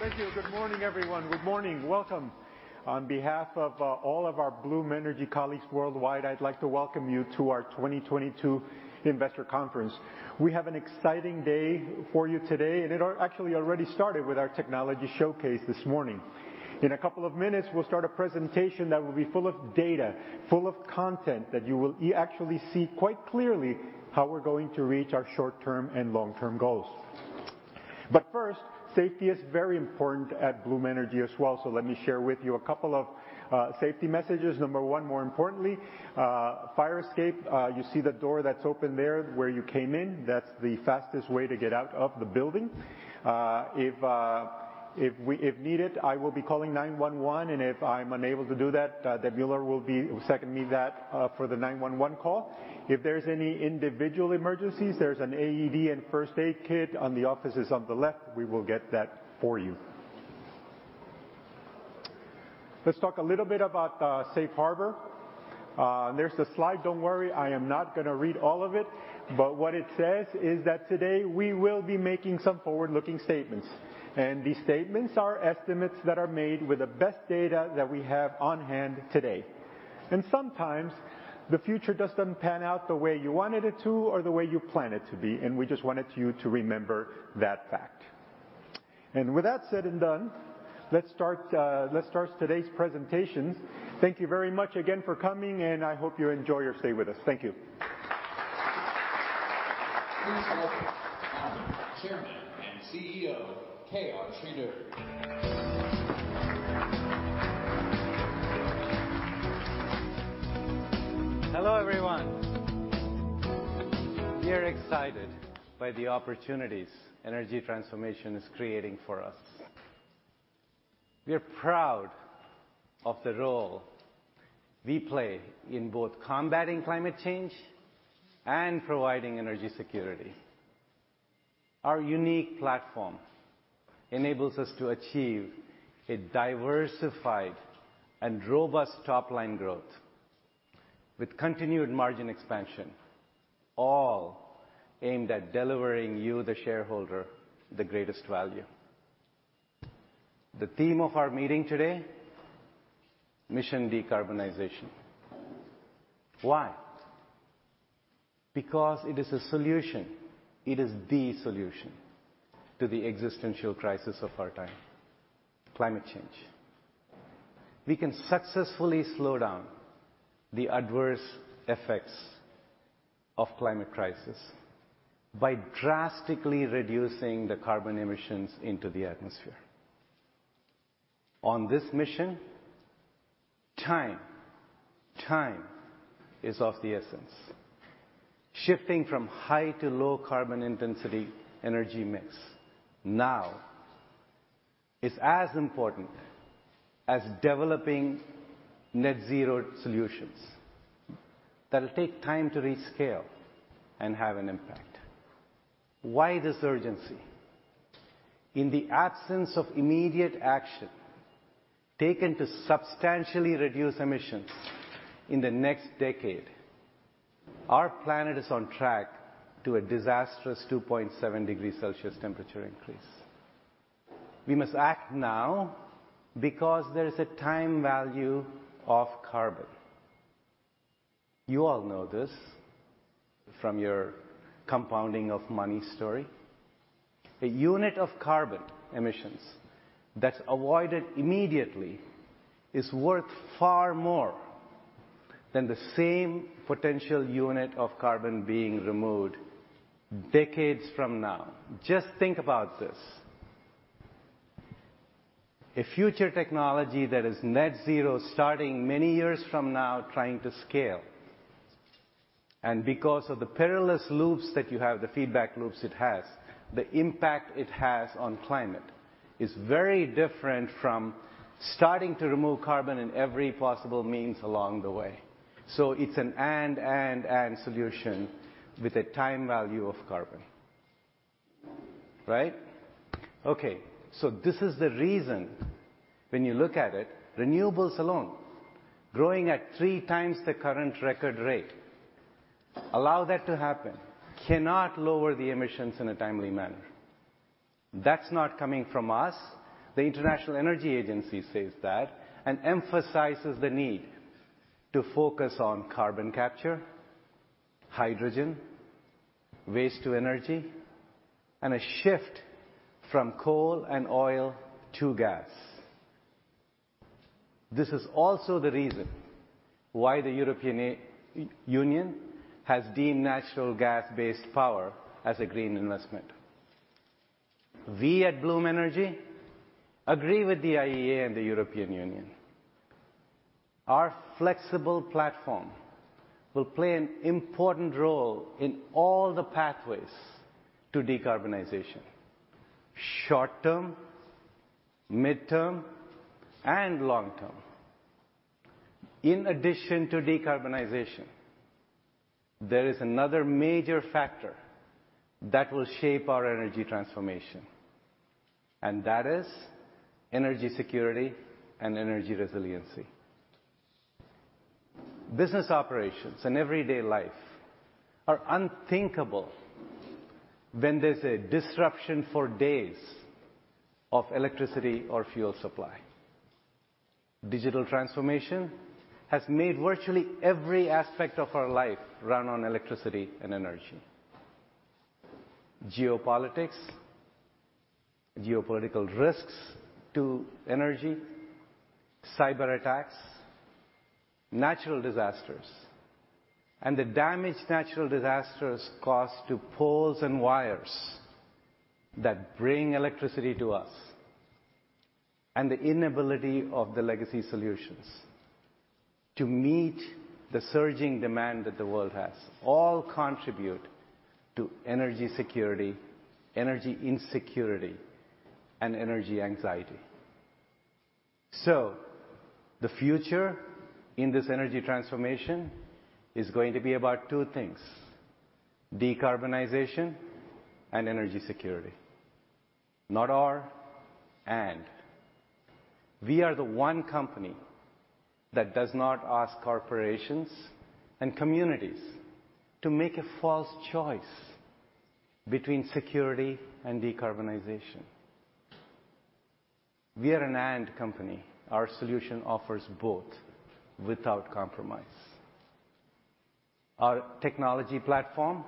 Thank you. Thank you. Good morning, everyone. Good morning. Welcome. On behalf of all of our Bloom Energy colleagues worldwide, I'd like to welcome you to our 2022 Investor Conference. We have an exciting day for you today, and it actually already started with our technology showcase this morning. In a couple of minutes, we'll start a presentation that will be full of data, full of content, that you will actually see quite clearly how we're going to reach our short-term and long-term goals. But first, safety is very important at Bloom Energy as well. So let me share with you a couple of safety messages. Number one, more importantly, fire escape. You see the door that's open there where you came in? That's the fastest way to get out of the building. If needed, I will be calling 911. If I'm unable to do that, Debula will be seconding me for the 911 call. If there's any individual emergencies, there's an AED and first aid kit in the offices on the left. We will get that for you. Let's talk a little bit about Safe Harbor. There's a slide. Don't worry. I am not going to read all of it. What it says is that today we will be making some forward-looking statements. These statements are estimates that are made with the best data that we have on hand today. Sometimes the future doesn't pan out the way you wanted it to or the way you plan it to be. We just wanted you to remember that fact. With that said and done, let's start today's presentations. Thank you very much again for coming. I hope you enjoy your stay with us. Thank you. Please welcome Chairman and CEO, K.R. Sridhar. Hello, everyone. We are excited by the opportunities energy transformation is creating for us. We are proud of the role we play in both combating climate change and providing energy security. Our unique platform enables us to achieve a diversified and robust top-line growth with continued margin expansion, all aimed at delivering you, the shareholder, the greatest value. The theme of our meeting today: Mission Decarbonization. Why? Because it is a solution. It is the solution to the existential crisis of our time: climate change. We can successfully slow down the adverse effects of the climate crisis by drastically reducing the carbon emissions into the atmosphere. On this mission, time, time is of the essence. Shifting from high to low carbon intensity energy mix now is as important as developing net-zero solutions that will take time to reach scale and have an impact. Why this urgency? In the absence of immediate action taken to substantially reduce emissions in the next decade, our planet is on track to a disastrous 2.7 degrees Celsius temperature increase. We must act now because there is a time value of carbon. You all know this from your compounding of money story. A unit of carbon emissions that's avoided immediately is worth far more than the same potential unit of carbon being removed decades from now. Just think about this. A future technology that is net-zero starting many years from now trying to scale, and because of the perilous loops that you have, the feedback loops it has, the impact it has on climate is very different from starting to remove carbon in every possible means along the way. So it's an and, and, and solution with a time value of carbon. Right? Okay. So this is the reason when you look at it, renewables alone, growing at three times the current record rate, allow that to happen, cannot lower the emissions in a timely manner. That's not coming from us. The International Energy Agency says that and emphasizes the need to focus on carbon capture, hydrogen, waste-to-energy, and a shift from coal and oil to gas. This is also the reason why the European Union has deemed natural gas-based power as a green investment. We at Bloom Energy agree with the IEA and the European Union. Our flexible platform will play an important role in all the pathways to decarbonization: short-term, mid-term, and long-term. In addition to decarbonization, there is another major factor that will shape our energy transformation. And that is energy security and energy resiliency. Business operations and everyday life are unthinkable when there's a disruption for days of electricity or fuel supply. Digital transformation has made virtually every aspect of our life run on electricity and energy. Geopolitics, geopolitical risks to energy, cyberattacks, natural disasters, and the damage natural disasters cause to poles and wires that bring electricity to us, and the inability of the legacy solutions to meet the surging demand that the world has all contribute to energy security, energy insecurity, and energy anxiety, so the future in this energy transformation is going to be about two things: decarbonization and energy security. Not or, and. We are the one company that does not ask corporations and communities to make a false choice between security and decarbonization. We are an and company. Our solution offers both without compromise. Our technology platform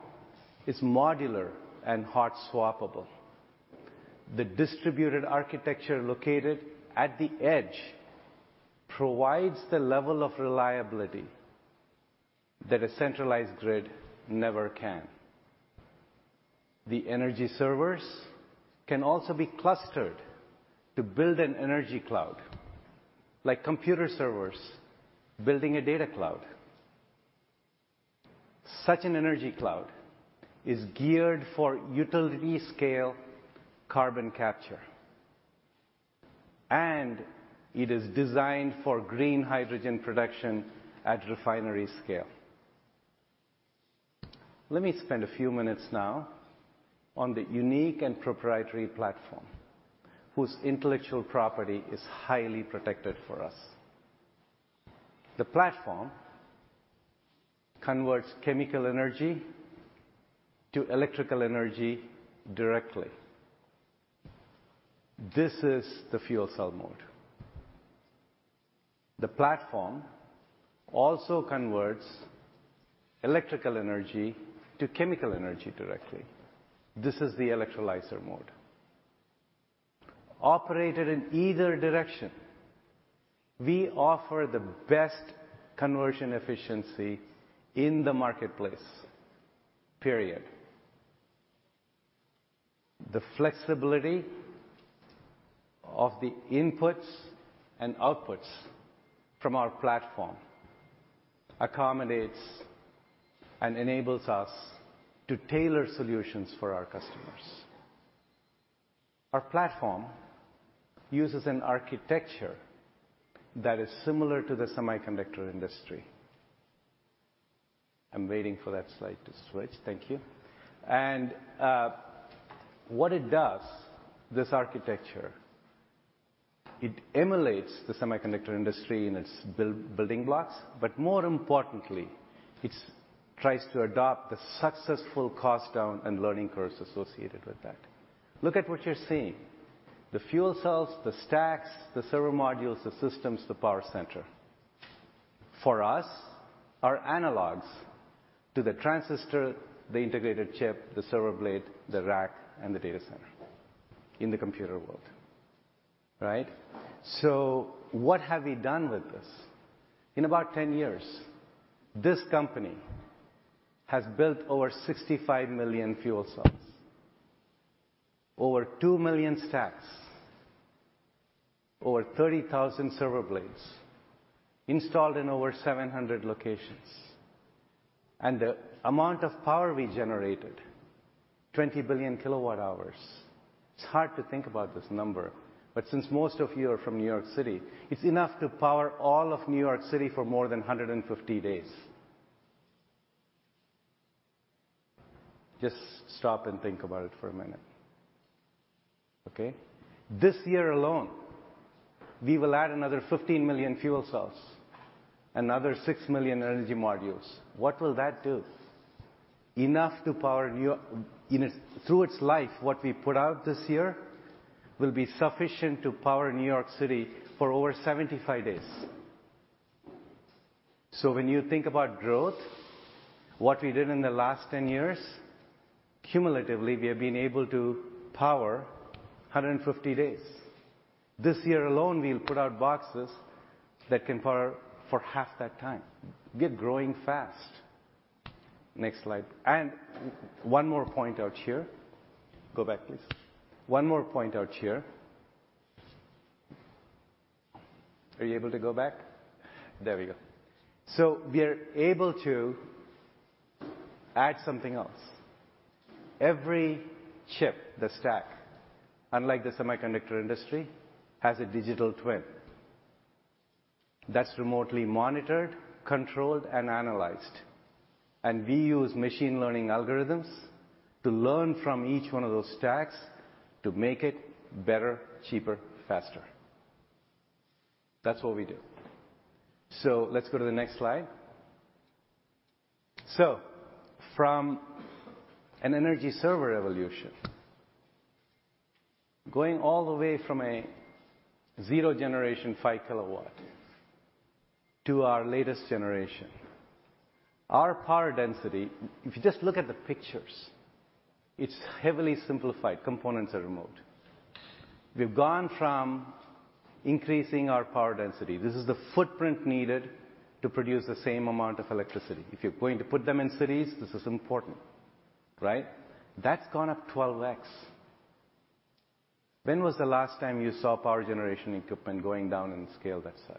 is modular and hot-swappable. The distributed architecture located at the edge provides the level of reliability that a centralized grid never can. The energy servers can also be clustered to build an energy cloud, like computer servers building a data cloud. Such an energy cloud is geared for utility-scale carbon capture, and it is designed for green hydrogen production at refinery scale. Let me spend a few minutes now on the unique and proprietary platform whose intellectual property is highly protected for us. The platform converts chemical energy to electrical energy directly. This is the fuel cell mode. The platform also converts electrical energy to chemical energy directly. This is the electrolyzer mode. Operated in either direction, we offer the best conversion efficiency in the marketplace. Period. The flexibility of the inputs and outputs from our platform accommodates and enables us to tailor solutions for our customers. Our platform uses an architecture that is similar to the semiconductor industry. I'm waiting for that slide to switch. Thank you. And what it does, this architecture, it emulates the semiconductor industry in its building blocks. But more importantly, it tries to adopt the successful cost-down and learning curves associated with that. Look at what you're seeing. The fuel cells, the stacks, the server modules, the systems, the power center. For us, our analogs to the transistor, the integrated chip, the server blade, the rack, and the data center in the computer world. Right? So what have we done with this? In about 10 years, this company has built over 65 million fuel cells, over 2 million stacks, over 30,000 server blades installed in over 700 locations. And the amount of power we generated, 20 billion kilowatt-hours, it's hard to think about this number. Since most of you are from New York City, it's enough to power all of New York City for more than 150 days. Just stop and think about it for a minute. Okay? This year alone, we will add another 15 million fuel cells, another 6 million energy modules. What will that do? Enough to power through its life, what we put out this year will be sufficient to power New York City for over 75 days. So when you think about growth, what we did in the last 10 years, cumulatively, we have been able to power 150 days. This year alone, we'll put out boxes that can power for half that time. We're growing fast. Next slide. And one more point out here. Go back, please. One more point out here. Are you able to go back? There we go. We are able to add something else. Every chip, the stack, unlike the semiconductor industry, has a digital twin that's remotely monitored, controlled, and analyzed. We use machine learning algorithms to learn from each one of those stacks to make it better, cheaper, faster. That's what we do. Let's go to the next slide. From an energy server evolution, going all the way from a zero-generation five kilowatt to our latest generation, our power density, if you just look at the pictures, it's heavily simplified. Components are remote. We've gone from increasing our power density. This is the footprint needed to produce the same amount of electricity. If you're going to put them in cities, this is important. Right? That's gone up 12x. When was the last time you saw power generation equipment going down in scale that size?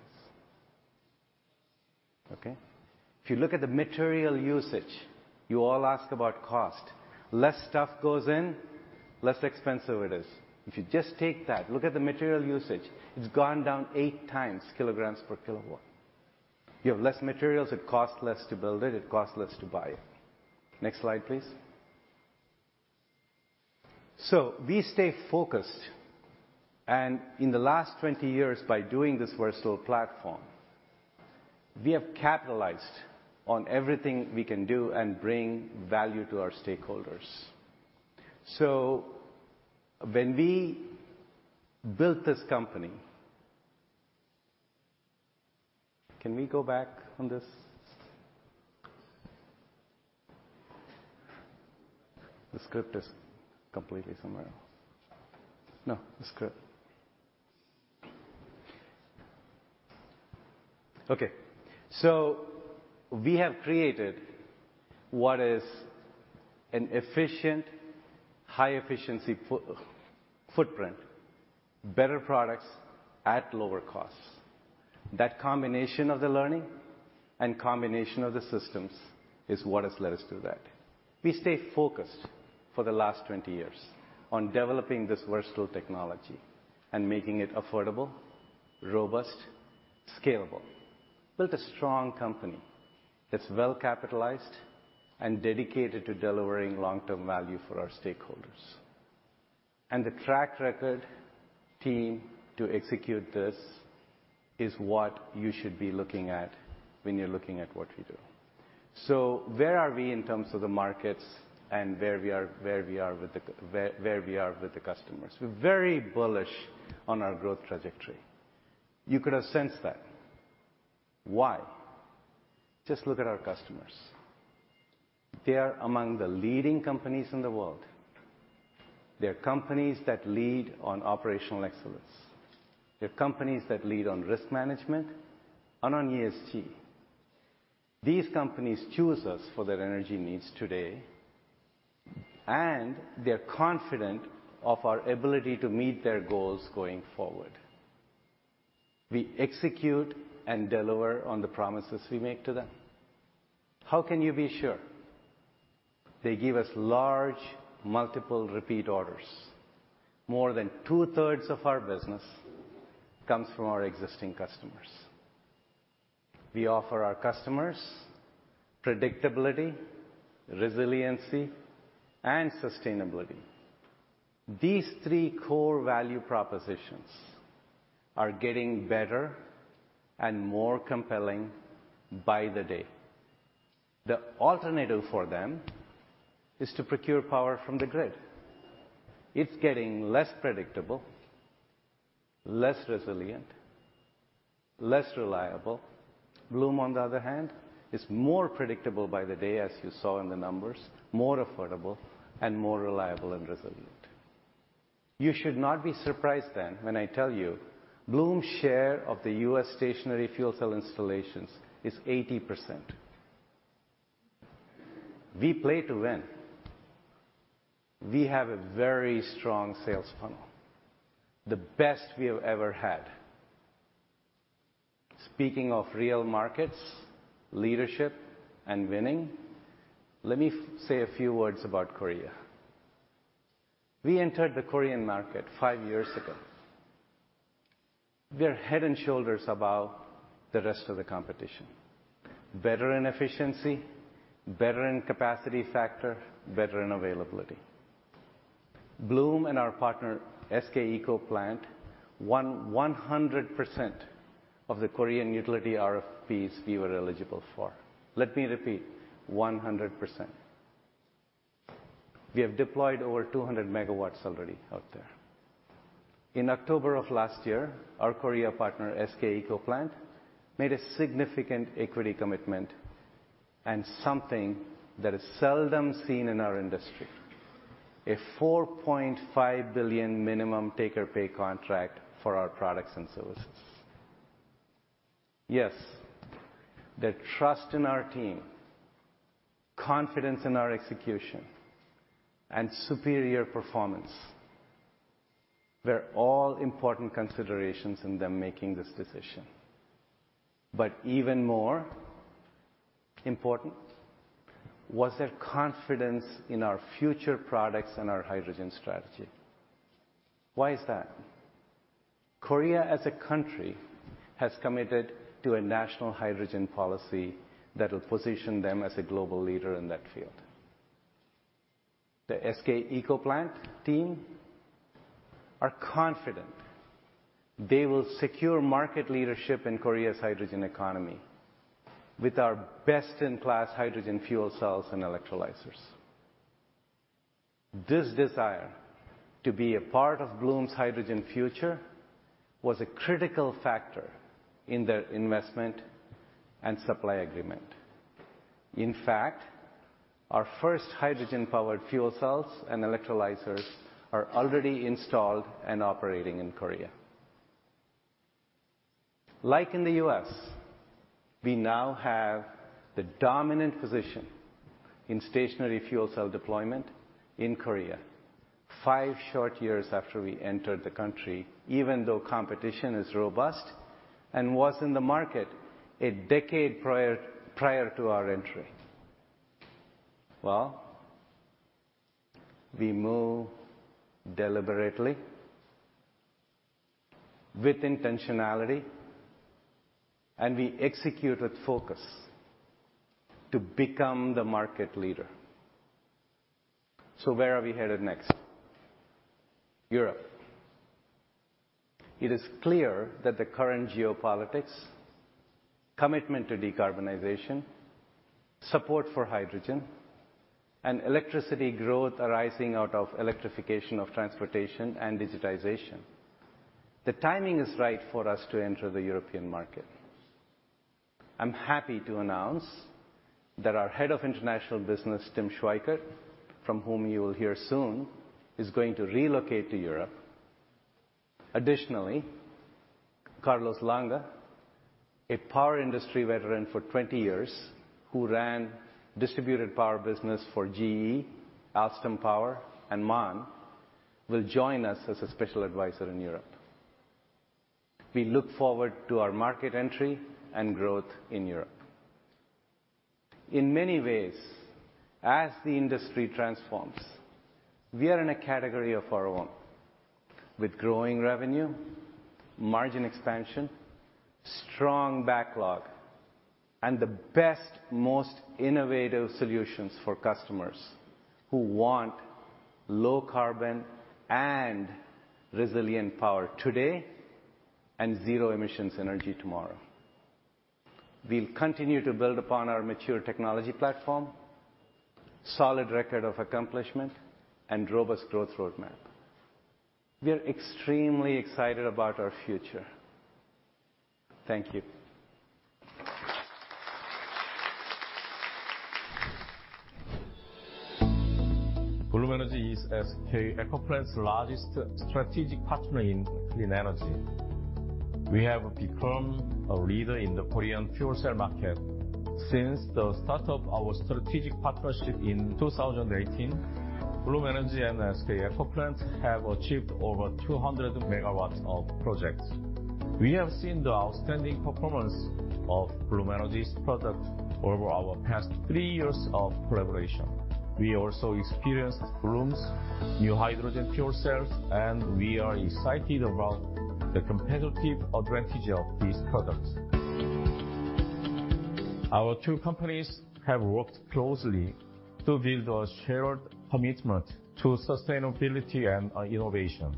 Okay? If you look at the material usage, you all ask about cost. Less stuff goes in, less expensive it is. If you just take that, look at the material usage, it's gone down eight times kilograms per kilowatt. You have less materials. It costs less to build it. It costs less to buy it. Next slide, please. So we stay focused. In the last 20 years, by doing this versatile platform, we have capitalized on everything we can do and bring value to our stakeholders. So when we built this company can we go back on this? The script is completely somewhere else. No, the script. Okay. So we have created what is an efficient, high-efficiency footprint, better products at lower costs. That combination of the learning and combination of the systems is what has led us to that. We stay focused for the last 20 years on developing this versatile technology and making it affordable, robust, scalable. Built a strong company that's well-capitalized and dedicated to delivering long-term value for our stakeholders. And the track record team to execute this is what you should be looking at when you're looking at what we do. So where are we in terms of the markets and where we are with the customers? We're very bullish on our growth trajectory. You could have sensed that. Why? Just look at our customers. They are among the leading companies in the world. They're companies that lead on operational excellence. They're companies that lead on risk management and on ESG. These companies choose us for their energy needs today. And they're confident of our ability to meet their goals going forward. We execute and deliver on the promises we make to them. How can you be sure? They give us large, multiple repeat orders. More than two-thirds of our business comes from our existing customers. We offer our customers predictability, resiliency, and sustainability. These three core value propositions are getting better and more compelling by the day. The alternative for them is to procure power from the grid. It's getting less predictable, less resilient, less reliable. Bloom, on the other hand, is more predictable by the day, as you saw in the numbers, more affordable, and more reliable and resilient. You should not be surprised then when I tell you Bloom's share of the U.S. stationary fuel cell installations is 80%. We play to win. We have a very strong sales funnel. The best we have ever had. Speaking of real markets, leadership, and winning, let me say a few words about Korea. We entered the Korean market five years ago. We're head and shoulders above the rest of the competition. Better in efficiency, better in capacity factor, better in availability. Bloom and our partner SK Eco Plant won 100% of the Korean utility RFPs we were eligible for. Let me repeat, 100%. We have deployed over 200 megawatts already out there. In October of last year, our Korea partner SK Eco Plant made a significant equity commitment and something that is seldom seen in our industry, a $4.5 billion minimum take-or-pay contract for our products and services. Yes, their trust in our team, confidence in our execution, and superior performance were all important considerations in them making this decision. But even more important was their confidence in our future products and our hydrogen strategy. Why is that? Korea, as a country, has committed to a national hydrogen policy that will position them as a global leader in that field. The SK Eco Plant team are confident they will secure market leadership in Korea's hydrogen economy with our best-in-class hydrogen fuel cells and electrolyzers. This desire to be a part of Bloom's hydrogen future was a critical factor in their investment and supply agreement. In fact, our first hydrogen-powered fuel cells and electrolyzers are already installed and operating in Korea. Like in the US, we now have the dominant position in stationary fuel cell deployment in Korea, five short years after we entered the country, even though competition is robust and was in the market a decade prior to our entry. Well, we move deliberately, with intentionality, and we execute with focus to become the market leader. So where are we headed next? Europe. It is clear that the current geopolitics, commitment to decarbonization, support for hydrogen, and electricity growth arising out of electrification of transportation and digitization. The timing is right for us to enter the European market. I'm happy to announce that our head of international business, Tim Schweikert, from whom you will hear soon, is going to relocate to Europe. Additionally, Carlos Lange, a power industry veteran for 20 years who ran distributed power business for GE, Alstom Power, and MAN, will join us as a special advisor in Europe. We look forward to our market entry and growth in Europe. In many ways, as the industry transforms, we are in a category of our own with growing revenue, margin expansion, strong backlog, and the best, most innovative solutions for customers who want low-carbon and resilient power today and zero-emissions energy tomorrow. We'll continue to build upon our mature technology platform, solid record of accomplishment, and robust growth roadmap. We are extremely excited about our future. Thank you. Bloom Energy is SK Eco Plant's largest strategic partner in clean energy. We have become a leader in the Korean fuel cell market. Since the start of our strategic partnership in 2018, Bloom Energy and SK Eco Plant have achieved over 200 megawatts of projects. We have seen the outstanding performance of Bloom Energy's product over our past three years of collaboration. We also experienced Bloom's new hydrogen fuel cells, and we are excited about the competitive advantage of these products. Our two companies have worked closely to build a shared commitment to sustainability and innovation.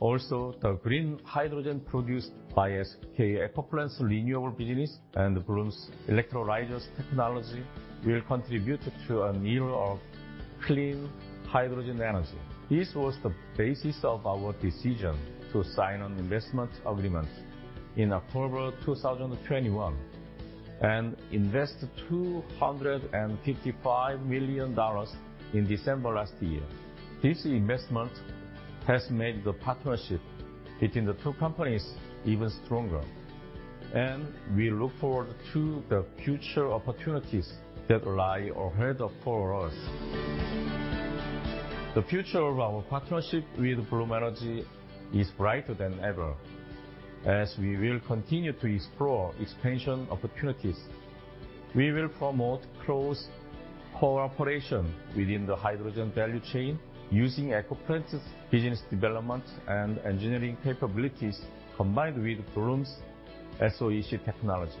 Also, the green hydrogen produced by SK Eco Plant's renewable business and Bloom's electrolyzers technology will contribute to the need for clean hydrogen energy. This was the basis of our decision to sign an investment agreement in October 2021 and invest $255 million in December last year. This investment has made the partnership between the two companies even stronger, and we look forward to the future opportunities that lie ahead for us. The future of our partnership with Bloom Energy is brighter than ever, as we will continue to explore expansion opportunities. We will promote close cooperation within the hydrogen value chain using Eco Plant's business development and engineering capabilities combined with Bloom's SOEC technology.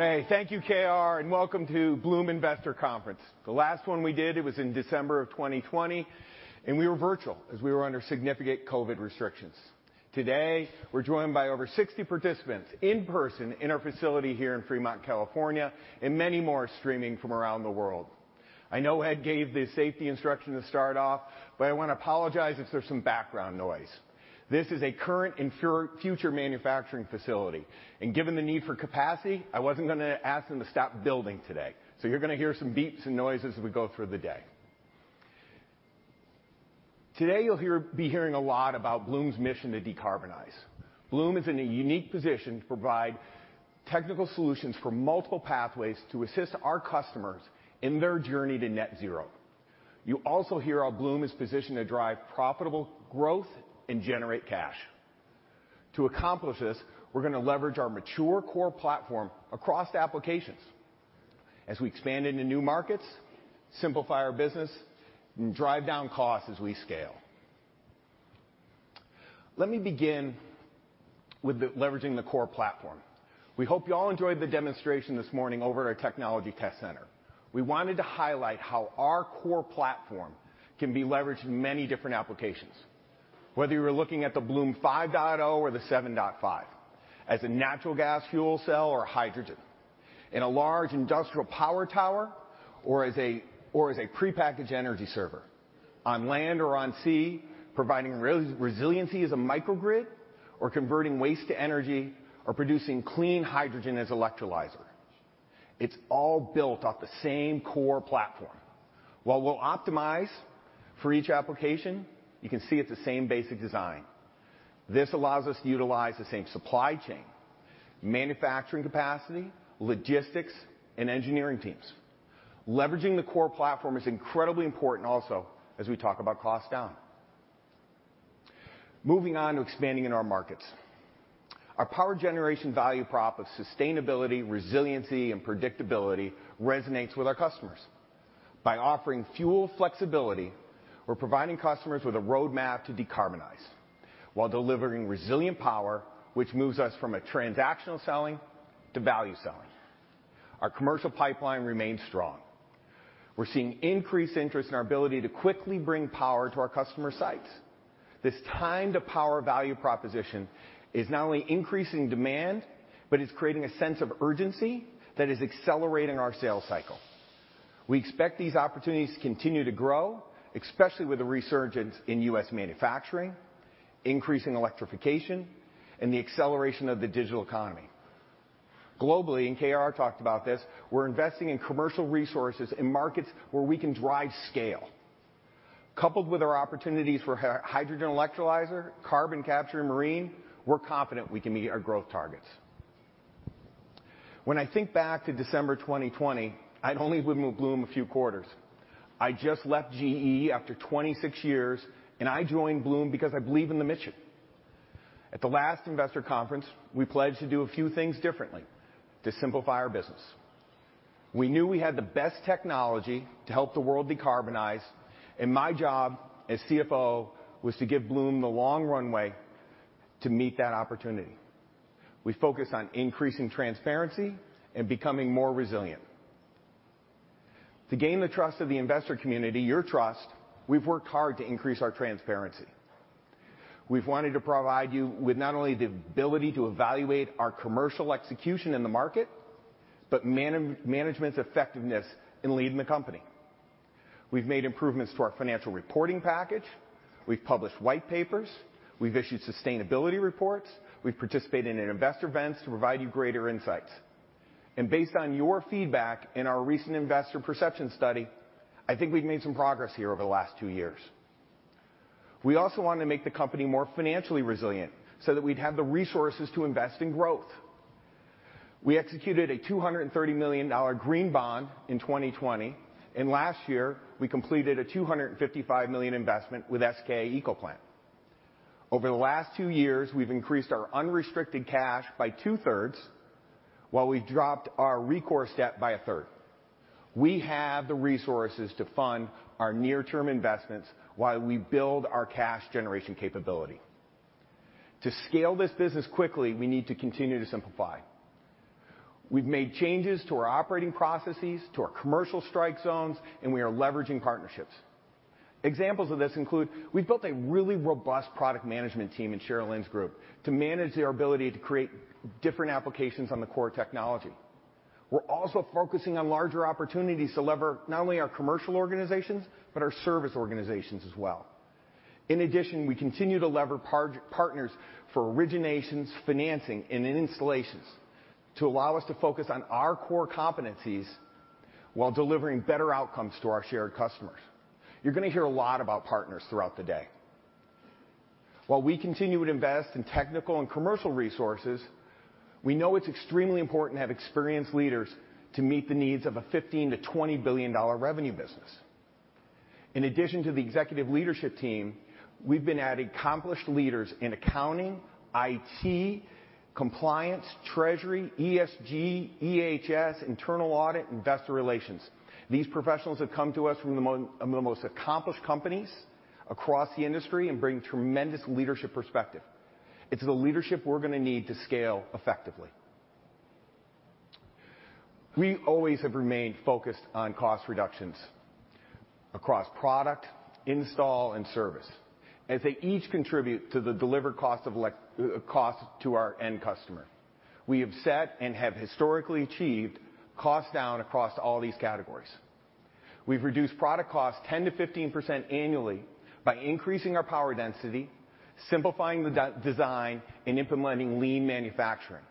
Hey, thank you, K.R., and welcome to Bloom Investor Conference. The last one we did, it was in December of 2020, and we were virtual as we were under significant COVID restrictions. Today, we're joined by over 60 participants in person in our facility here in Fremont, California, and many more streaming from around the world. I know Ed gave the safety instruction to start off, but I want to apologize if there's some background noise. This is a current and future manufacturing facility, and given the need for capacity, I wasn't going to ask them to stop building today, so you're going to hear some beeps and noises as we go through the day. Today, you'll be hearing a lot about Bloom's mission to decarbonize. Bloom is in a unique position to provide technical solutions for multiple pathways to assist our customers in their journey to net-zero. You also hear how Bloom is positioned to drive profitable growth and generate cash. To accomplish this, we're going to leverage our mature core platform across applications as we expand into new markets, simplify our business, and drive down costs as we scale. Let me begin with leveraging the core platform. We hope you all enjoyed the demonstration this morning over at our technology test center. We wanted to highlight how our core platform can be leveraged in many different applications, whether you're looking at the Bloom 5.0 or the 7.5, as a natural gas fuel cell or hydrogen, in a large industrial power tower, or as a prepackaged energy server on land or on sea, providing resiliency as a microgrid, or converting waste-to-energy, or producing clean hydrogen as an electrolyzer. It's all built off the same core platform. While we'll optimize for each application, you can see it's the same basic design. This allows us to utilize the same supply chain, manufacturing capacity, logistics, and engineering teams. Leveraging the core platform is incredibly important also as we talk about cost down. Moving on to expanding in our markets. Our power generation value prop of sustainability, resiliency, and predictability resonates with our customers. By offering fuel flexibility, we're providing customers with a roadmap to decarbonize while delivering resilient power, which moves us from a transactional selling to value selling. Our commercial pipeline remains strong. We're seeing increased interest in our ability to quickly bring power to our customer sites. This time-to-power value proposition is not only increasing demand, but it's creating a sense of urgency that is accelerating our sales cycle. We expect these opportunities to continue to grow, especially with the resurgence in U.S. manufacturing, increasing electrification, and the acceleration of the digital economy. Globally, and K.R. talked about this, we're investing in commercial resources in markets where we can drive scale. Coupled with our opportunities for hydrogen electrolyzer, carbon capture, and marine, we're confident we can meet our growth targets. When I think back to December 2020, I'd only been with Bloom a few quarters. I just left GE after 26 years, and I joined Bloom because I believe in the mission. At the last investor conference, we pledged to do a few things differently to simplify our business. We knew we had the best technology to help the world decarbonize, and my job as CFO was to give Bloom the long runway to meet that opportunity. We focus on increasing transparency and becoming more resilient. To gain the trust of the investor community, your trust, we've worked hard to increase our transparency. We've wanted to provide you with not only the ability to evaluate our commercial execution in the market, but management's effectiveness in leading the company. We've made improvements to our financial reporting package. We've published white papers. We've issued sustainability reports. We've participated in investor events to provide you greater insights, and based on your feedback and our recent investor perception study, I think we've made some progress here over the last two years. We also wanted to make the company more financially resilient so that we'd have the resources to invest in growth. We executed a $230 million green bond in 2020, and last year, we completed a $255 million investment with SK Eco Plant. Over the last two years, we've increased our unrestricted cash by two-thirds, while we've dropped our recore step by a third. We have the resources to fund our near-term investments while we build our cash generation capability. To scale this business quickly, we need to continue to simplify. We've made changes to our operating processes, to our commercial strike zones, and we are leveraging partnerships. Examples of this include we've built a really robust product management team in Sharelynn's group to manage their ability to create different applications on the core technology. We're also focusing on larger opportunities to lever not only our commercial organizations, but our service organizations as well. In addition, we continue to lever partners for originations, financing, and installations to allow us to focus on our core competencies while delivering better outcomes to our shared customers. You're going to hear a lot about partners throughout the day. While we continue to invest in technical and commercial resources, we know it's extremely important to have experienced leaders to meet the needs of a $15-$20 billion revenue business. In addition to the executive leadership team, we've been adding accomplished leaders in accounting, IT, compliance, treasury, ESG, EHS, internal audit, investor relations. These professionals have come to us from the most accomplished companies across the industry and bring tremendous leadership perspective. It's the leadership we're going to need to scale effectively. We always have remained focused on cost reductions across product, install, and service, as they each contribute to the delivered cost to our end customer. We have set and have historically achieved cost down across all these categories. We've reduced product costs 10%-15% annually by increasing our power density, simplifying the design, and implementing lean manufacturing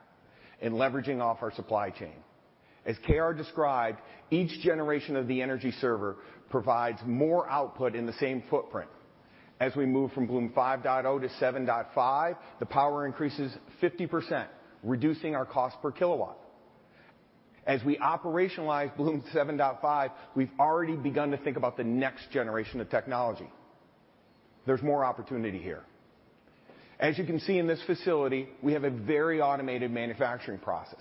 and leveraging off our supply chain. As K.R. described, each generation of the energy server provides more output in the same footprint. As we move from Bloom 5.0 to 7.5, the power increases 50%, reducing our cost per kilowatt. As we operationalize Bloom 7.5, we've already begun to think about the next generation of technology. There's more opportunity here. As you can see in this facility, we have a very automated manufacturing process.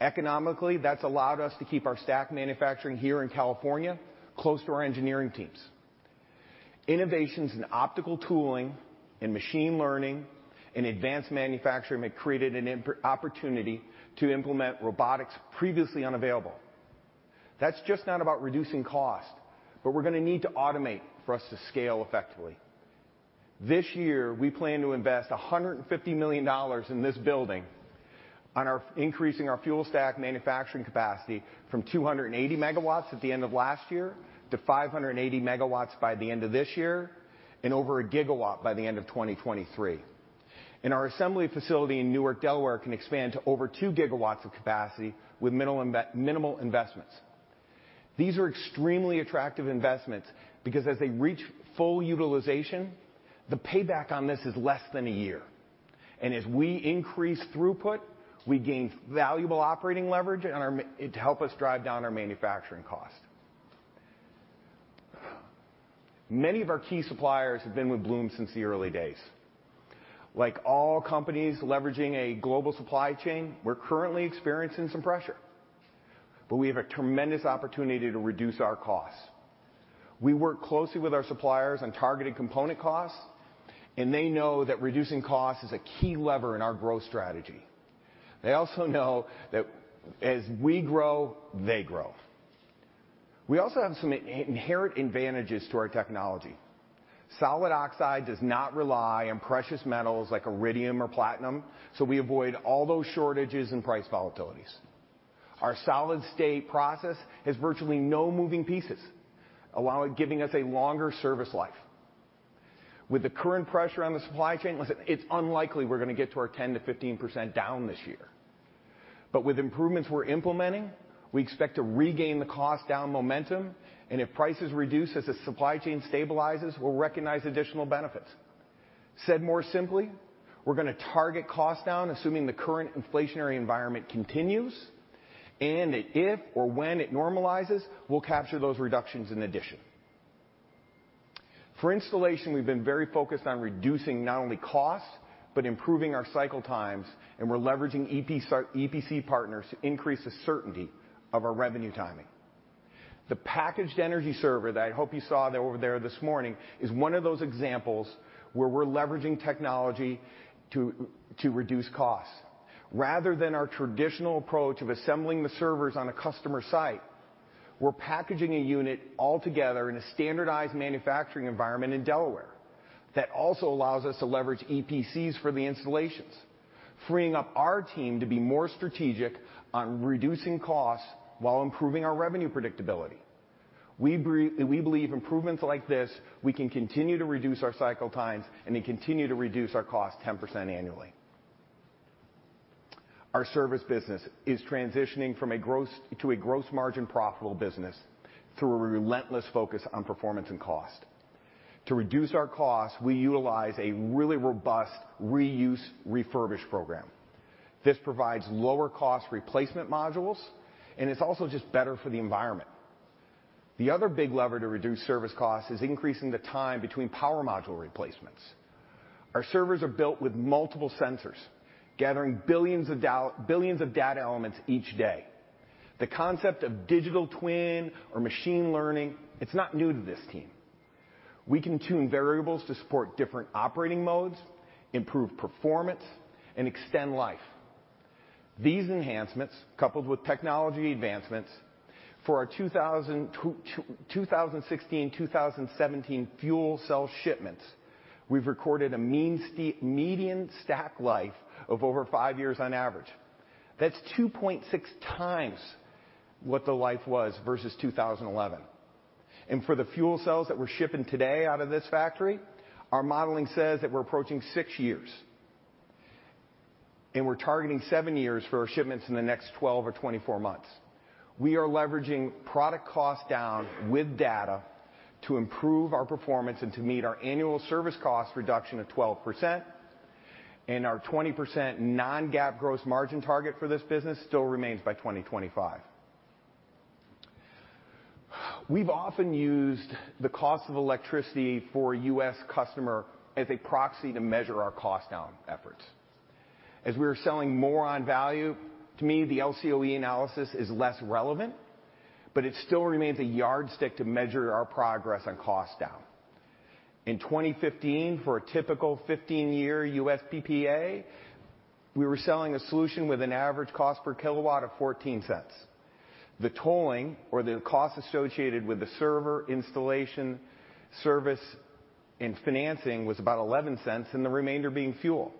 Economically, that's allowed us to keep our stack manufacturing here in California close to our engineering teams. Innovations in optical tooling and machine learning and advanced manufacturing have created an opportunity to implement robotics previously unavailable. That's just not about reducing cost, but we're going to need to automate for us to scale effectively. This year, we plan to invest $150 million in this building on increasing our fuel stack manufacturing capacity from 280 megawatts at the end of last year to 580 megawatts by the end of this year and over a gigawatt by the end of 2023, and our assembly facility in Newark, Delaware, can expand to over two gigawatts of capacity with minimal investments. These are extremely attractive investments because as they reach full utilization, the payback on this is less than a year. And as we increase throughput, we gain valuable operating leverage to help us drive down our manufacturing cost. Many of our key suppliers have been with Bloom since the early days. Like all companies leveraging a global supply chain, we're currently experiencing some pressure, but we have a tremendous opportunity to reduce our costs. We work closely with our suppliers on targeted component costs, and they know that reducing costs is a key lever in our growth strategy. They also know that as we grow, they grow. We also have some inherent advantages to our technology. Solid oxide does not rely on precious metals like iridium or platinum, so we avoid all those shortages and price volatilities. Our solid-state process has virtually no moving pieces, allowing it to give us a longer service life. With the current pressure on the supply chain, listen, it's unlikely we're going to get to our 10%-15% down this year. But with improvements we're implementing, we expect to regain the cost-down momentum, and if prices reduce as the supply chain stabilizes, we'll recognize additional benefits. Said more simply, we're going to target cost down, assuming the current inflationary environment continues, and if or when it normalizes, we'll capture those reductions in addition. For installation, we've been very focused on reducing not only costs, but improving our cycle times, and we're leveraging EPC partners to increase the certainty of our revenue timing. The packaged energy server that I hope you saw over there this morning is one of those examples where we're leveraging technology to reduce costs. Rather than our traditional approach of assembling the servers on a customer site, we're packaging a unit all together in a standardized manufacturing environment in Delaware that also allows us to leverage EPCs for the installations, freeing up our team to be more strategic on reducing costs while improving our revenue predictability. We believe improvements like this, we can continue to reduce our cycle times and continue to reduce our costs 10% annually. Our service business is transitioning from a gross-to-a-gross margin profitable business through a relentless focus on performance and cost. To reduce our costs, we utilize a really robust reuse refurbish program. This provides lower-cost replacement modules, and it's also just better for the environment. The other big lever to reduce service costs is increasing the time between power module replacements. Our servers are built with multiple sensors gathering billions of data elements each day. The concept of digital twin or machine learning, it's not new to this team. We can tune variables to support different operating modes, improve performance, and extend life. These enhancements, coupled with technology advancements, for our 2016, 2017 fuel cell shipments, we've recorded a median stack life of over five years on average. That's 2.6 times what the life was versus 2011, and for the fuel cells that we're shipping today out of this factory, our modeling says that we're approaching six years, and we're targeting seven years for our shipments in the next 12 or 24 months. We are leveraging product cost down with data to improve our performance and to meet our annual service cost reduction of 12%, and our 20% non-GAAP gross margin target for this business still remains by 2025. We've often used the cost of electricity for a U.S. customer as a proxy to measure our cost down efforts. As we are selling more on value, to me, the LCOE analysis is less relevant, but it still remains a yardstick to measure our progress on cost down. In 2015, for a typical 15-year U.S. PPA, we were selling a solution with an average cost per kilowatt of $0.14. The tolling or the cost associated with the server, installation, service, and financing was about $0.11, and the remainder being fuel.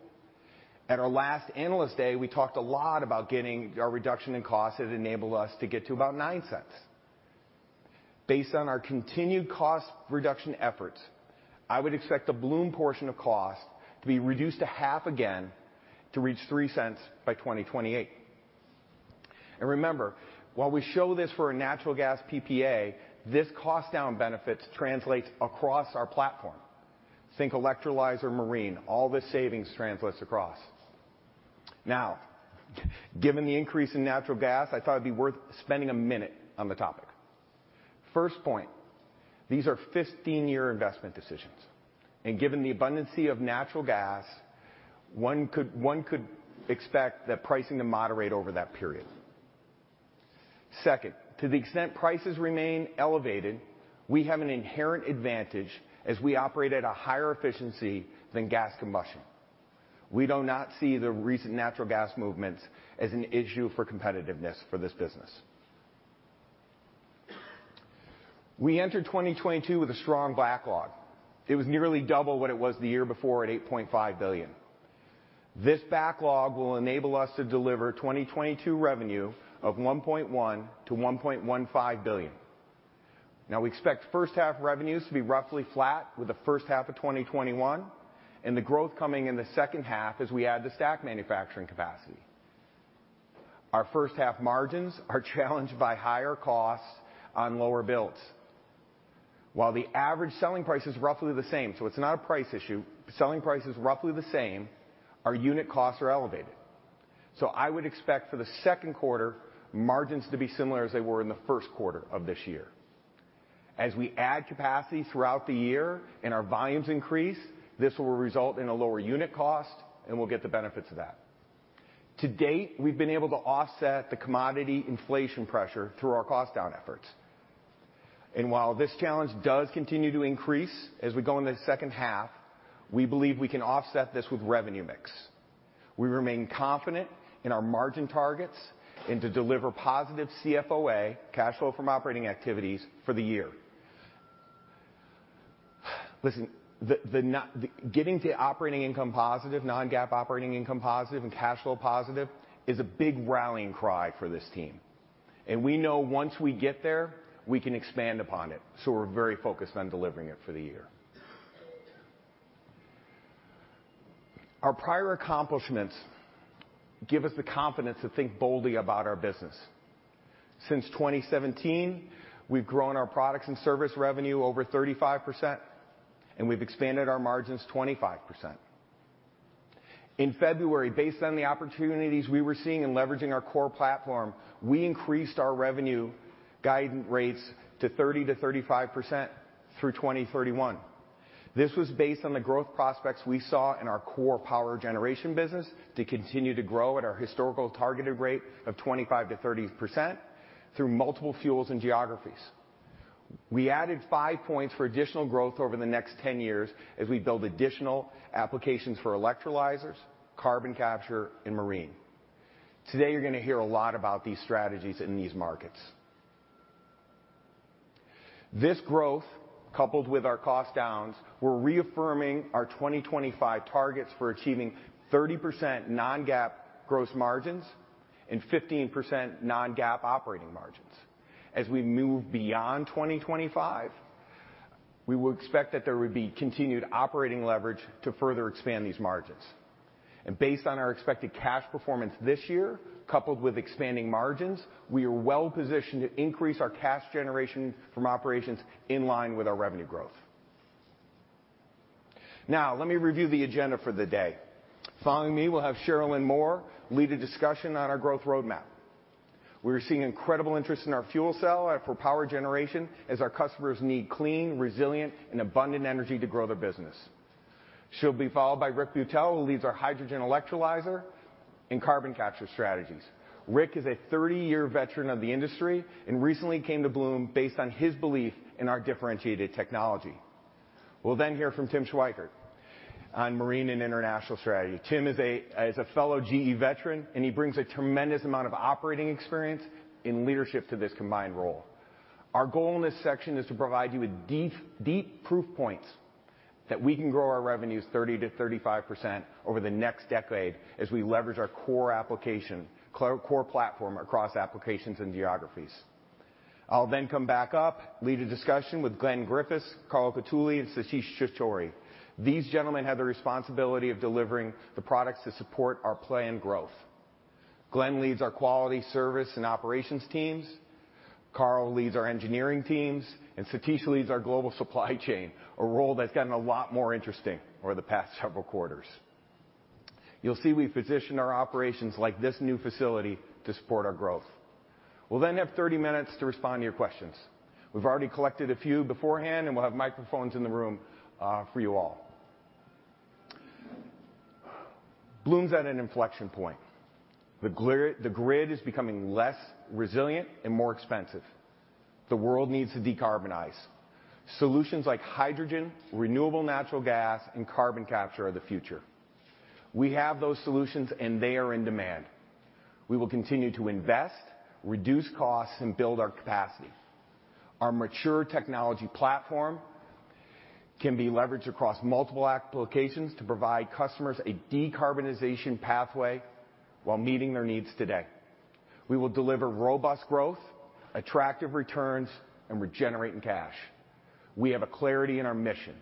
At our last analyst day, we talked a lot about getting our reduction in costs that enabled us to get to about $0.09. Based on our continued cost reduction efforts, I would expect the Bloom portion of cost to be reduced to half again to reach $0.03 by 2028. And remember, while we show this for a natural gas PPA, this cost down benefit translates across our platform. Think electrolyzer, marine, all the savings translates across. Now, given the increase in natural gas, I thought it'd be worth spending a minute on the topic. First point, these are 15-year investment decisions, and given the abundancy of natural gas, one could expect that pricing to moderate over that period. Second, to the extent prices remain elevated, we have an inherent advantage as we operate at a higher efficiency than gas combustion. We do not see the recent natural gas movements as an issue for competitiveness for this business. We entered 2022 with a strong backlog. It was nearly double what it was the year before at $8.5 billion. This backlog will enable us to deliver 2022 revenue of $1.1-$1.15 billion. Now, we expect first-half revenues to be roughly flat with the first half of 2021, and the growth coming in the second half as we add the stack manufacturing capacity. Our first-half margins are challenged by higher costs on lower builds. While the average selling price is roughly the same, so it's not a price issue, selling price is roughly the same, our unit costs are elevated. So I would expect for the second quarter, margins to be similar as they were in the first quarter of this year. As we add capacity throughout the year and our volumes increase, this will result in a lower unit cost, and we'll get the benefits of that. To date, we've been able to offset the commodity inflation pressure through our cost down efforts. And while this challenge does continue to increase as we go into the second half, we believe we can offset this with revenue mix. We remain confident in our margin targets and to deliver positive CFOA, cash flow from operating activities, for the year. Listen, getting to operating income positive, non-GAAP operating income positive, and cash flow positive is a big rallying cry for this team. And we know once we get there, we can expand upon it, so we're very focused on delivering it for the year. Our prior accomplishments give us the confidence to think boldly about our business. Since 2017, we've grown our products and service revenue over 35%, and we've expanded our margins 25%. In February, based on the opportunities we were seeing in leveraging our core platform, we increased our revenue guidance rates to 30%-35% through 2031. This was based on the growth prospects we saw in our core power generation business to continue to grow at our historical targeted rate of 25%-30% through multiple fuels and geographies. We added five points for additional growth over the next 10 years as we build additional applications for electrolyzers, carbon capture, and marine. Today, you're going to hear a lot about these strategies in these markets. This growth, coupled with our cost downs, we're reaffirming our 2025 targets for achieving 30% non-GAAP gross margins and 15% non-GAAP operating margins. As we move beyond 2025, we would expect that there would be continued operating leverage to further expand these margins. And based on our expected cash performance this year, coupled with expanding margins, we are well positioned to increase our cash generation from operations in line with our revenue growth. Now, let me review the agenda for the day. Following me, we'll have Sharelynn Moore lead a discussion on our growth roadmap. We're seeing incredible interest in our fuel cell for power generation as our customers need clean, resilient, and abundant energy to grow their business. She'll be followed by Rick Beuttel, who leads our hydrogen electrolyzer and carbon capture strategies. Rick is a 30-year veteran of the industry and recently came to Bloom based on his belief in our differentiated technology. We'll then hear from Tim Schweickart on marine and international strategy. Tim is a fellow GE veteran, and he brings a tremendous amount of operating experience and leadership to this combined role. Our goal in this section is to provide you with deep proof points that we can grow our revenues 30%-35% over the next decade as we leverage our core application, core platform across applications and geographies. I'll then come back up, lead a discussion with Glen Griffiths, Carl Cottuli, and Satish Chary. These gentlemen have the responsibility of delivering the products to support our planned growth. Glen leads our quality, service, and operations teams. Carl leads our engineering teams, and Satish leads our global supply chain, a role that's gotten a lot more interesting over the past several quarters. You'll see we've positioned our operations like this new facility to support our growth. We'll then have 30 minutes to respond to your questions. We've already collected a few beforehand, and we'll have microphones in the room for you all. Bloom's at an inflection point. The grid is becoming less resilient and more expensive. The world needs to decarbonize. Solutions like hydrogen, renewable natural gas, and carbon capture are the future. We have those solutions, and they are in demand. We will continue to invest, reduce costs, and build our capacity. Our mature technology platform can be leveraged across multiple applications to provide customers a decarbonization pathway while meeting their needs today. We will deliver robust growth, attractive returns, and regenerating cash. We have clarity in our mission.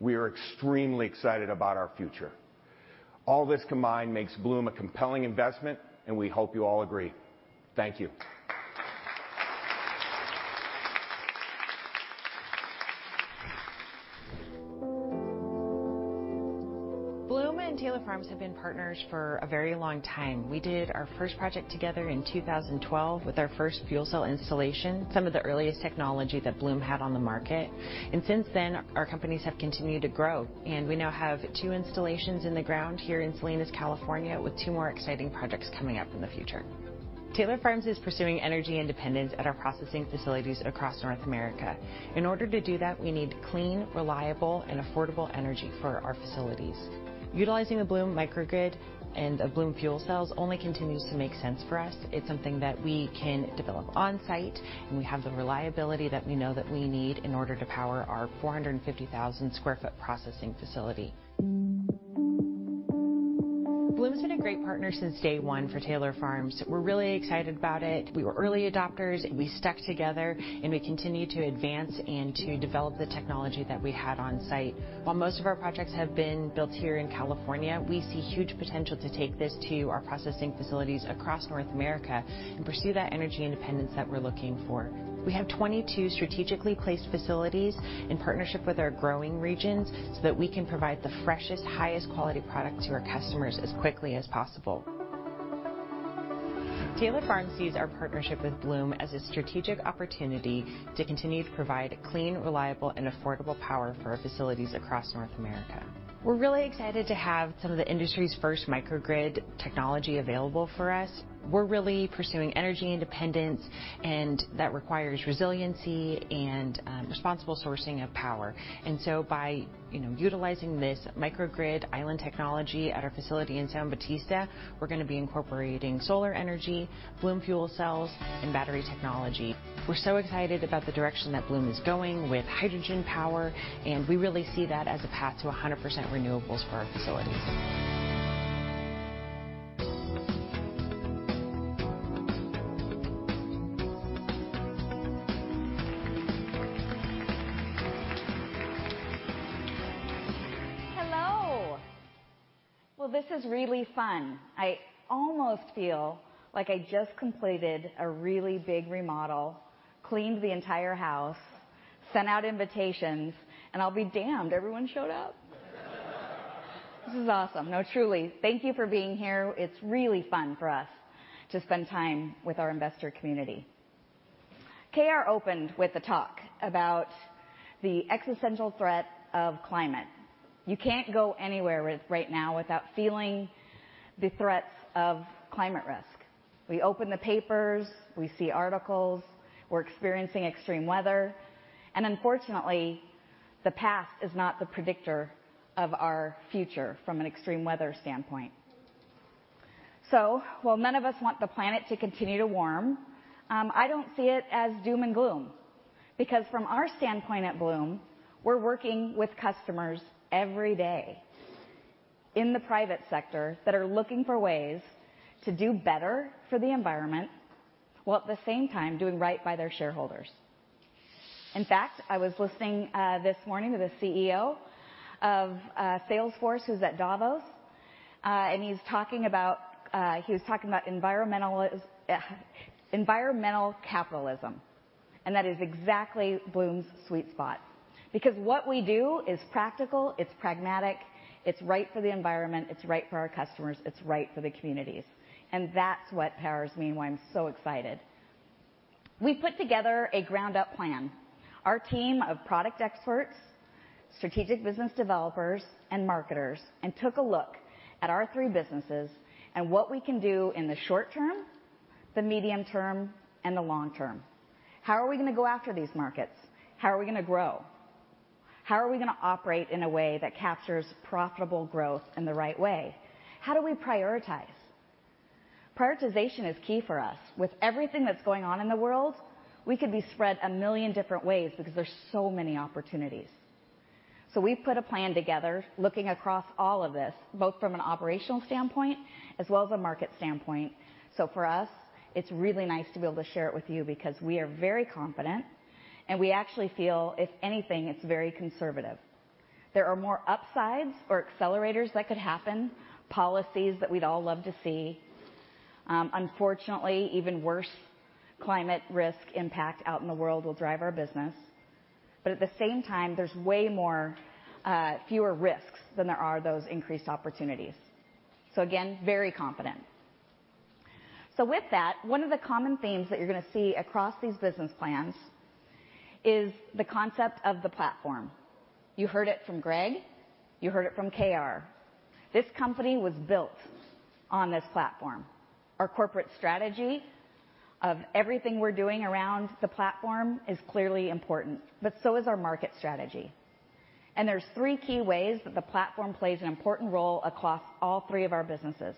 We are extremely excited about our future. All this combined makes Bloom a compelling investment, and we hope you all agree. Thank you. Bloom and Taylor Farms have been partners for a very long time. We did our first project together in 2012 with our first fuel cell installation, some of the earliest technology that Bloom had on the market, and since then, our companies have continued to grow, and we now have two installations in the ground here in Salinas, California, with two more exciting projects coming up in the future. Taylor Farms is pursuing energy independence at our processing facilities across North America. In order to do that, we need clean, reliable, and affordable energy for our facilities. Utilizing the Bloom microgrid and the Bloom fuel cells only continues to make sense for us. It's something that we can develop on-site, and we have the reliability that we know that we need in order to power our 450,000 sq ft processing facility. Bloom's been a great partner since day one for Taylor Farms. We're really excited about it. We were early adopters. We stuck together, and we continue to advance and to develop the technology that we had on-site. While most of our projects have been built here in California, we see huge potential to take this to our processing facilities across North America and pursue that energy independence that we're looking for. We have 22 strategically placed facilities in partnership with our growing regions so that we can provide the freshest, highest quality product to our customers as quickly as possible. Taylor Farms sees our partnership with Bloom as a strategic opportunity to continue to provide clean, reliable, and affordable power for our facilities across North America. We're really excited to have some of the industry's first microgrid technology available for us. We're really pursuing energy independence, and that requires resiliency and responsible sourcing of power. And so by utilizing this microgrid island technology at our facility in San Juan Bautista, we're going to be incorporating solar energy, Bloom fuel cells, and battery technology. We're so excited about the direction that Bloom is going with hydrogen power, and we really see that as a path to 100% renewables for our facilities. Hello. Well, this is really fun. I almost feel like I just completed a really big remodel, cleaned the entire house, sent out invitations, and I'll be damned, everyone showed up. This is awesome. No, truly. Thank you for being here. It's really fun for us to spend time with our investor community. KR opened with a talk about the existential threat of climate. You can't go anywhere right now without feeling the threats of climate risk. We open the papers, we see articles, we're experiencing extreme weather, and unfortunately, the past is not the predictor of our future from an extreme weather standpoint. So while none of us want the planet to continue to warm, I don't see it as doom and gloom because from our standpoint at Bloom, we're working with customers every day in the private sector that are looking for ways to do better for the environment while at the same time doing right by their shareholders. In fact, I was listening this morning to the CEO of Salesforce, who's at Davos, and he's talking about environmental capitalism, and that is exactly Bloom's sweet spot because what we do is practical, it's pragmatic, it's right for the environment, it's right for our customers, it's right for the communities, and that's what powers me and why I'm so excited. We put together a ground-up plan, our team of product experts, strategic business developers, and marketers, and took a look at our three businesses and what we can do in the short term, the medium term, and the long term. How are we going to go after these markets? How are we going to grow? How are we going to operate in a way that captures profitable growth in the right way? How do we prioritize? Prioritization is key for us. With everything that's going on in the world, we could be spread a million different ways because there's so many opportunities. So we put a plan together looking across all of this, both from an operational standpoint as well as a market standpoint. So for us, it's really nice to be able to share it with you because we are very confident, and we actually feel, if anything, it's very conservative. There are more upsides or accelerators that could happen, policies that we'd all love to see. Unfortunately, even worse climate risk impact out in the world will drive our business, but at the same time, there's way fewer risks than there are those increased opportunities. So again, very confident. So with that, one of the common themes that you're going to see across these business plans is the concept of the platform. You heard it from Greg, you heard it from KR. This company was built on this platform. Our corporate strategy of everything we're doing around the platform is clearly important, but so is our market strategy. There's three key ways that the platform plays an important role across all three of our businesses.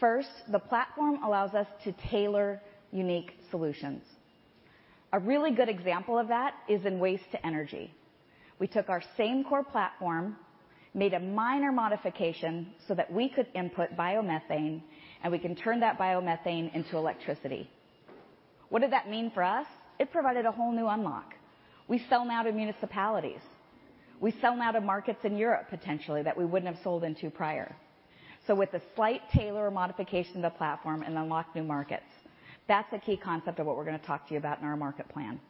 First, the platform allows us to tailor unique solutions. A really good example of that is in waste-to-energy. We took our same core platform, made a minor modification so that we could input biomethane, and we can turn that biomethane into electricity. What did that mean for us? It provided a whole new unlock. We sell now to municipalities. We sell now to markets in Europe potentially that we wouldn't have sold into prior. So with a slight tailor modification of the platform and unlocked new markets, that's a key concept of what we're going to talk to you about in our market plan.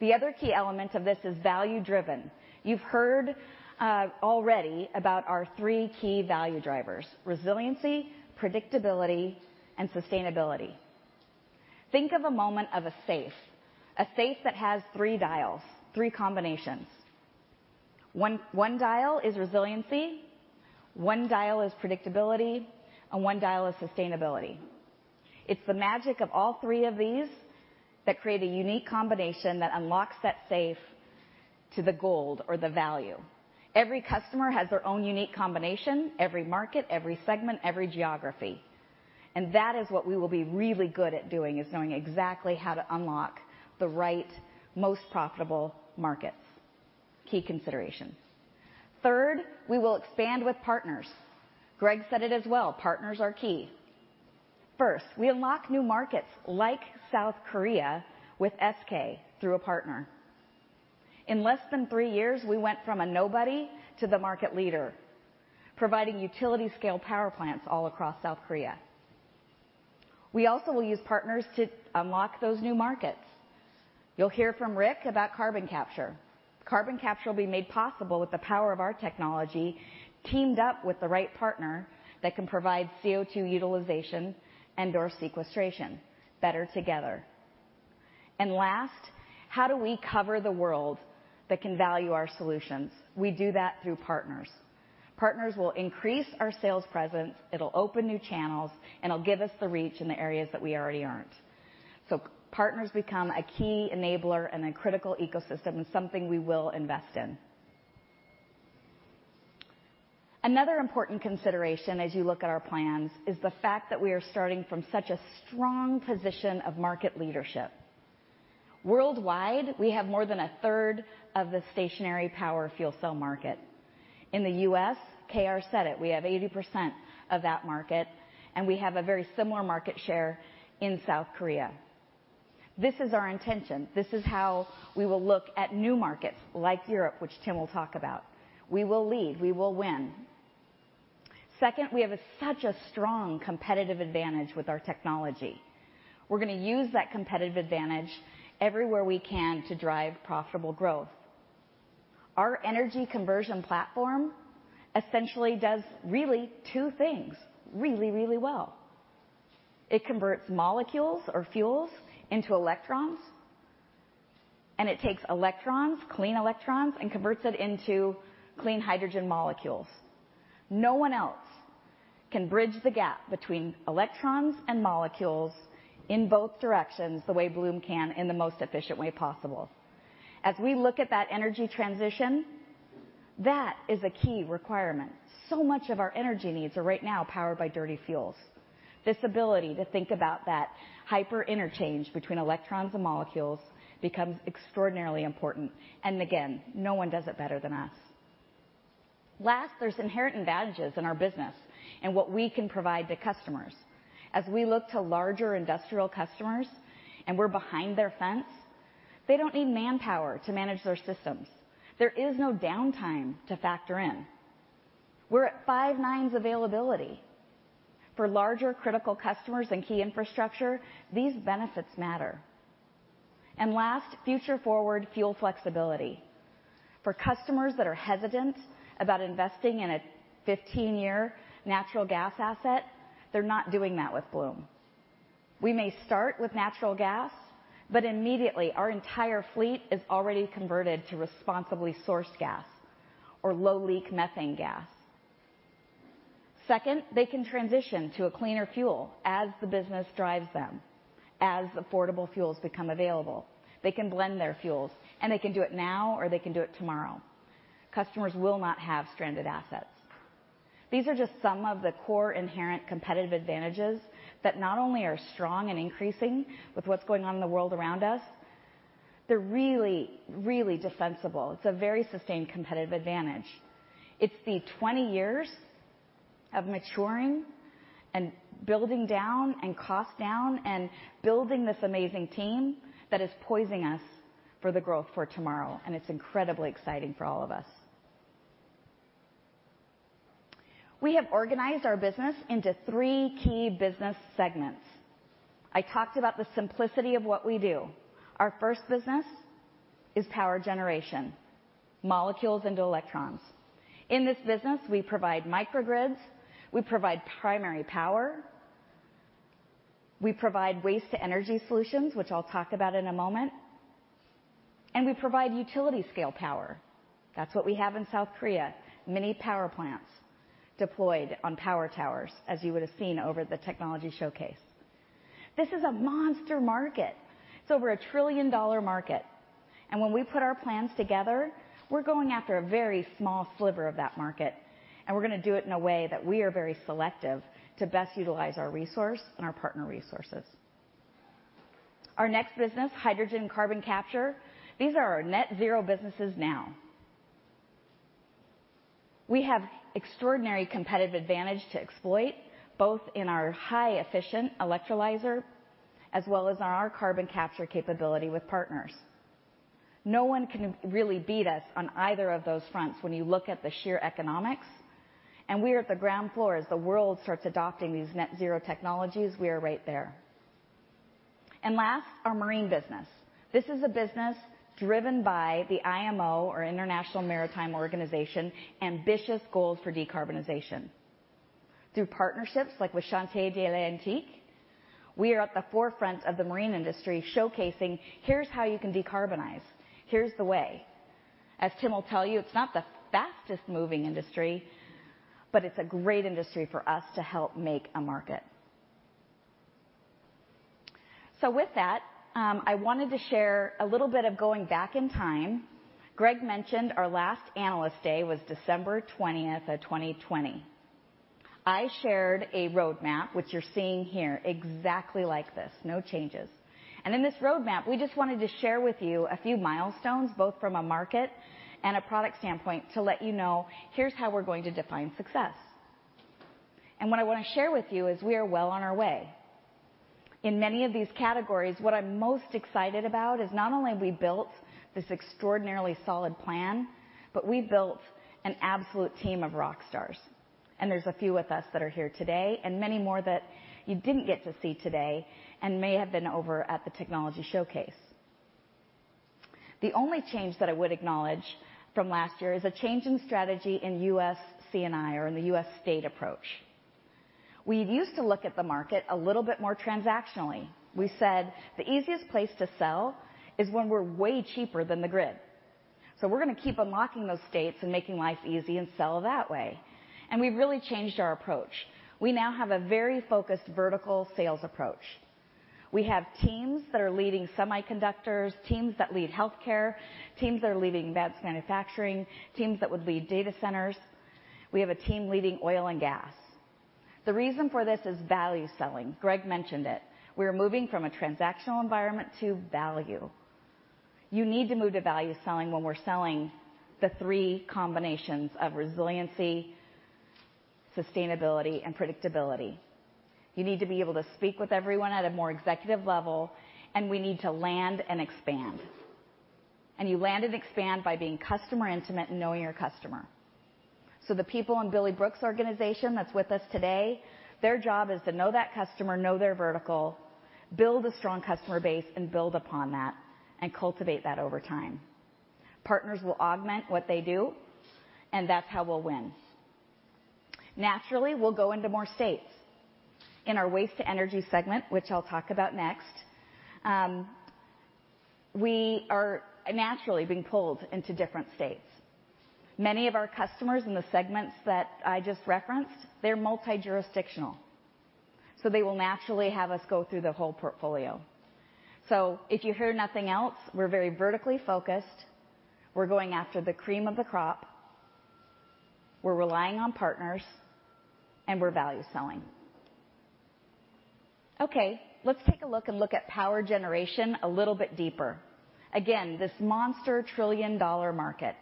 The other key element of this is value-driven. You've heard already about our three key value drivers: resiliency, predictability, and sustainability. Think of a safe, a safe that has three dials, three combinations. One dial is resiliency, one dial is predictability, and one dial is sustainability. It's the magic of all three of these that create a unique combination that unlocks that safe to the gold or the value. Every customer has their own unique combination, every market, every segment, every geography. And that is what we will be really good at doing, is knowing exactly how to unlock the right, most profitable markets. Key consideration. Third, we will expand with partners. Greg said it as well. Partners are key. First, we unlock new markets like South Korea with SK through a partner. In less than three years, we went from a nobody to the market leader, providing utility-scale power plants all across South Korea. We also will use partners to unlock those new markets. You'll hear from Rick about carbon capture. Carbon capture will be made possible with the power of our technology teamed up with the right partner that can provide CO2 utilization and/or sequestration, better together, and last, how do we cover the world that can value our solutions? We do that through partners. Partners will increase our sales presence, it'll open new channels, and it'll give us the reach in the areas that we already aren't, so partners become a key enabler and a critical ecosystem and something we will invest in. Another important consideration as you look at our plans is the fact that we are starting from such a strong position of market leadership. Worldwide, we have more than a third of the stationary power fuel cell market. In the US, KR said it, we have 80% of that market, and we have a very similar market share in South Korea. This is our intention. This is how we will look at new markets like Europe, which Tim will talk about. We will lead. We will win. Second, we have such a strong competitive advantage with our technology. We're going to use that competitive advantage everywhere we can to drive profitable growth. Our energy conversion platform essentially does really two things really, really well. It converts molecules or fuels into electrons, and it takes electrons, clean electrons, and converts it into clean hydrogen molecules. No one else can bridge the gap between electrons and molecules in both directions the way Bloom can in the most efficient way possible. As we look at that energy transition, that is a key requirement. So much of our energy needs are right now powered by dirty fuels. This ability to think about that hyper-interchange between electrons and molecules becomes extraordinarily important, and again, no one does it better than us. Last, there's inherent advantages in our business and what we can provide to customers. As we look to larger industrial customers and we're behind their fence, they don't need manpower to manage their systems. There is no downtime to factor in. We're at five nines availability. For larger critical customers and key infrastructure, these benefits matter, and last, future-forward fuel flexibility. For customers that are hesitant about investing in a 15-year natural gas asset, they're not doing that with Bloom. We may start with natural gas, but immediately our entire fleet is already converted to responsibly sourced gas or low-leak methane gas. Second, they can transition to a cleaner fuel as the business drives them, as affordable fuels become available. They can blend their fuels, and they can do it now or they can do it tomorrow. Customers will not have stranded assets. These are just some of the core inherent competitive advantages that not only are strong and increasing with what's going on in the world around us, they're really, really defensible. It's a very sustained competitive advantage. It's the 20 years of maturing and building down and cost down and building this amazing team that is poising us for the growth for tomorrow, and it's incredibly exciting for all of us. We have organized our business into three key business segments. I talked about the simplicity of what we do. Our first business is power generation, molecules into electrons. In this business, we provide microgrids, we provide primary power, we provide waste-to-energy solutions, which I'll talk about in a moment, and we provide utility-scale power. That's what we have in South Korea, mini power plants deployed on power towers, as you would have seen over the technology showcase. This is a monster market. It's over a $1 trillion market. And when we put our plans together, we're going after a very small sliver of that market, and we're going to do it in a way that we are very selective to best utilize our resource and our partner resources. Our next business, hydrogen carbon capture, these are our net-zero businesses now. We have extraordinary competitive advantage to exploit both in our highly efficient electrolyzer as well as our carbon capture capability with partners. No one can really beat us on either of those fronts when you look at the sheer economics, and we are at the ground floor. As the world starts adopting these net-zero technologies, we are right there. And last, our marine business. This is a business driven by the IMO, or International Maritime Organization, ambitious goals for decarbonization. Through partnerships like with Chantiers de l'Atlantique, we are at the forefront of the marine industry showcasing, "Here's how you can decarbonize. Here's the way." As Tim will tell you, it's not the fastest-moving industry, but it's a great industry for us to help make a market. So with that, I wanted to share a little bit of going back in time. Greg mentioned our last analyst day was December 20th of 2020. I shared a roadmap, which you're seeing here, exactly like this, no changes. And in this roadmap, we just wanted to share with you a few milestones, both from a market and a product standpoint, to let you know, "Here's how we're going to define success." And what I want to share with you is we are well on our way. In many of these categories, what I'm most excited about is not only have we built this extraordinarily solid plan, but we've built an absolute team of rock stars. And there's a few with us that are here today and many more that you didn't get to see today and may have been over at the technology showcase. The only change that I would acknowledge from last year is a change in strategy in U.S. C&I or in the U.S. state approach. We used to look at the market a little bit more transactionally. We said, "The easiest place to sell is when we're way cheaper than the grid," so we're going to keep unlocking those states and making life easy and sell that way, and we've really changed our approach. We now have a very focused vertical sales approach. We have teams that are leading semiconductors, teams that lead healthcare, teams that are leading advanced manufacturing, teams that would lead data centers. We have a team leading oil and gas. The reason for this is value selling. Greg mentioned it. We are moving from a transactional environment to value. You need to move to value selling when we're selling the three combinations of resiliency, sustainability, and predictability. You need to be able to speak with everyone at a more executive level, and we need to land and expand, and you land and expand by being customer intimate and knowing your customer. So the people in Billy Brooks' organization that's with us today, their job is to know that customer, know their vertical, build a strong customer base, and build upon that and cultivate that over time. Partners will augment what they do, and that's how we'll win. Naturally, we'll go into more states. In our waste-to-energy segment, which I'll talk about next, we are naturally being pulled into different states. Many of our customers in the segments that I just referenced, they're multi-jurisdictional, so they will naturally have us go through the whole portfolio. So if you hear nothing else, we're very vertically focused. We're going after the cream of the crop. We're relying on partners, and we're value selling. Okay, let's take a look and look at power generation a little bit deeper. Again, this monster trillion-dollar market.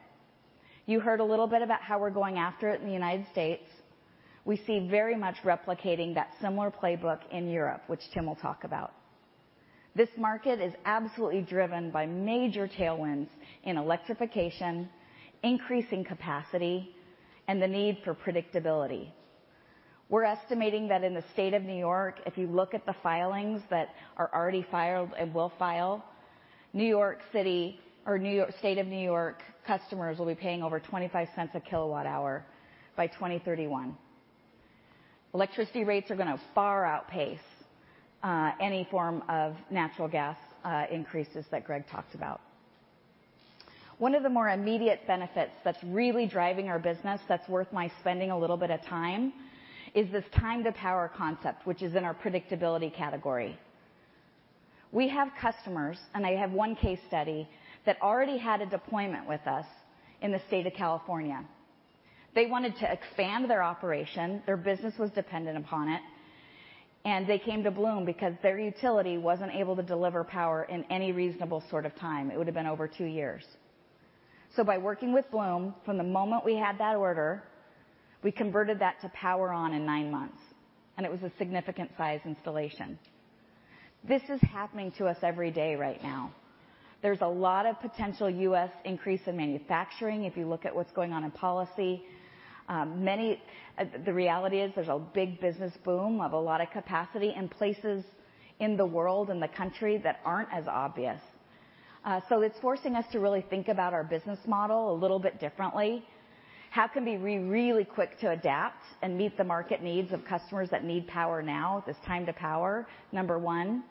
You heard a little bit about how we're going after it in the United States. We see very much replicating that similar playbook in Europe, which Tim will talk about. This market is absolutely driven by major tailwinds in electrification, increasing capacity, and the need for predictability. We're estimating that in the state of New York, if you look at the filings that are already filed and will file, New York City or New York State of New York customers will be paying over $0.25 a kilowatt-hour by 2031. Electricity rates are going to far outpace any form of natural gas increases that Greg talked about. One of the more immediate benefits that's really driving our business that's worth my spending a little bit of time is this time-to-power concept, which is in our predictability category. We have customers, and I have one case study that already had a deployment with us in the state of California. They wanted to expand their operation. Their business was dependent upon it, and they came to Bloom because their utility wasn't able to deliver power in any reasonable sort of time. It would have been over two years. So by working with Bloom, from the moment we had that order, we converted that to power on in nine months, and it was a significant-size installation. This is happening to us every day right now. There's a lot of potential U.S. increase in manufacturing if you look at what's going on in policy. The reality is there's a big business boom of a lot of capacity in places in the world and the country that aren't as obvious. It's forcing us to really think about our business model a little bit differently. How can we be really quick to adapt and meet the market needs of customers that need power now? This time-to-power, number one.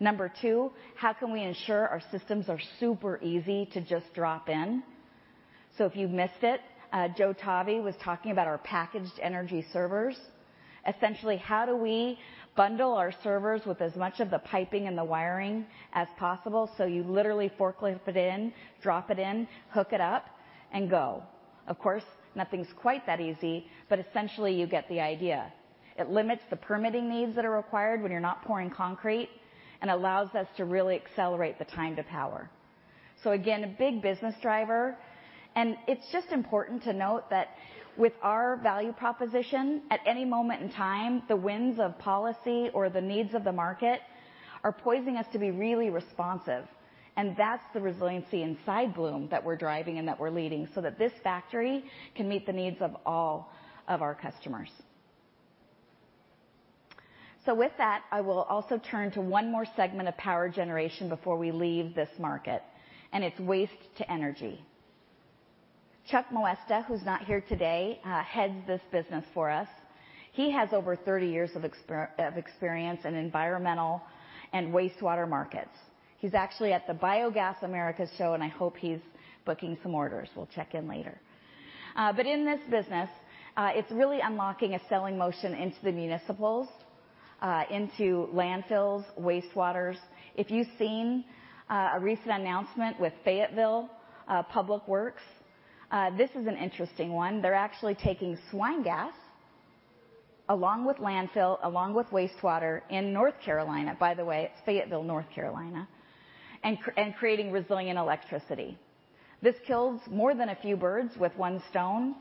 Number two, how can we ensure our systems are super easy to just drop in? So if you missed it, Joe Tovey was talking about our packaged energy servers. Essentially, how do we bundle our servers with as much of the piping and the wiring as possible so you literally forklift it in, drop it in, hook it up, and go? Of course, nothing's quite that easy, but essentially you get the idea. It limits the permitting needs that are required when you're not pouring concrete and allows us to really accelerate the time-to-power. So again, a big business driver. It's just important to note that with our value proposition, at any moment in time, the winds of policy or the needs of the market are poising us to be really responsive. That's the resiliency inside Bloom that we're driving and that we're leading so that this factory can meet the needs of all of our customers. With that, I will also turn to one more segment of power generation before we leave this market, and it's waste-to-Energy. Chuck Moesta, who's not here today, heads this business for us. He has over 30 years of experience in environmental and wastewater markets. He's actually at the Biogas America's show, and I hope he's booking some orders. We'll check in later. In this business, it's really unlocking a selling motion into the municipals, into landfills, wastewaters. If you've seen a recent announcement with Fayetteville Public Works, this is an interesting one. They're actually taking swine gas along with landfill, along with wastewater in North Carolina, by the way. It's Fayetteville, North Carolina, and creating resilient electricity. This kills more than a few birds with one stone.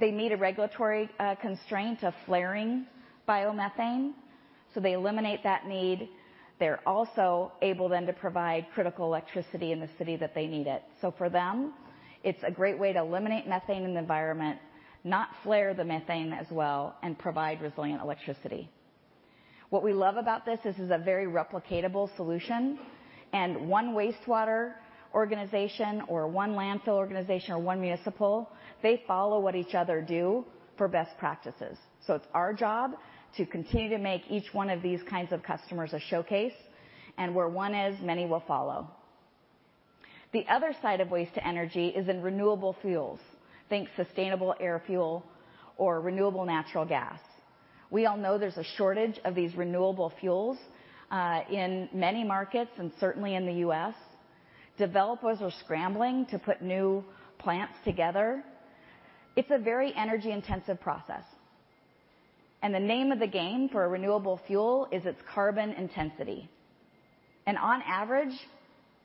They meet a regulatory constraint of flaring biomethane, so they eliminate that need. They're also able then to provide critical electricity in the city that they need it. So for them, it's a great way to eliminate methane in the environment, not flare the methane as well, and provide resilient electricity. What we love about this is it's a very replicatable solution. One wastewater organization or one landfill organization or one municipal, they follow what each other do for best practices. So it's our job to continue to make each one of these kinds of customers a showcase, and where one is, many will follow. The other side of waste-to-energy is in renewable fuels. Think sustainable aviation fuel or renewable natural gas. We all know there's a shortage of these renewable fuels in many markets and certainly in the US. Developers are scrambling to put new plants together. It's a very energy-intensive process. And the name of the game for a renewable fuel is its carbon intensity. And on average,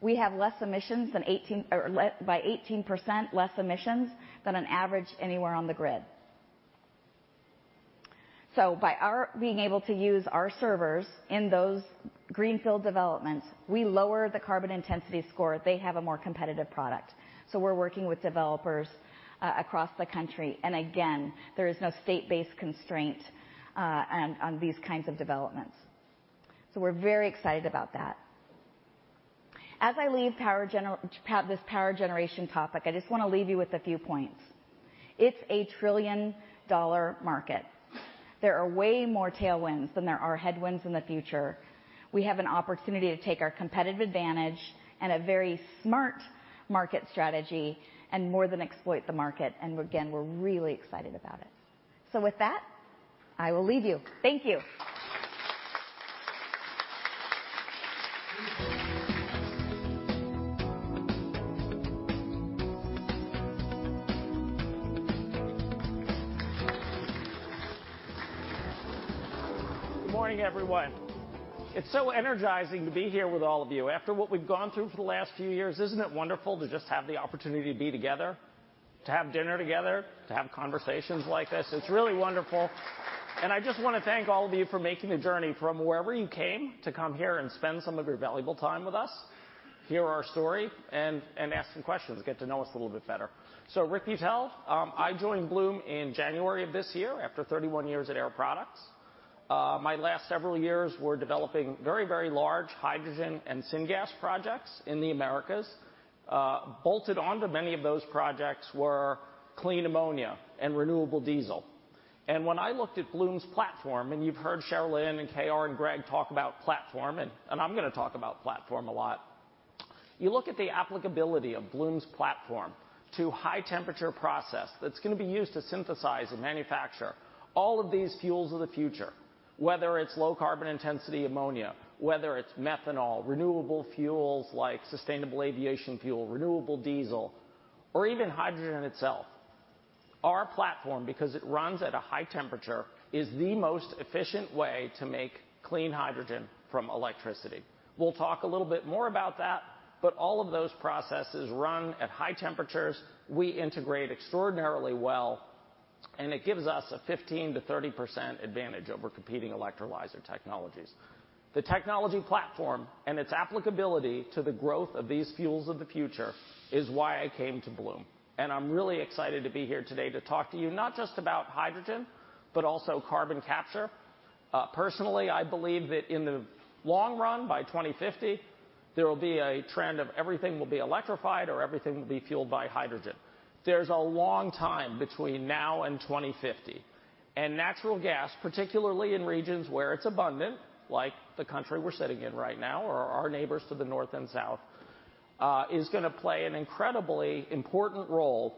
we have less emissions than 18 or by 18% less emissions than an average anywhere on the grid. So by being able to use our servers in those greenfield developments, we lower the carbon intensity score. They have a more competitive product. So we're working with developers across the country. And again, there is no state-based constraint on these kinds of developments. So we're very excited about that. As I leave this power generation topic, I just want to leave you with a few points. It's a trillion-dollar market. There are way more tailwinds than there are headwinds in the future. We have an opportunity to take our competitive advantage and a very smart market strategy and more than exploit the market. And again, we're really excited about it. So with that, I will leave you. Thank you. Good morning, everyone. It's so energizing to be here with all of you after what we've gone through for the last few years. Isn't it wonderful to just have the opportunity to be together, to have dinner together, to have conversations like this? It's really wonderful. I just want to thank all of you for making the journey from wherever you came to come here and spend some of your valuable time with us, hear our story, and ask some questions, get to know us a little bit better. So, let me tell, I joined Bloom in January of this year after 31 years at Air Products. My last several years were developing very, very large hydrogen and syngas projects in the Americas. Bolted onto many of those projects were clean ammonia and renewable diesel. When I looked at Bloom's platform, and you've heard Sharelynn and KR and Greg talk about platform, and I'm going to talk about platform a lot, you look at the applicability of Bloom's platform to a high-temperature process that's going to be used to synthesize and manufacture all of these fuels of the future, whether it's low-carbon-intensity ammonia, whether it's methanol, renewable fuels like sustainable aviation fuel, renewable diesel, or even hydrogen itself. Our platform, because it runs at a high temperature, is the most efficient way to make clean hydrogen from electricity. We'll talk a little bit more about that, but all of those processes run at high temperatures. We integrate extraordinarily well, and it gives us a 15%-30% advantage over competing electrolyzer technologies. The technology platform and its applicability to the growth of these fuels of the future is why I came to Bloom. I'm really excited to be here today to talk to you not just about hydrogen, but also carbon capture. Personally, I believe that in the long run, by 2050, there will be a trend of everything will be electrified or everything will be fueled by hydrogen. There's a long time between now and 2050. Natural gas, particularly in regions where it's abundant, like the country we're sitting in right now or our neighbors to the north and south, is going to play an incredibly important role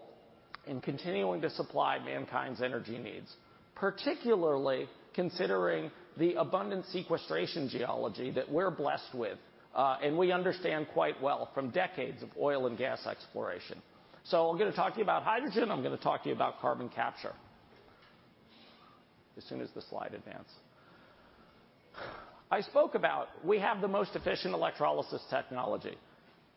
in continuing to supply mankind's energy needs, particularly considering the abundant sequestration geology that we're blessed with and we understand quite well from decades of oil and gas exploration. I'm going to talk to you about hydrogen. I'm going to talk to you about carbon capture as soon as the slide advances. I spoke about we have the most efficient electrolysis technology.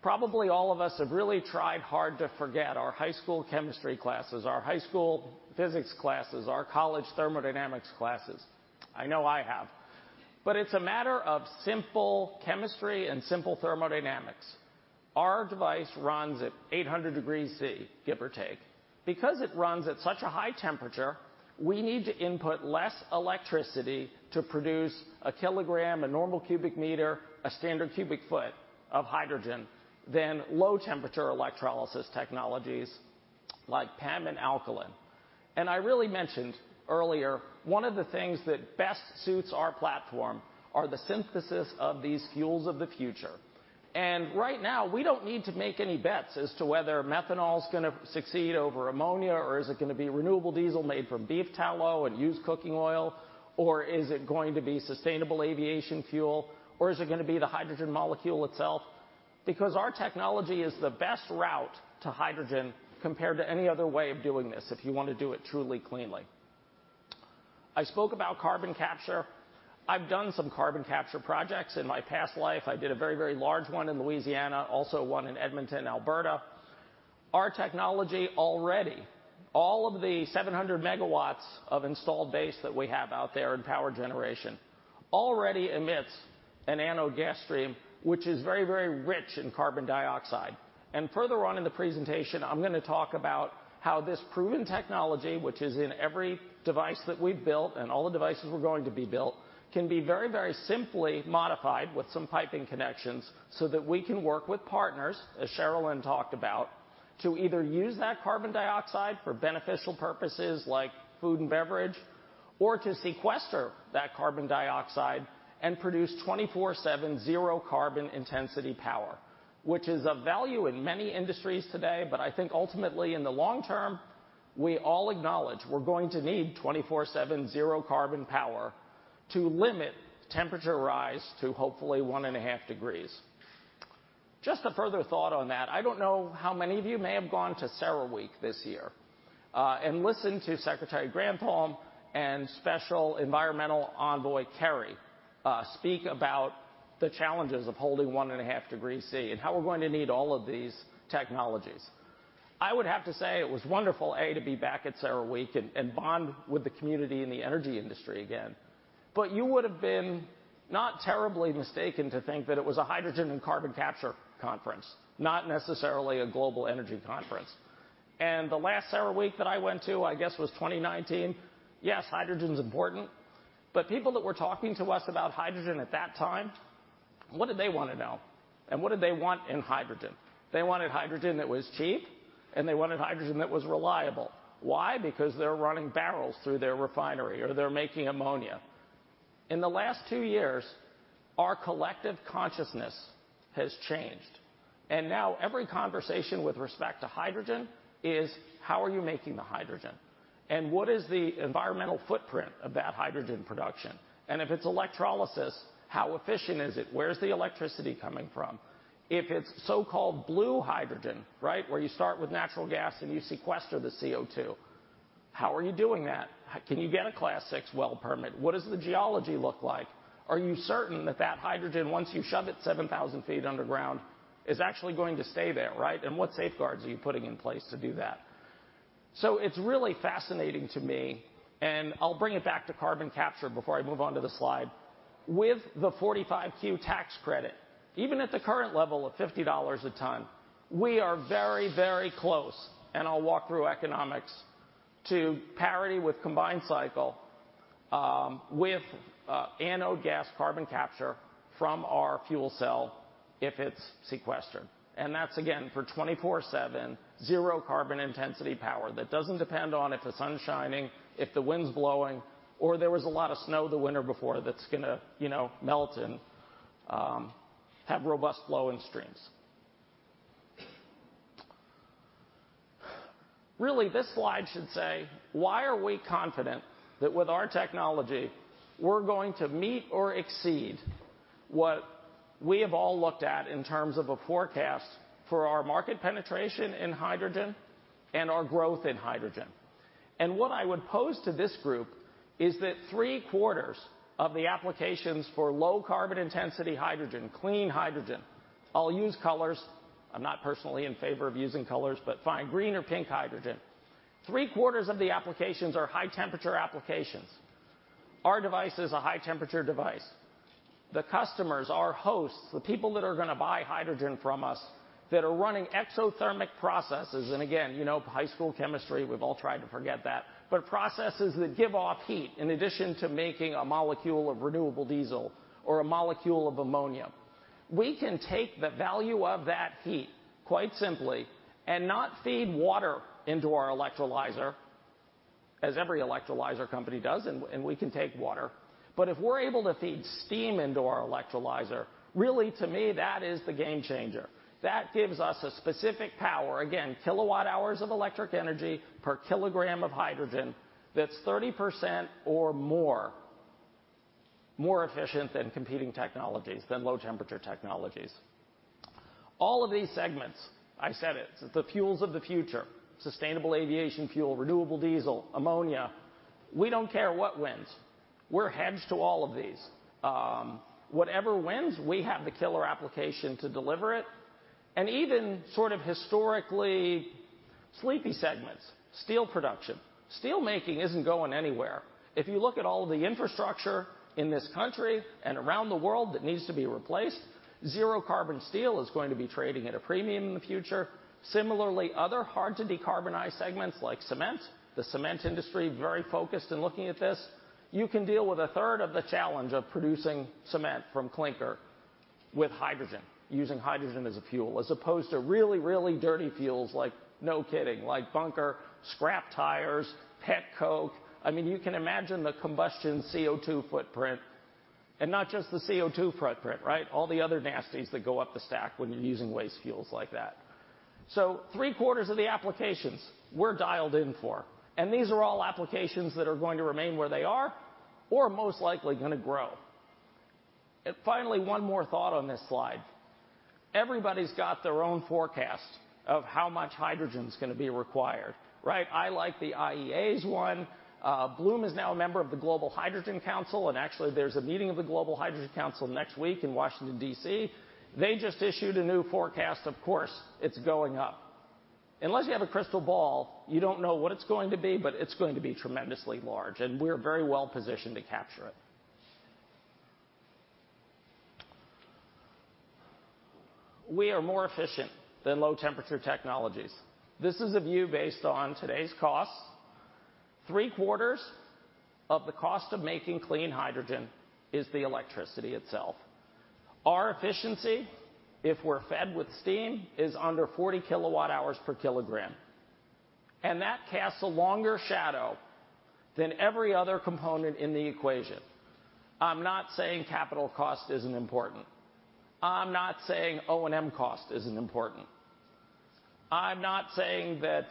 Probably all of us have really tried hard to forget our high school chemistry classes, our high school physics classes, our college thermodynamics classes. I know I have. But it's a matter of simple chemistry and simple thermodynamics. Our device runs at 800 degrees Celsius, give or take. Because it runs at such a high temperature, we need to input less electricity to produce a kilogram, a normal cubic meter, a standard cubic foot of hydrogen than low-temperature electrolysis technologies like PEM and alkaline, and I really mentioned earlier, one of the things that best suits our platform are the synthesis of these fuels of the future. And right now, we don't need to make any bets as to whether methanol is going to succeed over ammonia, or is it going to be renewable diesel made from beef tallow and used cooking oil, or is it going to be sustainable aviation fuel, or is it going to be the hydrogen molecule itself? Because our technology is the best route to hydrogen compared to any other way of doing this if you want to do it truly cleanly. I spoke about carbon capture. I've done some carbon capture projects in my past life. I did a very, very large one in Louisiana, also one in Edmonton, Alberta. Our technology already, all of the 700 megawatts of installed base that we have out there in power generation already emits an annual gas stream, which is very, very rich in carbon dioxide. Further on in the presentation, I'm going to talk about how this proven technology, which is in every device that we've built and all the devices we're going to be built, can be very, very simply modified with some piping connections so that we can work with partners, as Sharelynn talked about, to either use that carbon dioxide for beneficial purposes like food and beverage or to sequester that carbon dioxide and produce 24/7 zero-carbon intensity power, which is a value in many industries today. I think ultimately, in the long term, we all acknowledge we're going to need 24/7 zero-carbon power to limit temperature rise to hopefully one and a half degrees. Just a further thought on that. I don't know how many of you may have gone to CERAWeek this year and listened to Secretary Granholm and Special Environmental Envoy Kerry speak about the challenges of holding one and a half degrees Celsius and how we're going to need all of these technologies. I would have to say it was wonderful, A, to be back at CERAWeek and bond with the community and the energy industry again. But you would have been not terribly mistaken to think that it was a hydrogen and carbon capture conference, not necessarily a global energy conference. And the last CERAWeek that I went to, I guess, was 2019. Yes, hydrogen's important. But people that were talking to us about hydrogen at that time, what did they want to know? And what did they want in hydrogen? They wanted hydrogen that was cheap, and they wanted hydrogen that was reliable. Why? Because they're running barrels through their refinery or they're making ammonia. In the last two years, our collective consciousness has changed, and now every conversation with respect to hydrogen is, how are you making the hydrogen? And what is the environmental footprint of that hydrogen production? And if it's electrolysis, how efficient is it? Where's the electricity coming from? If it's so-called blue hydrogen, right, where you start with natural gas and you sequester the CO2, how are you doing that? Can you get a Class VI well permit? What does the geology look like? Are you certain that that hydrogen, once you shove it 7,000 feet underground, is actually going to stay there, right? And what safeguards are you putting in place to do that? So it's really fascinating to me, and I'll bring it back to carbon capture before I move on to the slide. With the 45Q tax credit, even at the current level of $50 a ton, we are very, very close, and I'll walk through economics, to parity with combined cycle with annual gas carbon capture from our fuel cell if it's sequestered. And that's, again, for 24/7 zero-carbon intensity power that doesn't depend on if the sun's shining, if the wind's blowing, or there was a lot of snow the winter before that's going to melt and have robust flow in streams. Really, this slide should say, why are we confident that with our technology, we're going to meet or exceed what we have all looked at in terms of a forecast for our market penetration in hydrogen and our growth in hydrogen? What I would pose to this group is that three-quarters of the applications for low-carbon intensity hydrogen, clean hydrogen. I'll use colors. I'm not personally in favor of using colors, but fine green or pink hydrogen. Three-quarters of the applications are high-temperature applications. Our device is a high-temperature device. The customers, our hosts, the people that are going to buy hydrogen from us that are running exothermic processes. And again, you know high school chemistry, we've all tried to forget that. But processes that give off heat in addition to making a molecule of renewable diesel or a molecule of ammonia. We can take the value of that heat quite simply and not feed water into our electrolyzer, as every electrolyzer company does, and we can take water. But if we're able to feed steam into our electrolyzer, really, to me, that is the game changer. That gives us a specific power, again, kilowatt-hours of electric energy per kilogram of hydrogen that's 30% or more efficient than competing technologies, than low-temperature technologies. All of these segments, I said it, the fuels of the future, sustainable aviation fuel, renewable diesel, ammonia, we don't care what wins. We're hedged to all of these. Whatever wins, we have the killer application to deliver it. Even sort of historically sleepy segments, steel production, steel making isn't going anywhere. If you look at all of the infrastructure in this country and around the world that needs to be replaced, zero-carbon steel is going to be trading at a premium in the future. Similarly, other hard-to-decarbonize segments like cement, the cement industry very focused in looking at this. You can deal with a third of the challenge of producing cement from clinker with hydrogen, using hydrogen as a fuel, as opposed to really, really dirty fuels like no kidding, like bunker, scrap tires, petcoke. I mean, you can imagine the combustion CO2 footprint, and not just the CO2 footprint, right? All the other nasties that go up the stack when you're using waste fuels like that. So three-quarters of the applications we're dialed in for. And these are all applications that are going to remain where they are or most likely going to grow. Finally, one more thought on this slide. Everybody's got their own forecast of how much hydrogen's going to be required, right? I like the IEA's one. Bloom is now a member of the Global Hydrogen Council. Actually, there's a meeting of the Global Hydrogen Council next week in Washington, DC. They just issued a new forecast. Of course, it's going up. Unless you have a crystal ball, you don't know what it's going to be, but it's going to be tremendously large. We're very well positioned to capture it. We are more efficient than low-temperature technologies. This is a view based on today's costs. Three-quarters of the cost of making clean hydrogen is the electricity itself. Our efficiency, if we're fed with steam, is under 40 kilowatt-hours per kilogram. That casts a longer shadow than every other component in the equation. I'm not saying capital cost isn't important. I'm not saying O&M cost isn't important. I'm not saying that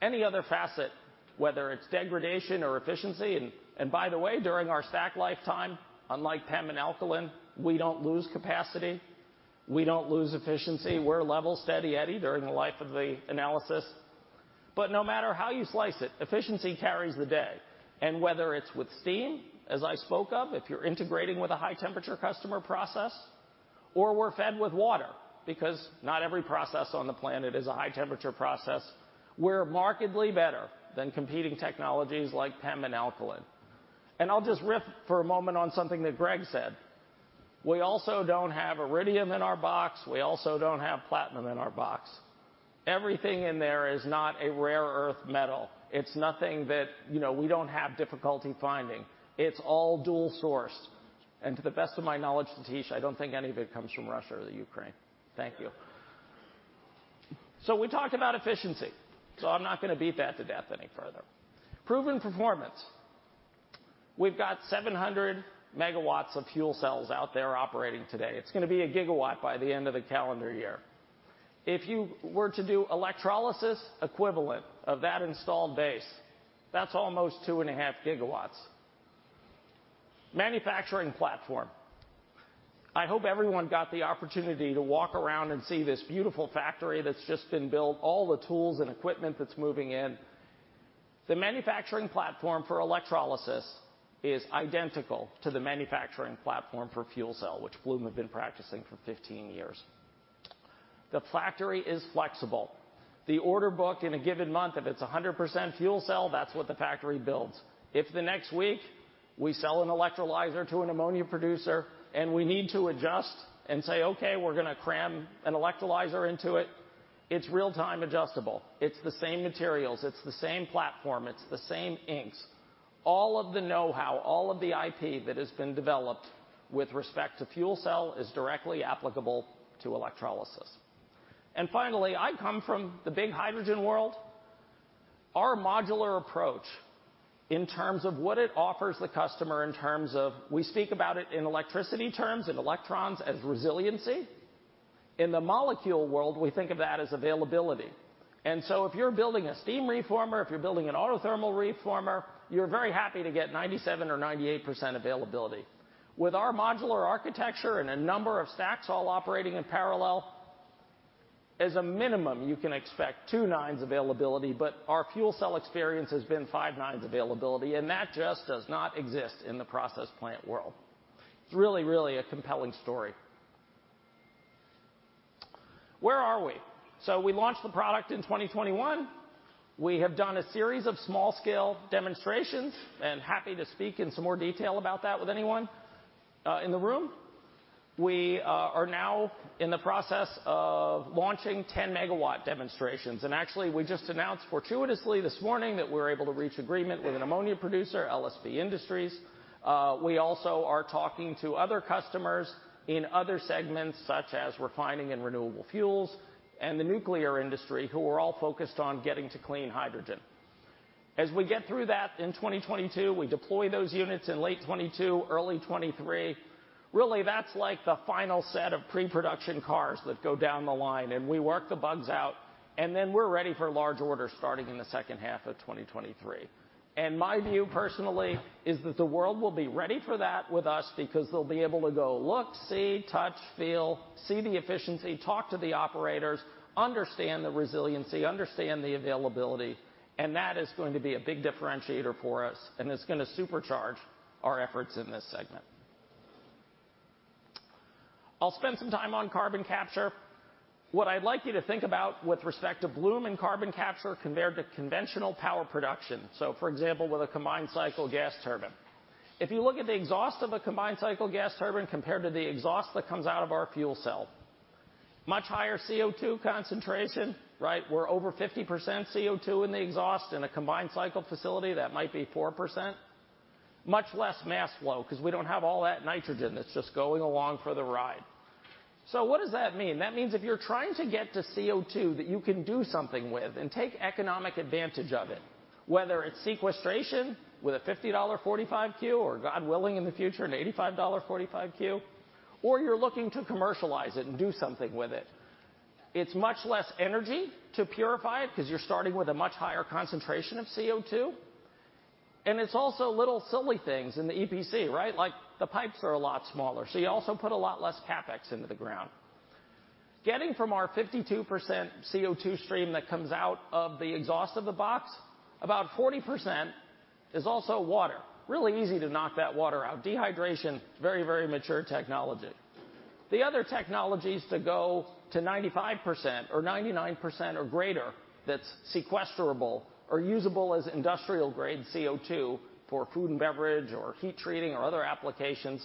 any other facet, whether it's degradation or efficiency. By the way, during our stack lifetime, unlike PEM and alkaline, we don't lose capacity. We don't lose efficiency. We're level steady eddy during the life of the analysis. But no matter how you slice it, efficiency carries the day. And whether it's with steam, as I spoke of, if you're integrating with a high-temperature customer process, or we're fed with water, because not every process on the planet is a high-temperature process, we're markedly better than competing technologies like PEM and alkaline. And I'll just riff for a moment on something that Greg said. We also don't have iridium in our box. We also don't have platinum in our box. Everything in there is not a rare earth metal. It's nothing that we don't have difficulty finding. It's all dual-sourced. And to the best of my knowledge, Satish, I don't think any of it comes from Russia or Ukraine. Thank you. So we talked about efficiency. So I'm not going to beat that to death any further. Proven performance. We've got 700 megawatts of fuel cells out there operating today. It's going to be a gigawatt by the end of the calendar year. If you were to do electrolysis equivalent of that installed base, that's almost two and a half gigawatts. Manufacturing platform. I hope everyone got the opportunity to walk around and see this beautiful factory that's just been built, all the tools and equipment that's moving in. The manufacturing platform for electrolysis is identical to the manufacturing platform for fuel cell, which Bloom had been practicing for 15 years. The factory is flexible. The order book in a given month, if it's 100% fuel cell, that's what the factory builds. If the next week we sell an electrolyzer to an ammonia producer and we need to adjust and say, "Okay, we're going to cram an electrolyzer into it," it's real-time adjustable. It's the same materials. It's the same platform. It's the same inks. All of the know-how, all of the IP that has been developed with respect to fuel cell is directly applicable to electrolysis. And finally, I come from the big hydrogen world. Our modular approach in terms of what it offers the customer in terms of we speak about it in electricity terms and electrons as resiliency. In the molecule world, we think of that as availability. And so if you're building a steam reformer, if you're building an autothermal reformer, you're very happy to get 97% or 98% availability. With our modular architecture and a number of stacks all operating in parallel, as a minimum, you can expect two nines availability, but our fuel cell experience has been five nines availability, and that just does not exist in the process plant world. It's really, really a compelling story. Where are we? So we launched the product in 2021. We have done a series of small-scale demonstrations and happy to speak in some more detail about that with anyone in the room. We are now in the process of launching 10-megawatt demonstrations. And actually, we just announced fortuitously this morning that we're able to reach agreement with an ammonia producer, LSB Industries. We also are talking to other customers in other segments, such as refining and renewable fuels and the nuclear industry, who are all focused on getting to clean hydrogen. As we get through that in 2022, we deploy those units in late 2022, early 2023. Really, that's like the final set of pre-production cars that go down the line. And we work the bugs out, and then we're ready for large orders starting in the second half of 2023. And my view personally is that the world will be ready for that with us because they'll be able to go, look, see, touch, feel, see the efficiency, talk to the operators, understand the resiliency, understand the availability. And that is going to be a big differentiator for us, and it's going to supercharge our efforts in this segment. I'll spend some time on carbon capture. What I'd like you to think about with respect to Bloom and carbon capture compared to conventional power production. So for example, with a combined cycle gas turbine, if you look at the exhaust of a combined cycle gas turbine compared to the exhaust that comes out of our fuel cell, much higher CO2 concentration, right? We're over 50% CO2 in the exhaust. In a combined cycle facility, that might be 4%. Much less mass flow because we don't have all that nitrogen that's just going along for the ride. So what does that mean? That means if you're trying to get to CO2 that you can do something with and take economic advantage of it, whether it's sequestration with a $50 45Q or, God willing, in the future, an $85 45Q, or you're looking to commercialize it and do something with it, it's much less energy to purify it because you're starting with a much higher concentration of CO2. It's also little silly things in the EPC, right? Like the pipes are a lot smaller. So you also put a lot less CapEx into the ground. Getting from our 52% CO2 stream that comes out of the exhaust of the box, about 40% is also water. Really easy to knock that water out. Dehydration, very, very mature technology. The other technologies to go to 95% or 99% or greater that's sequesterable or usable as industrial-grade CO2 for food and beverage or heat treating or other applications,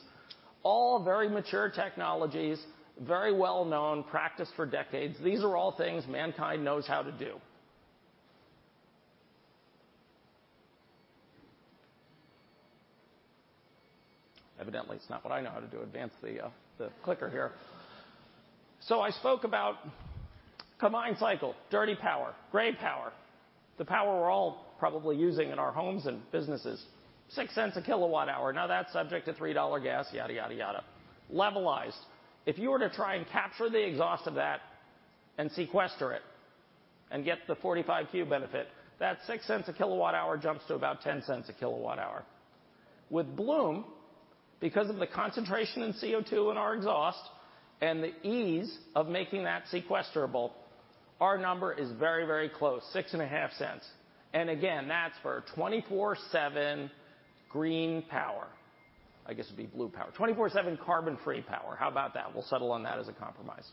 all very mature technologies, very well-known, practiced for decades. These are all things mankind knows how to do. Evidently, it's not what I know how to do. Advance the clicker here. I spoke about combined cycle, dirty power, gray power, the power we're all probably using in our homes and businesses, $0.06 a kilowatt-hour. Now that's subject to $3 gas, yada, yada, yada. Levelized. If you were to try and capture the exhaust of that and sequester it and get the 45Q benefit, that $0.06/kWh jumps to about $0.10/kWh. With Bloom, because of the concentration in CO2 in our exhaust and the ease of making that sequesterable, our number is very, very close, $0.065, and again, that's for 24/7 green power. I guess it'd be blue power. 24/7 carbon-free power. How about that? We'll settle on that as a compromise.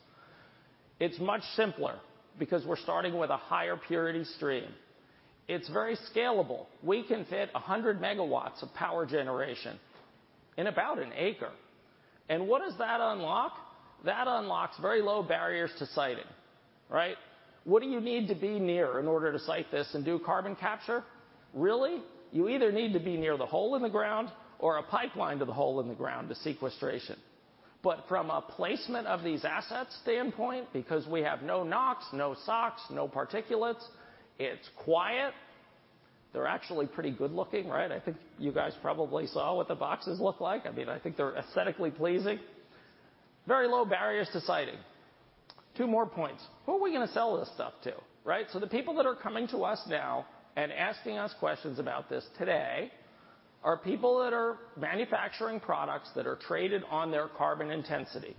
It's much simpler because we're starting with a higher purity stream. It's very scalable. We can fit 100 MW of power generation in about 1 acre, and what does that unlock? That unlocks very low barriers to siting, right? What do you need to be near in order to site this and do carbon capture? Really? You either need to be near the hole in the ground or a pipeline to the hole in the ground to sequestration. But from a placement of these assets standpoint, because we have no NOx, no SOx, no particulates, it's quiet. They're actually pretty good-looking, right? I think you guys probably saw what the boxes look like. I mean, I think they're aesthetically pleasing. Very low barriers to siting. Two more points. Who are we going to sell this stuff to, right? So the people that are coming to us now and asking us questions about this today are people that are manufacturing products that are traded on their carbon intensity.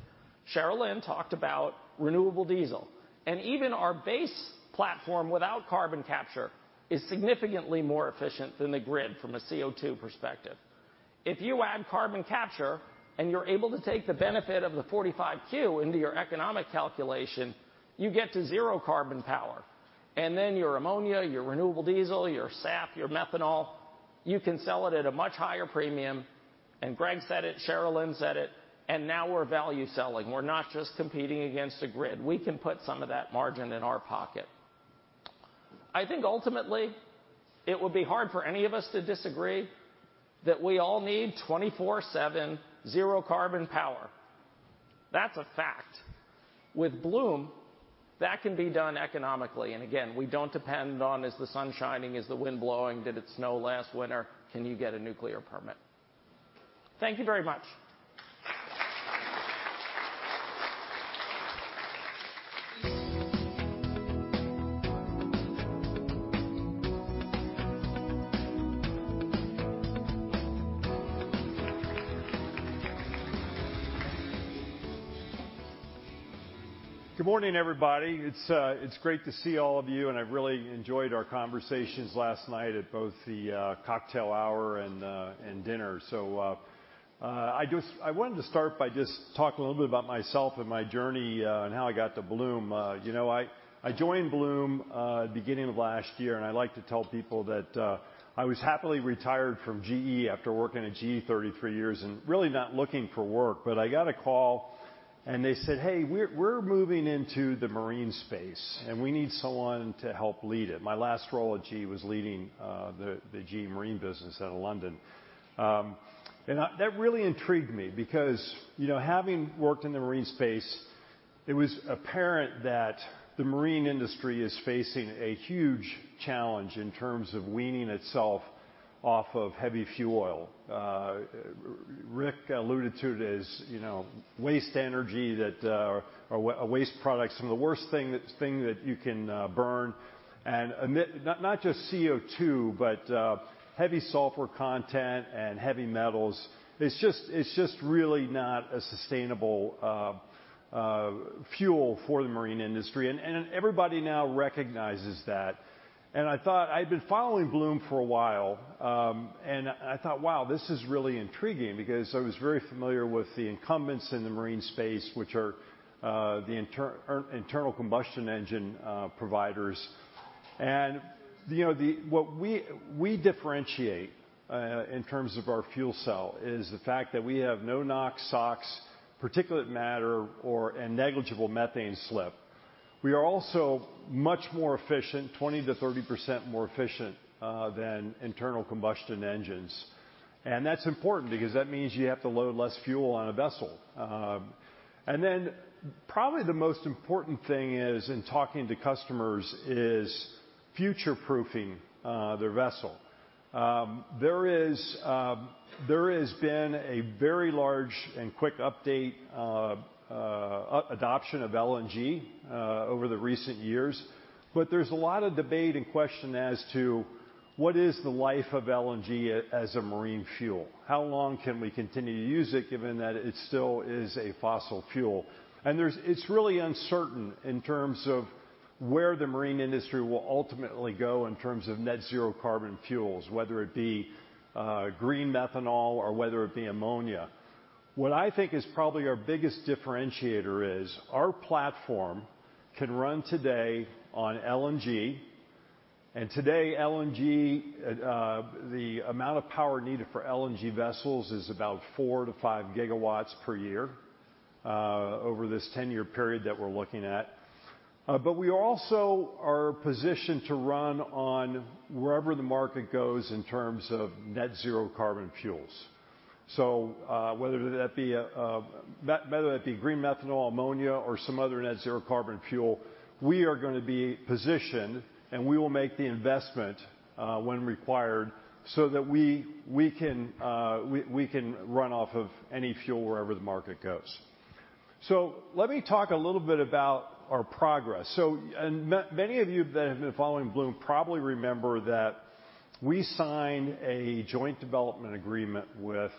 Sharelynn talked about renewable diesel. Even our base platform without carbon capture is significantly more efficient than the grid from a CO2 perspective. If you add carbon capture and you're able to take the benefit of the 45Q into your economic calculation, you get to zero carbon power. And then your ammonia, your renewable diesel, your SAF, your methanol, you can sell it at a much higher premium. And Greg said it, Sharelynn said it, and now we're value selling. We're not just competing against a grid. We can put some of that margin in our pocket. I think ultimately it would be hard for any of us to disagree that we all need 24/7 zero carbon power. That's a fact. With Bloom, that can be done economically. And again, we don't depend on is the sun shining, is the wind blowing, did it snow last winter, can you get a nuclear permit. Thank you very much. Good morning, everybody. It's great to see all of you, and I've really enjoyed our conversations last night at both the cocktail hour and dinner. So I wanted to start by just talking a little bit about myself and my journey and how I got to Bloom. I joined Bloom at the beginning of last year, and I like to tell people that I was happily retired from GE after working at GE 33 years and really not looking for work. But I got a call, and they said, "Hey, we're moving into the marine space, and we need someone to help lead it." My last role at GE was leading the GE marine business out of London. And that really intrigued me because having worked in the marine space, it was apparent that the marine industry is facing a huge challenge in terms of weaning itself off of heavy fuel oil. Rick alluded to it as waste energy, that waste products are the worst thing that you can burn. And not just CO2, but heavy sulfur content and heavy metals. It's just really not a sustainable fuel for the marine industry. And everybody now recognizes that. And I thought I'd been following Bloom for a while, and I thought, "Wow, this is really intriguing," because I was very familiar with the incumbents in the marine space, which are the internal combustion engine providers. And what we differentiate in terms of our fuel cell is the fact that we have no NOx, SOx, particulate matter, or a negligible methane slip. We are also much more efficient, 20%-30% more efficient than internal combustion engines. And that's important because that means you have to load less fuel on a vessel. And then probably the most important thing in talking to customers is future-proofing their vessel. There has been a very large and quick adoption of LNG over the recent years, but there's a lot of debate and question as to what is the life of LNG as a marine fuel. How long can we continue to use it given that it still is a fossil fuel? And it's really uncertain in terms of where the marine industry will ultimately go in terms of net-zero carbon fuels, whether it be green methanol or whether it be ammonia. What I think is probably our biggest differentiator is our platform can run today on LNG. Today, the amount of power needed for LNG vessels is about four to five gigawatts per year over this 10-year period that we're looking at. We also are positioned to run on wherever the market goes in terms of net zero carbon fuels. Whether that be green methanol, ammonia, or some other net zero carbon fuel, we are going to be positioned, and we will make the investment when required so that we can run off of any fuel wherever the market goes. Let me talk a little bit about our progress. Many of you that have been following Bloom probably remember that we signed a joint development agreement with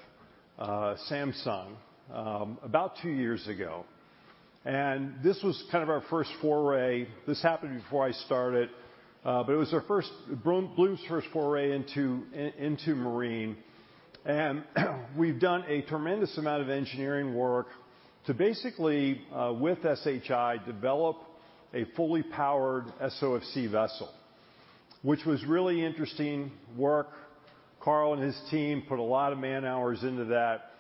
Samsung about two years ago. This was kind of our first foray. This happened before I started, but it was Bloom's first foray into marine. We've done a tremendous amount of engineering work to basically, with SHI, develop a fully powered SOFC vessel, which was really interesting work. Carl and his team put a lot of man hours into that.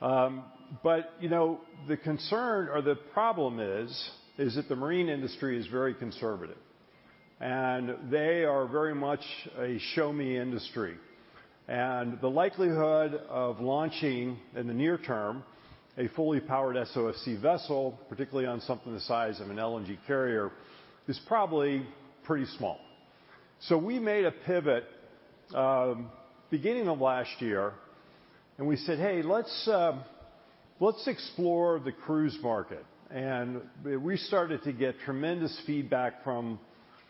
But the concern or the problem is that the marine industry is very conservative, and they are very much a show-me industry. The likelihood of launching in the near term a fully powered SOFC vessel, particularly on something the size of an LNG carrier, is probably pretty small. So we made a pivot beginning of last year, and we said, "Hey, let's explore the cruise market." And we started to get tremendous feedback from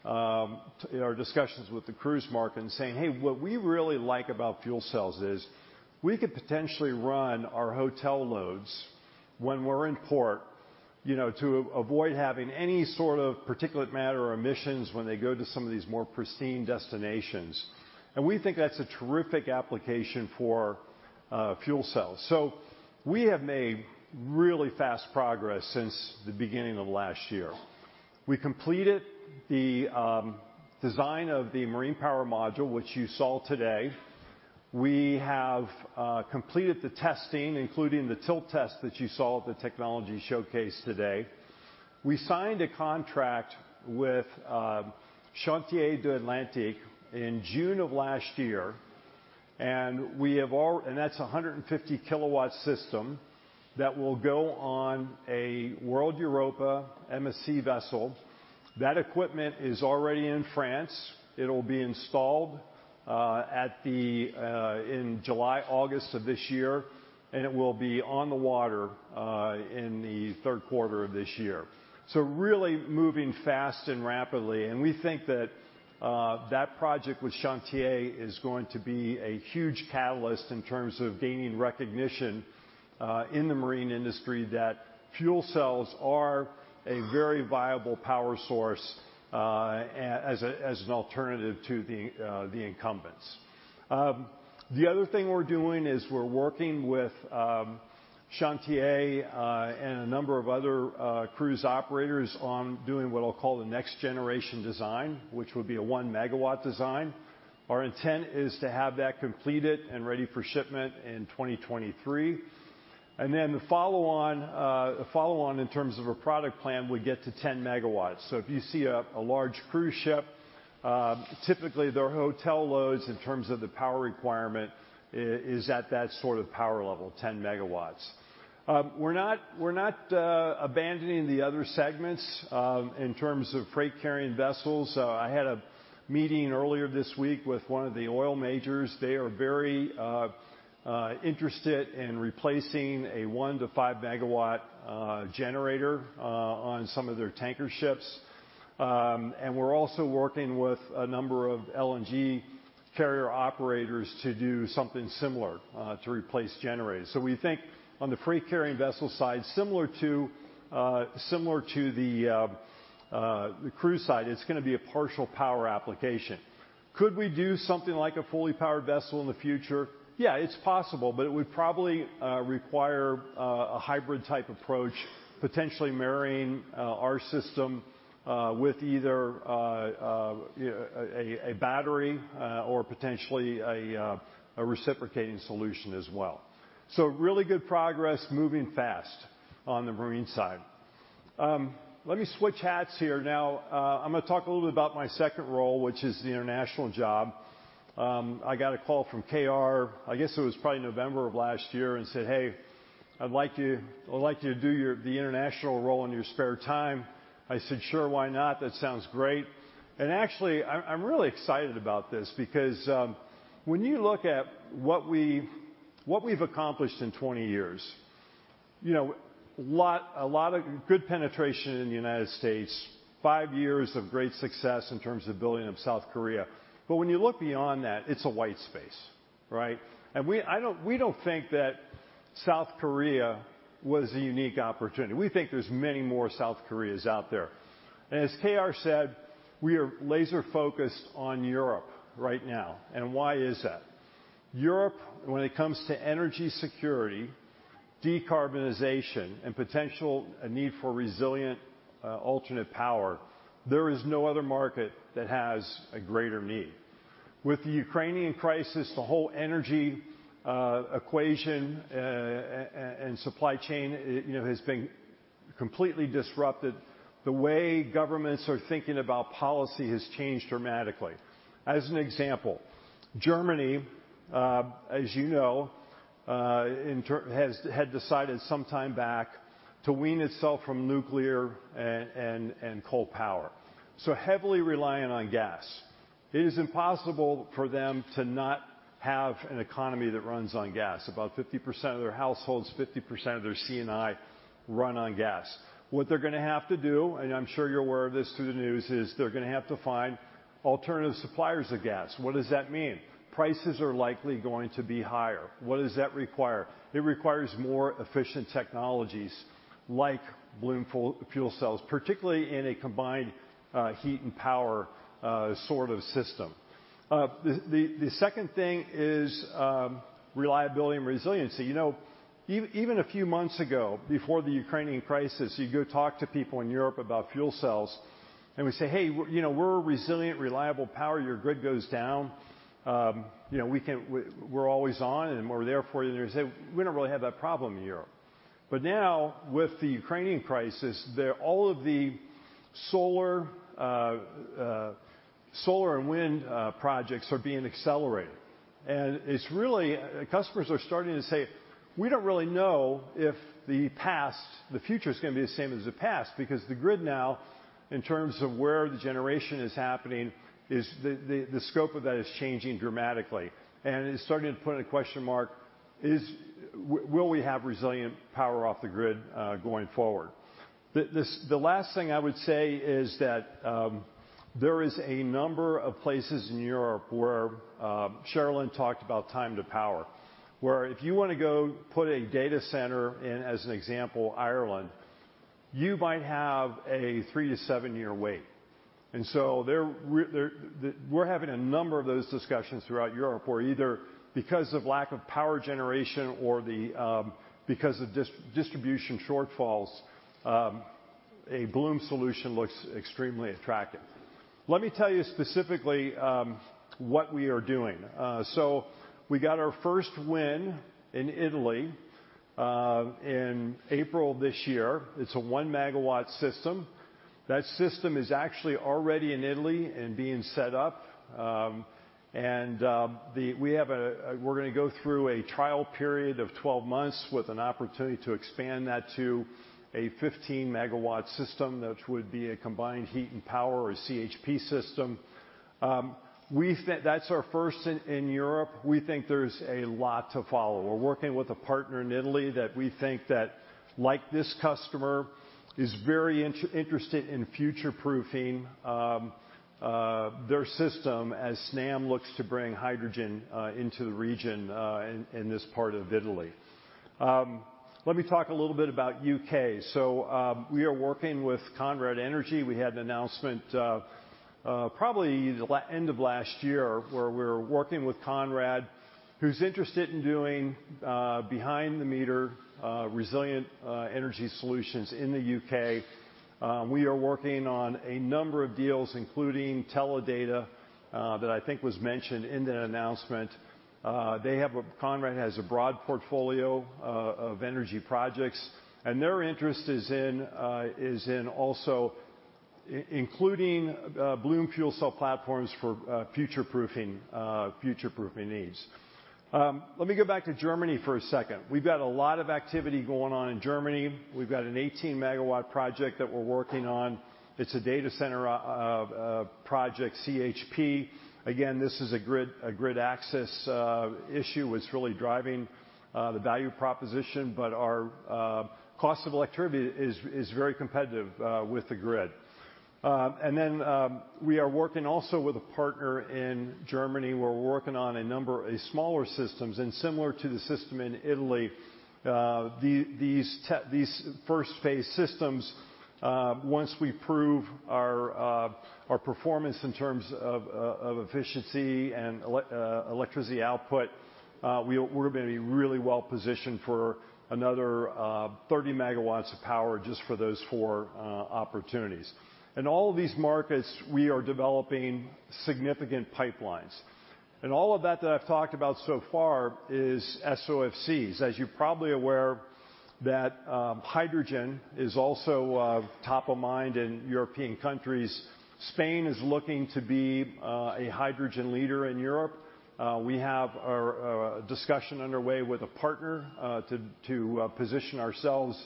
our discussions with the cruise market and saying, "Hey, what we really like about fuel cells is we could potentially run our hotel loads when we're in port to avoid having any sort of particulate matter emissions when they go to some of these more pristine destinations." And we think that's a terrific application for fuel cells. So we have made really fast progress since the beginning of last year. We completed the design of the marine power module, which you saw today. We have completed the testing, including the tilt test that you saw at the technology showcase today. We signed a contract with Chantier de l'Atlantique in June of last year. That's a 150-kilowatt system that will go on a World Europa MSC vessel. That equipment is already in France. It'll be installed in July, August of this year, and it will be on the water in the third quarter of this year. So really moving fast and rapidly. And we think that that project with Chantier is going to be a huge catalyst in terms of gaining recognition in the marine industry that fuel cells are a very viable power source as an alternative to the incumbents. The other thing we're doing is we're working with Chantier and a number of other cruise operators on doing what I'll call the next-generation design, which would be a 1-megawatt design. Our intent is to have that completed and ready for shipment in 2023. And then the follow-on in terms of a product plan would get to 10 megawatts. So if you see a large cruise ship, typically their hotel loads in terms of the power requirement is at that sort of power level, 10 megawatts. We're not abandoning the other segments in terms of freight-carrying vessels. I had a meeting earlier this week with one of the oil majors. They are very interested in replacing a one- to five-megawatt generator on some of their tanker ships. And we're also working with a number of LNG carrier operators to do something similar to replace generators. So we think on the freight-carrying vessel side, similar to the cruise side, it's going to be a partial power application. Could we do something like a fully powered vessel in the future? Yeah, it's possible, but it would probably require a hybrid-type approach, potentially marrying our system with either a battery or potentially a reciprocating solution as well. So, really good progress, moving fast on the marine side. Let me switch hats here. Now, I'm going to talk a little bit about my second role, which is the international job. I got a call from KR, I guess it was probably November of last year, and said, "Hey, I'd like you to do the international role in your spare time." I said, "Sure, why not? That sounds great." And actually, I'm really excited about this because when you look at what we've accomplished in 20 years, a lot of good penetration in the United States, five years of great success in terms of building up South Korea. But when you look beyond that, it's a white space, right? And we don't think that South Korea was a unique opportunity. We think there's many more South Koreas out there. As K.R. said, we are laser-focused on Europe right now. Why is that? Europe, when it comes to energy security, decarbonization, and potential need for resilient alternate power, there is no other market that has a greater need. With the Ukrainian crisis, the whole energy equation and supply chain has been completely disrupted. The way governments are thinking about policy has changed dramatically. As an example, Germany, as you know, had decided some time back to wean itself from nuclear and coal power, so heavily reliant on gas. It is impossible for them to not have an economy that runs on gas. About 50% of their households, 50% of their industry run on gas. What they're going to have to do, and I'm sure you're aware of this through the news, is they're going to have to find alternative suppliers of gas. What does that mean? Prices are likely going to be higher. What does that require? It requires more efficient technologies like Bloom fuel cells, particularly in a combined heat and power sort of system. The second thing is reliability and resiliency. Even a few months ago, before the Ukrainian crisis, you go talk to people in Europe about fuel cells, and we say, "Hey, we're a resilient, reliable power. Your grid goes down. We're always on, and we're there for you." And they say, "We don't really have that problem in Europe." But now, with the Ukrainian crisis, all of the solar and wind projects are being accelerated. And customers are starting to say, "We don't really know if the future is going to be the same as the past," because the grid now, in terms of where the generation is happening, the scope of that is changing dramatically. It's starting to put a question mark: will we have resilient power off the grid going forward? The last thing I would say is that there is a number of places in Europe where Sharelynn talked about time-to-power, where if you want to go put a data center in, as an example, Ireland, you might have a three- to seven-year wait. We're having a number of those discussions throughout Europe where either because of lack of power generation or because of distribution shortfalls, a Bloom solution looks extremely attractive. Let me tell you specifically what we are doing. We got our first win in Italy in April of this year. It's a 1-megawatt system. That system is actually already in Italy and being set up. We're going to go through a trial period of 12 months with an opportunity to expand that to a 15-megawatt system that would be a combined heat and power or CHP system. That's our first in Europe. We think there's a lot to follow. We're working with a partner in Italy that we think, like this customer, is very interested in future-proofing their system as Snam looks to bring hydrogen into the region in this part of Italy. Let me talk a little bit about the UK. We are working with Conrad Energy. We had an announcement probably the end of last year where we're working with Conrad, who's interested in doing behind-the-meter resilient energy solutions in the UK. We are working on a number of deals, including Teledata, that I think was mentioned in the announcement. Conrad Energy has a broad portfolio of energy projects, and their interest is in also including Bloom fuel cell platforms for future-proofing needs. Let me go back to Germany for a second. We've got a lot of activity going on in Germany. We've got an 18-megawatt project that we're working on. It's a data center project, CHP. Again, this is a grid access issue that's really driving the value proposition, but our cost of electricity is very competitive with the grid. And then we are working also with a partner in Germany where we're working on a number of smaller systems. And similar to the system in Italy, these first-phase systems, once we prove our performance in terms of efficiency and electricity output, we're going to be really well positioned for another 30 megawatts of power just for those four opportunities. In all of these markets, we are developing significant pipelines. All of that that I've talked about so far is SOFCs. As you're probably aware, hydrogen is also top of mind in European countries. Spain is looking to be a hydrogen leader in Europe. We have a discussion underway with a partner to position ourselves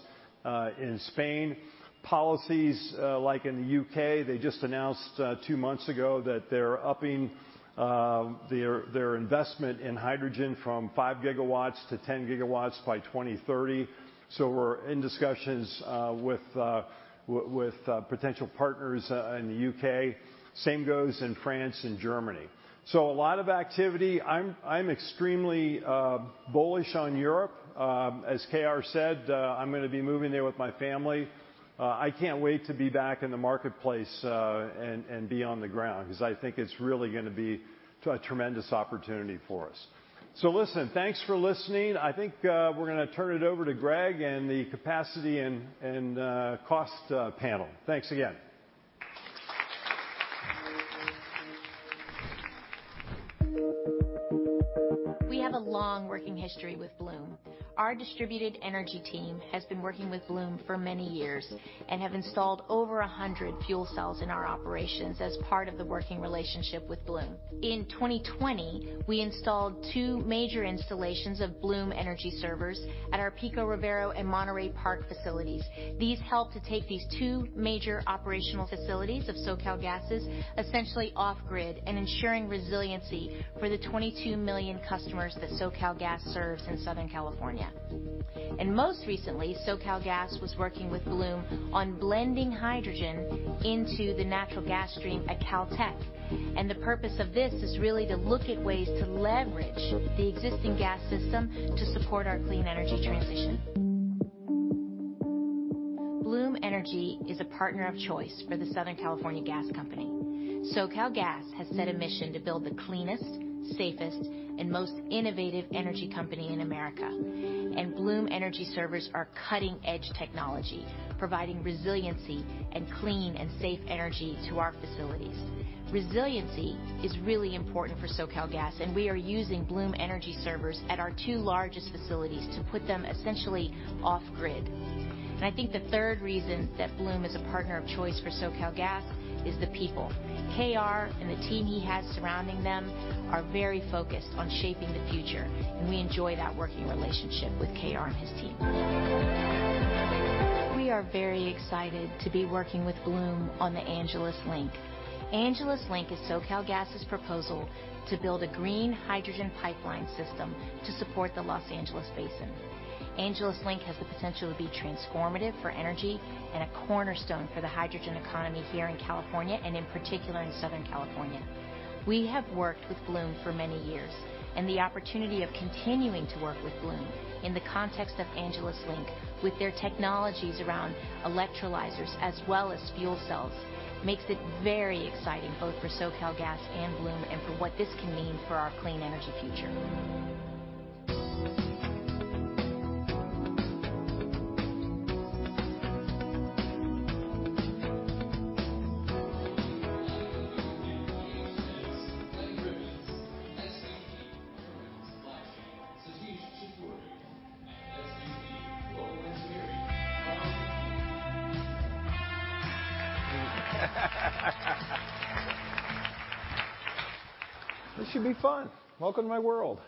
in Spain. Policies like in the U.K., they just announced two months ago that they're upping their investment in hydrogen from five gigawatts to 10 gigawatts by 2030. So we're in discussions with potential partners in the U.K. Same goes in France and Germany. So a lot of activity. I'm extremely bullish on Europe. As KR said, I'm going to be moving there with my family. I can't wait to be back in the marketplace and be on the ground because I think it's really going to be a tremendous opportunity for us. So listen, thanks for listening. I think we're going to turn it over to Greg and the capacity and cost panel. Thanks again. We have a long working history with Bloom. Our distributed energy team has been working with Bloom for many years and has installed over 100 fuel cells in our operations as part of the working relationship with Bloom. In 2020, we installed two major installations of Bloom Energy Servers at our Pico Rivera and Monterey Park facilities. These help to take these two major operational facilities of SoCal Gas's essentially off-grid and ensuring resiliency for the 22 million customers that SoCal Gas serves in Southern California. And most recently, SoCal Gas was working with Bloom on blending hydrogen into the natural gas stream at Caltech. And the purpose of this is really to look at ways to leverage the existing gas system to support our clean energy transition. Bloom Energy is a partner of choice for the Southern California Gas Company. SoCal Gas has set a mission to build the cleanest, safest, and most innovative energy company in America, and Bloom Energy servers are cutting-edge technology, providing resiliency and clean and safe energy to our facilities. Resiliency is really important for SoCal Gas, and we are using Bloom Energy servers at our two largest facilities to put them essentially off-grid, and I think the third reason that Bloom is a partner of choice for SoCal Gas is the people. KR and the team he has surrounding them are very focused on shaping the future, and we enjoy that working relationship with KR and his team. We are very excited to be working with Bloom on the Angeles Link. Angeles Link is SoCal Gas's proposal to build a green hydrogen pipeline system to support the Los Angeles Basin. Angeles Link has the potential to be transformative for energy and a cornerstone for the hydrogen economy here in California and in particular in Southern California. We have worked with Bloom for many years, and the opportunity of continuing to work with Bloom in the context of Angeles Link with their technologies around electrolyzers as well as fuel cells makes it very exciting both for SoCal Gas and Bloom and for what this can mean for our clean energy future. This should be fun. Welcome to my world.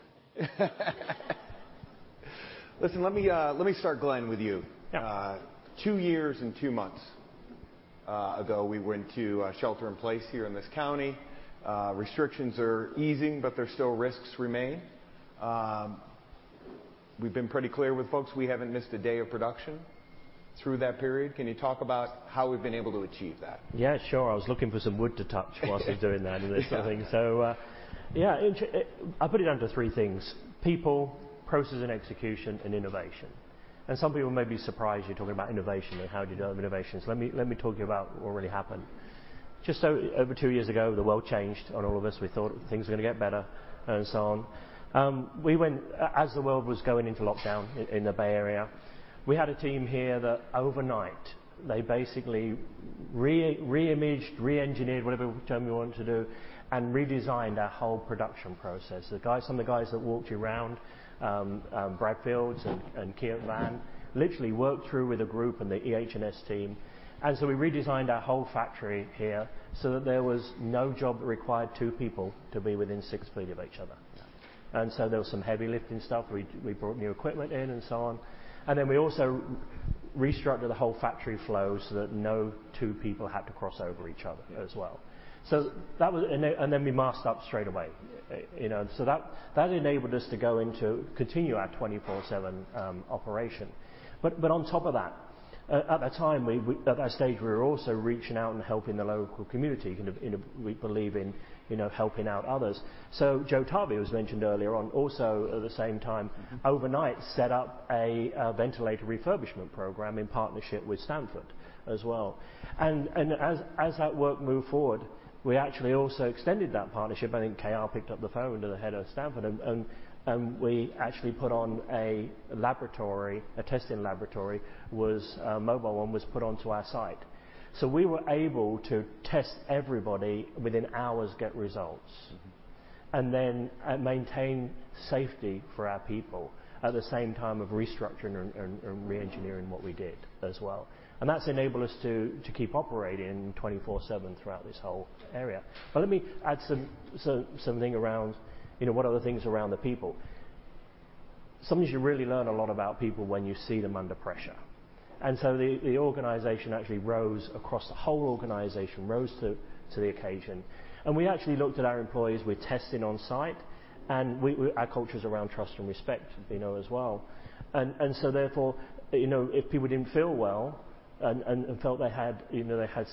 Listen, let me start, Glen, with you. Two years and two months ago, we were into shelter-in-place here in this county. Restrictions are easing, but there still risks remain. We've been pretty clear with folks. We haven't missed a day of production through that period. Can you talk about how we've been able to achieve that? Yeah, sure. I was looking for some wood to touch while he's doing that and this sort of thing. So yeah, I put it down to three things: people, process, and execution, and innovation. And some people may be surprised you're talking about innovation and how you develop innovation. So let me talk to you about what really happened. Just over two years ago, the world changed on all of us. We thought things were going to get better and so on. As the world was going into lockdown in the Bay Area, we had a team here that overnight, they basically reimaged, reengineered whatever term you want to do, and redesigned our whole production process. Some of the guys that walked around, Brad Fields and Kiran Van, literally worked through with a group and the EH&S team. We redesigned our whole factory here so that there was no job that required two people to be within six feet of each other. And so there was some heavy lifting stuff. We brought new equipment in and so on. And then we also restructured the whole factory flow so that no two people had to cross over each other as well. And then we masked up straight away. So that enabled us to continue our 24/7 operation. But on top of that, at that time, at that stage, we were also reaching out and helping the local community. We believe in helping out others. So Joe Tovey, who was mentioned earlier on, also at the same time, overnight set up a ventilator refurbishment program in partnership with Stanford as well. And as that work moved forward, we actually also extended that partnership. I think KR picked up the phone to the head of Stanford, and we actually put on a testing laboratory. A mobile one was put onto our site. So we were able to test everybody within hours, get results, and then maintain safety for our people at the same time of restructuring and reengineering what we did as well. That's enabled us to keep operating 24/7 throughout this whole area. Let me add something around what are the things around the people. Sometimes you really learn a lot about people when you see them under pressure. The organization actually rose across the whole organization, rose to the occasion. We actually looked at our employees. We're testing on site, and our culture is around trust and respect as well. And so therefore, if people didn't feel well and felt they had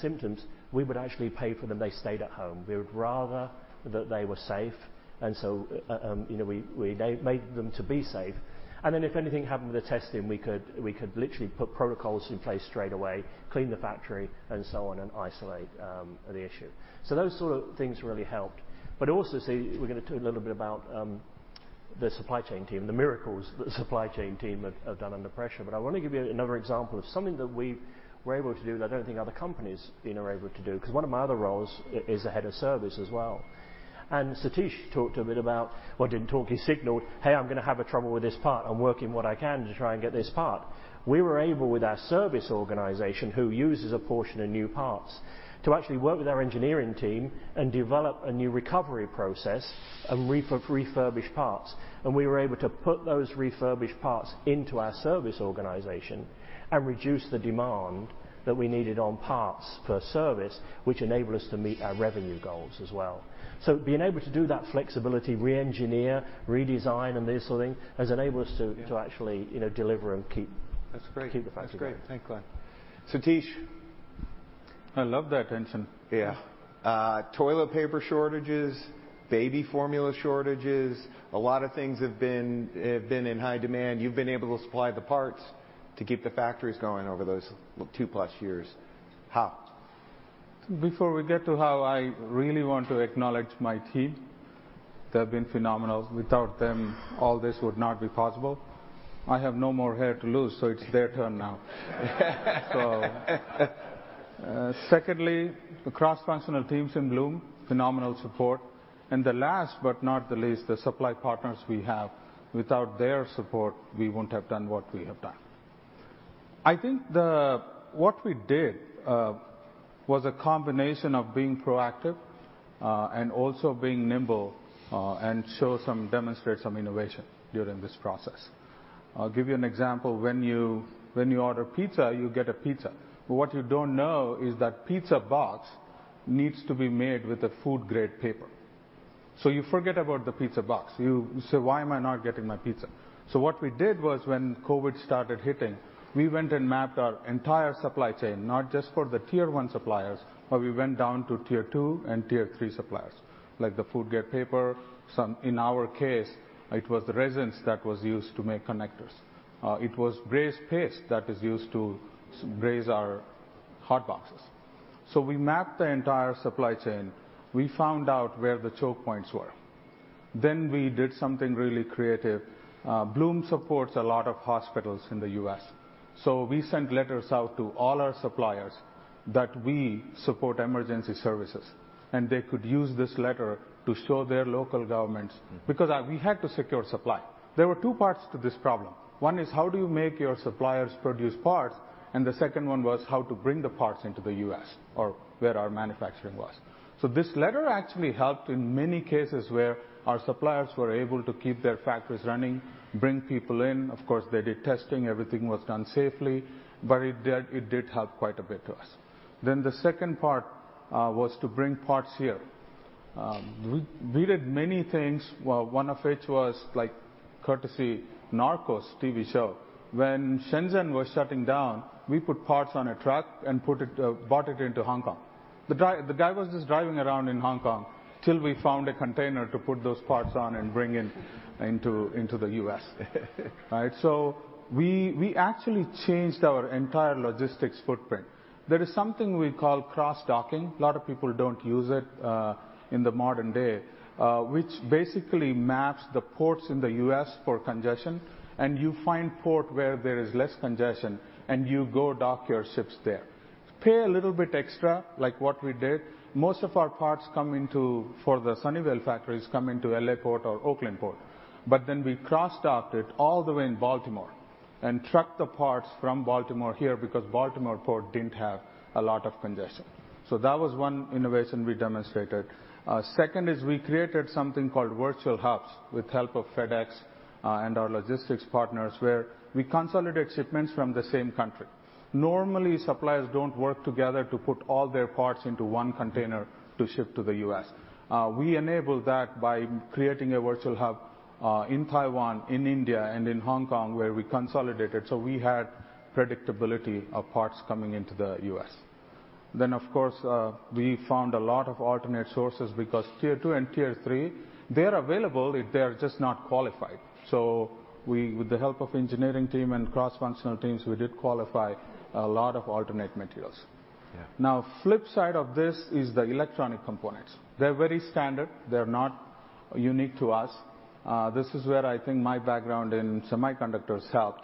symptoms, we would actually pay for them. They stayed at home. We would rather that they were safe. And so we made them to be safe. And then if anything happened with the testing, we could literally put protocols in place straight away, clean the factory, and so on, and isolate the issue. So those sort of things really helped. But also, we're going to talk a little bit about the supply chain team, the miracles that the supply chain team have done under pressure. But I want to give you another example of something that we were able to do that I don't think other companies are able to do because one of my other roles is a head of service as well. Satish talked a bit about, well, didn't talk, he signaled, "Hey, I'm going to have trouble with this part. I'm working what I can to try and get this part." We were able with our service organization, who uses a portion of new parts, to actually work with our engineering team and develop a new recovery process and refurbish parts. We were able to put those refurbished parts into our service organization and reduce the demand that we needed on parts for service, which enabled us to meet our revenue goals as well. Being able to do that flexibility, reengineer, redesign, and this sort of thing has enabled us to actually deliver and keep the factory running. That's great. That's great. Thanks, Glen. Satish, I love that answer. Yeah. Toilet paper shortages, baby formula shortages, a lot of things have been in high demand. You've been able to supply the parts to keep the factories going over those two-plus years. How? Before we get to how, I really want to acknowledge my team. They've been phenomenal. Without them, all this would not be possible. I have no more hair to lose, so it's their turn now. Secondly, the cross-functional teams in Bloom, phenomenal support. And the last, but not the least, the supply partners we have. Without their support, we wouldn't have done what we have done. I think what we did was a combination of being proactive and also being nimble and demonstrate some innovation during this process. I'll give you an example. When you order pizza, you get a pizza. But what you don't know is that pizza box needs to be made with a food-grade paper. So you forget about the pizza box. You say, "Why am I not getting my pizza?" So what we did was, when COVID started hitting, we went and mapped our entire supply chain, not just for the tier-one suppliers, but we went down to tier-two and tier-three suppliers, like the food-grade paper. In our case, it was the resins that were used to make connectors. It was brazing paste that was used to braze our hot boxes, so we mapped the entire supply chain. We found out where the choke points were, then we did something really creative. Bloom supports a lot of hospitals in the U.S. So we sent letters out to all our suppliers that we support emergency services, and they could use this letter to show their local governments because we had to secure supply. There were two parts to this problem. One is how do you make your suppliers produce parts, and the second one was how to bring the parts into the U.S. or where our manufacturing was. So this letter actually helped in many cases where our suppliers were able to keep their factories running, bring people in. Of course, they did testing. Everything was done safely. But it did help quite a bit to us. Then the second part was to bring parts here. We did many things, one of which was courtesy of Narcos TV show. When Shenzhen was shutting down, we put parts on a truck and brought it into Hong Kong. The guy was just driving around in Hong Kong till we found a container to put those parts on and bring into the U.S., right? So we actually changed our entire logistics footprint. There is something we call cross-docking. A lot of people don't use it in the modern day, which basically maps the ports in the U.S. for congestion, and you find a port where there is less congestion, and you go dock your ships there, pay a little bit extra, like what we did. Most of our parts for the Sunnyvale factories come into L.A. Port or Oakland Port, but then we cross-docked it all the way in Baltimore and trucked the parts from Baltimore here because Baltimore Port didn't have a lot of congestion, so that was one innovation we demonstrated. Second is we created something called virtual hubs with the help of FedEx and our logistics partners where we consolidate shipments from the same country. Normally, suppliers don't work together to put all their parts into one container to ship to the U.S. We enabled that by creating a virtual hub in Taiwan, in India, and in Hong Kong where we consolidated, so we had predictability of parts coming into the U.S., then, of course, we found a lot of alternate sources because tier-two and tier-three, they're available. They're just not qualified, so with the help of the engineering team and cross-functional teams, we did qualify a lot of alternate materials. Now, the flip side of this is the electronic components. They're very standard. They're not unique to us. This is where I think my background in semiconductors helped,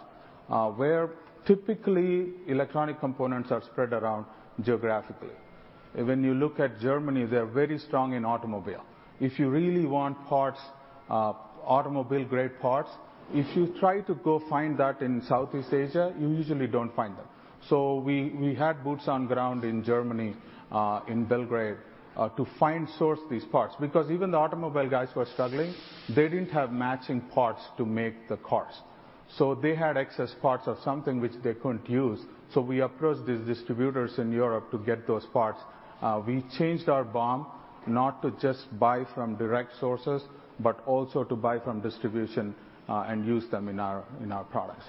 where typically electronic components are spread around geographically. When you look at Germany, they're very strong in automobile. If you really want automobile-grade parts, if you try to go find that in Southeast Asia, you usually don't find them. So we had boots on the ground in Germany, in Belgrade, to source these parts because even the automobile guys were struggling. They didn't have matching parts to make the cars. So they had excess parts of something which they couldn't use. So we approached these distributors in Europe to get those parts. We changed our BOM not to just buy from direct sources, but also to buy from distribution and use them in our products.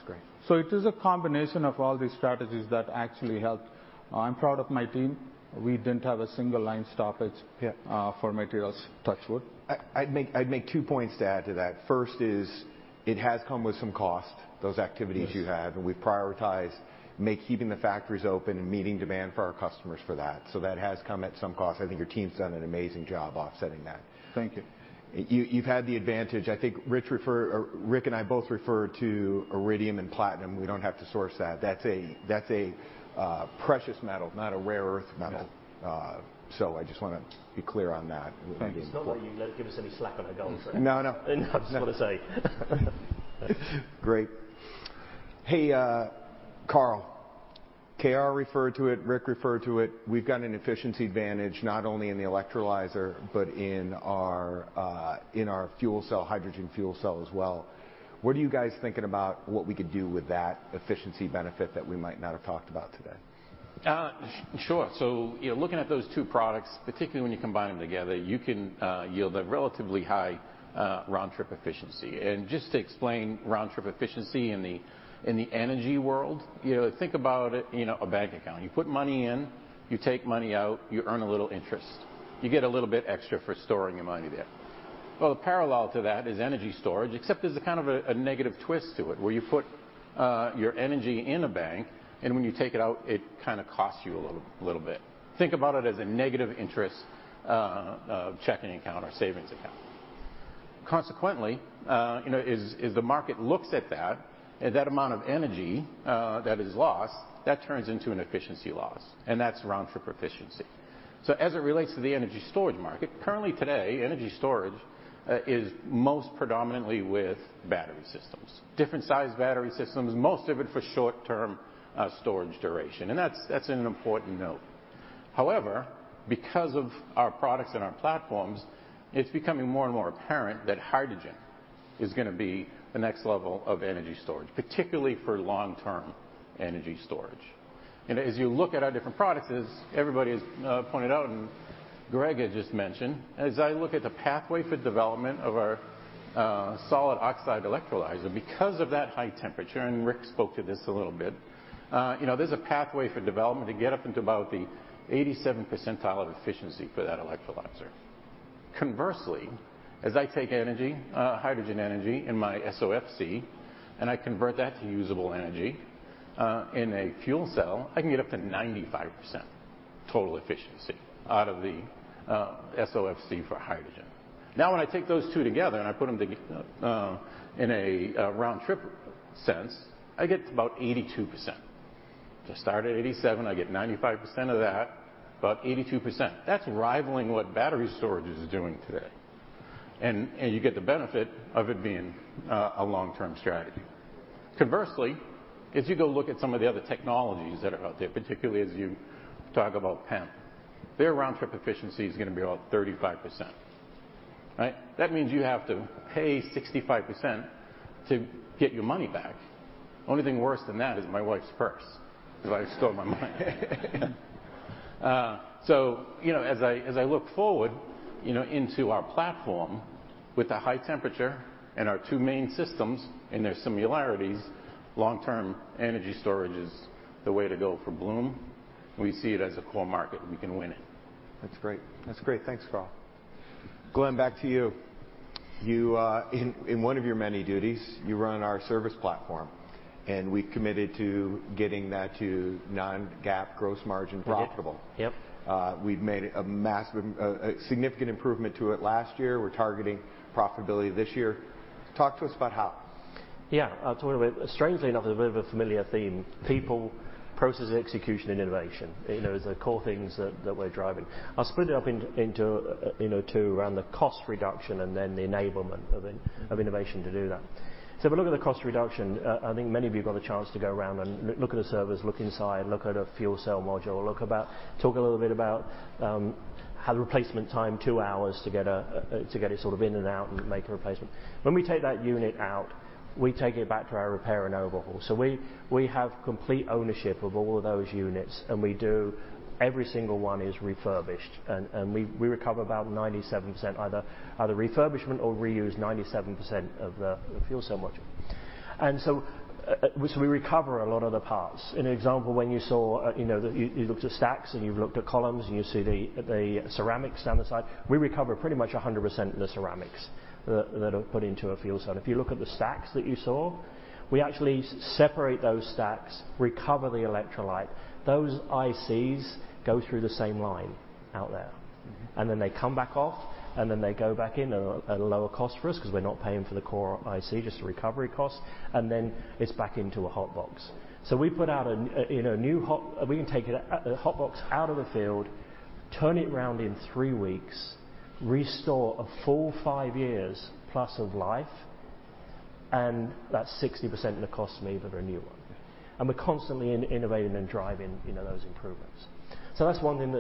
So it is a combination of all these strategies that actually helped. I'm proud of my team. We didn't have a single line stoppage for materials, touch wood. I'd make two points to add to that. First is it has come with some cost, those activities you have. And we've prioritized keeping the factories open and meeting demand for our customers for that. So that has come at some cost. I think your team's done an amazing job offsetting that. Thank you. You've had the advantage. I think Rick and I both refer to iridium and platinum. We don't have to source that. That's a precious metal, not a rare earth metal. So I just want to be clear on that. I didn't know that you let him give us any slack on our goals. No, no. I just want to say. Great. Hey, Carl. KR referred to it. Rick referred to it. We've got an efficiency advantage not only in the electrolyzer but in our fuel cell, hydrogen fuel cell as well. What are you guys thinking about what we could do with that efficiency benefit that we might not have talked about today? Sure. So looking at those two products, particularly when you combine them together, you can yield a relatively high round-trip efficiency. Just to explain round-trip efficiency in the energy world, think about a bank account. You put money in, you take money out, you earn a little interest. You get a little bit extra for storing your money there. The parallel to that is energy storage, except there's a kind of a negative twist to it where you put your energy in a bank, and when you take it out, it kind of costs you a little bit. Think about it as a negative interest checking account or savings account. Consequently, as the market looks at that, that amount of energy that is lost, that turns into an efficiency loss. That's round-trip efficiency. As it relates to the energy storage market, currently today, energy storage is most predominantly with battery systems, different-sized battery systems, most of it for short-term storage duration. That's an important note. However, because of our products and our platforms, it's becoming more and more apparent that hydrogen is going to be the next level of energy storage, particularly for long-term energy storage. And as you look at our different products, as everybody has pointed out and Greg has just mentioned, as I look at the pathway for development of our solid oxide electrolyzer, because of that high temperature (and Rick spoke to this a little bit), there's a pathway for development to get up into about the 87th percentile of efficiency for that electrolyzer. Conversely, as I take hydrogen energy in my SOFC and I convert that to usable energy in a fuel cell, I can get up to 95% total efficiency out of the SOFC for hydrogen. Now, when I take those two together and I put them in a round-trip sense, I get to about 82%. I start at 87. I get 95% of that, about 82%. That's rivaling what battery storage is doing today, and you get the benefit of it being a long-term strategy. Conversely, as you go look at some of the other technologies that are out there, particularly as you talk about PEM, their round-trip efficiency is going to be about 35%. That means you have to pay 65% to get your money back. The only thing worse than that is my wife's purse because I've stole my money, so as I look forward into our platform with the high temperature and our two main systems and their similarities, long-term energy storage is the way to go for Bloom. We see it as a core market. We can win it. That's great. That's great. Thanks, Carl. Glen, back to you. In one of your many duties, you run our service platform. We've committed to getting that to non-GAAP gross margin profitable. We've made a significant improvement to it last year. We're targeting profitability this year. Talk to us about how. Yeah. Strangely enough, it's a bit of a familiar theme. People, process execution, and innovation are the core things that we're driving. I'll split it up into two around the cost reduction and then the enablement of innovation to do that. If we look at the cost reduction, I think many of you got a chance to go around and look at the servers, look inside, look at a fuel cell module, talk a little bit about how the replacement time, two hours to get it sort of in and out and make a replacement. When we take that unit out, we take it back to our repair and overhaul. We have complete ownership of all of those units. And every single one is refurbished. And we recover about 97% either refurbishment or reuse 97% of the fuel cell module. And so we recover a lot of the parts. An example, when you looked at stacks and you've looked at columns and you see the ceramics down the side, we recover pretty much 100% of the ceramics that are put into a fuel cell. If you look at the stacks that you saw, we actually separate those stacks, recover the electrolyte. Those ICs go through the same line out there. And then they come back off, and then they go back in at a lower cost for us because we're not paying for the core IC, just the recovery cost. And then it's back into a hot box. We can take a hot box out of the field, turn it around in three weeks, restore a full five years' plus of life, and that's 60% of the cost to me for a new one. And we're constantly innovating and driving those improvements. So that's one thing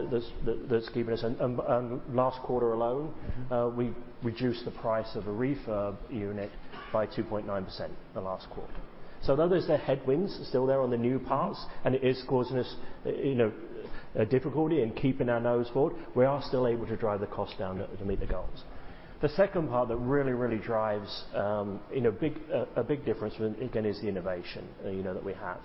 that's keeping us. And last quarter alone, we reduced the price of a refurb unit by 2.9% the last quarter. So though there's the headwinds, still there on the new parts, and it is causing us difficulty in keeping our nose forward, we are still able to drive the cost down to meet the goals. The second part that really, really drives a big difference, again, is the innovation that we have.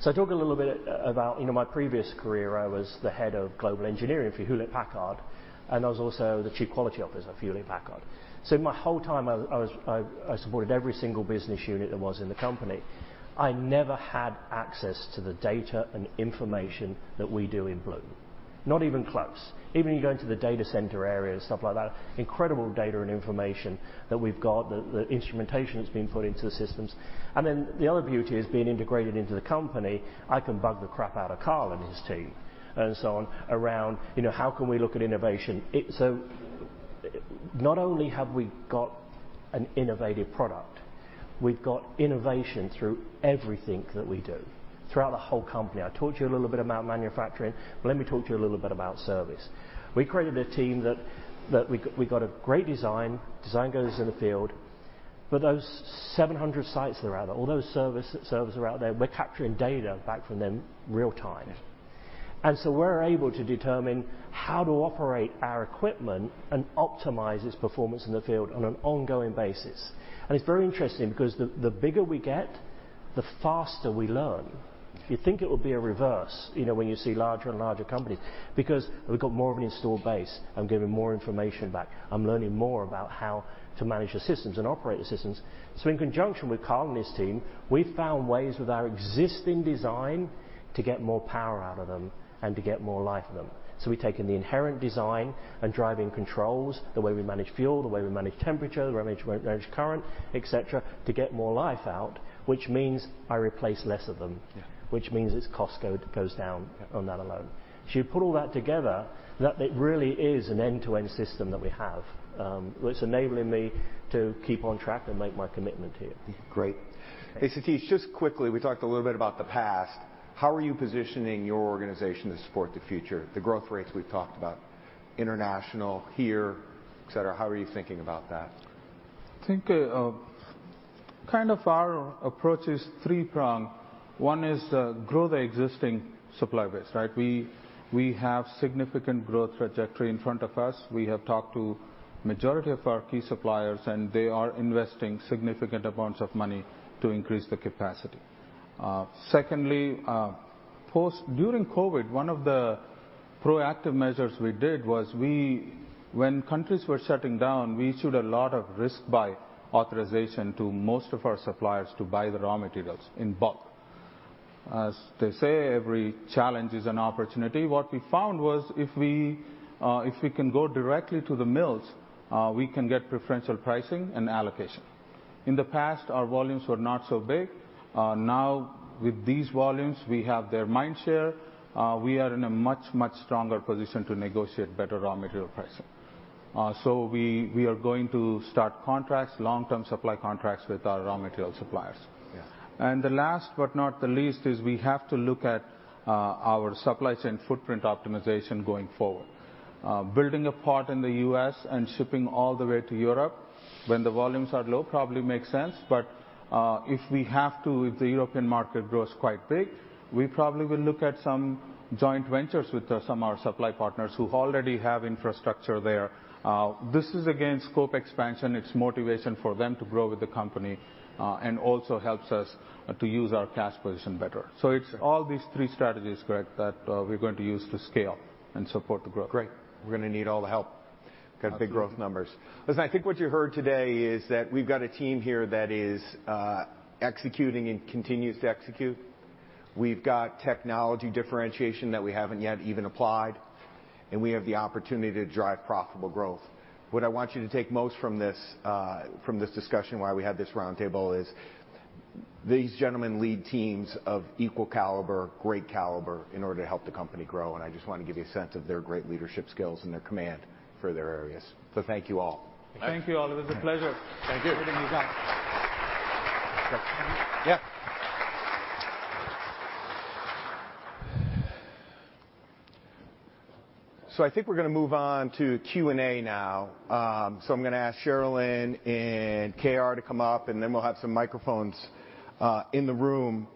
So I talk a little bit about my previous career. I was the head of global engineering for Hewlett-Packard, and I was also the chief quality officer for Hewlett-Packard. So my whole time, I supported every single business unit that was in the company. I never had access to the data and information that we do in Bloom, not even close. Even when you go into the data center area and stuff like that, incredible data and information that we've got, the instrumentation that's been put into the systems. And then the other beauty is being integrated into the company. I can bug the crap out of Carl and his team and so on around how can we look at innovation. So not only have we got an innovative product, we've got innovation through everything that we do throughout the whole company. I talked to you a little bit about manufacturing, but let me talk to you a little bit about service. We created a team that we got a great design. Design goes in the field. But those 700 sites that are out there, all those servers that are out there, we're capturing data back from them real-time. And so we're able to determine how to operate our equipment and optimize its performance in the field on an ongoing basis. And it's very interesting because the bigger we get, the faster we learn. You'd think it would be a reverse when you see larger and larger companies because we've got more of an installed base. I'm getting more information back. I'm learning more about how to manage the systems and operate the systems. So in conjunction with Carl and his team, we've found ways with our existing design to get more power out of them and to get more life in them. So we've taken the inherent design and driving controls, the way we manage fuel, the way we manage temperature, the way we manage current, etc., to get more life out, which means I replace less of them, which means its cost goes down on that alone. So you put all that together, it really is an end-to-end system that we have. It's enabling me to keep on track and make my commitment here. Great. Hey, Satish, just quickly, we talked a little bit about the past. How are you positioning your organization to support the future? The growth rates we've talked about, international, here, etc., how are you thinking about that? I think kind of our approach is three-pronged. One is to grow the existing supply base, right? We have significant growth trajectory in front of us. We have talked to the majority of our key suppliers, and they are investing significant amounts of money to increase the capacity. Secondly, during COVID, one of the proactive measures we did was when countries were shutting down, we issued a lot of risk-buy authorization to most of our suppliers to buy the raw materials in bulk. As they say, every challenge is an opportunity. What we found was if we can go directly to the mills, we can get preferential pricing and allocation. In the past, our volumes were not so big. Now, with these volumes, we have their mind share. We are in a much, much stronger position to negotiate better raw material pricing. So we are going to start contracts, long-term supply contracts with our raw material suppliers. And the last but not the least is we have to look at our supply chain footprint optimization going forward. Building a port in the U.S. and shipping all the way to Europe when the volumes are low probably makes sense. But if we have to, if the European market grows quite big, we probably will look at some joint ventures with some of our supply partners who already have infrastructure there. This is, again, scope expansion. It's motivation for them to grow with the company and also helps us to use our cash position better. So it's all these three strategies, Greg, that we're going to use to scale and support the growth. Great. We're going to need all the help. Got big growth numbers. Listen, I think what you heard today is that we've got a team here that is executing and continues to execute. We've got technology differentiation that we haven't yet even applied. And we have the opportunity to drive profitable growth. What I want you to take most from this discussion, why we had this round table, is these gentlemen lead teams of equal caliber, great caliber in order to help the company grow. And I just want to give you a sense of their great leadership skills and their command for their areas. So thank you all. Thank you. Thank you all. It was a pleasure. Thank you. Yeah. So I think we're going to move on to Q&A now. So I'm going to ask Sharelynn and K.R. to come up, and then we'll have some microphones in the room.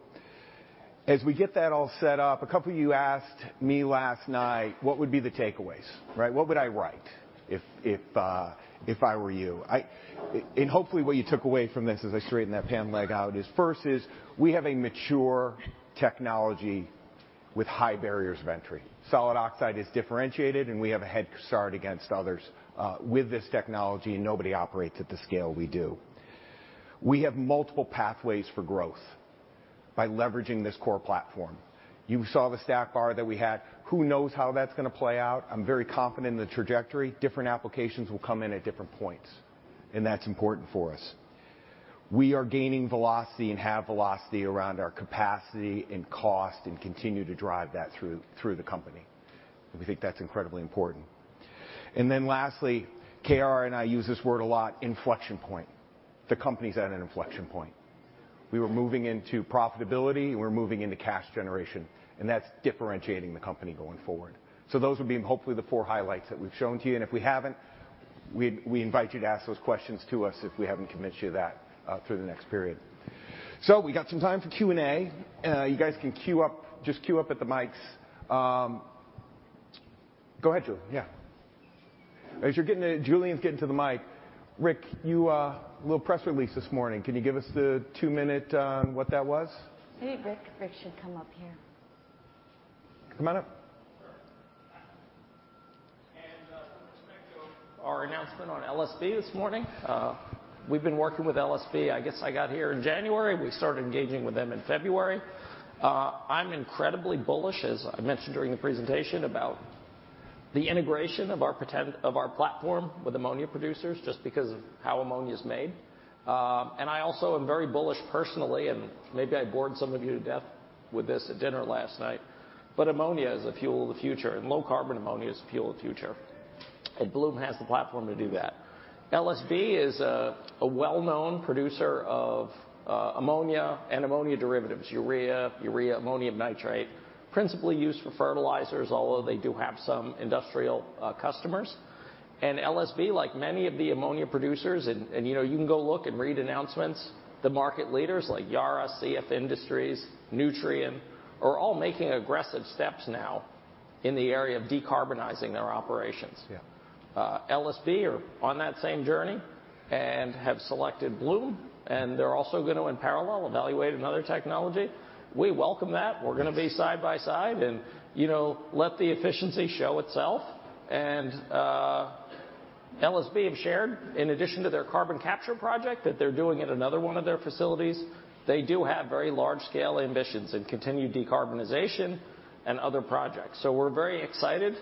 As we get that all set up, a couple of you asked me last night, "What would be the takeaways?" Right? What would I write if I were you? And hopefully, what you took away from this as I straighten that pan leg out is first, we have a mature technology with high barriers of entry. Solid oxide is differentiated, and we have a head start against others with this technology, and nobody operates at the scale we do. We have multiple pathways for growth by leveraging this core platform. You saw the stack bar that we had. Who knows how that's going to play out? I'm very confident in the trajectory. Different applications will come in at different points, and that's important for us. We are gaining velocity and have velocity around our capacity and cost and continue to drive that through the company. We think that's incredibly important. And then lastly, KR and I use this word a lot, inflection point. The company's at an inflection point. We were moving into profitability, and we're moving into cash generation. And that's differentiating the company going forward. So those would be hopefully the four highlights that we've shown to you. And if we haven't, we invite you to ask those questions to us if we haven't convinced you of that through the next period. So we got some time for Q&A. You guys can just queue up at the mics. Go ahead, Julian.Yeah. As Julian's getting to the mic, Rick, you had a little press release this morning. Can you give us the two-minute what that was? Hey, Rick. Rick should come up here. Come on up. And we'll expect our announcement on LSB this morning. We've been working with LSB. I guess I got here in January. We started engaging with them in February. I'm incredibly bullish, as I mentioned during the presentation, about the integration of our platform with ammonia producers just because of how ammonia's made. And I also am very bullish personally, and maybe I bored some of you to death with this at dinner last night. But ammonia is a fuel of the future, and low-carbon ammonia is a fuel of the future. And Bloom has the platform to do that. LSB is a well-known producer of ammonia and ammonia derivatives, urea, ammonium nitrate, principally used for fertilizers, although they do have some industrial customers. And LSB, like many of the ammonia producers, and you can go look and read announcements, the market leaders like Yara, CF Industries, Nutrien are all making aggressive steps now in the area of decarbonizing their operations. LSB are on that same journey and have selected Bloom, and they're also going to, in parallel, evaluate another technology. We welcome that. We're going to be side by side and let the efficiency show itself. And LSB have shared, in addition to their carbon capture project that they're doing at another one of their facilities, they do have very large-scale ambitions and continued decarbonization and other projects. So we're very excited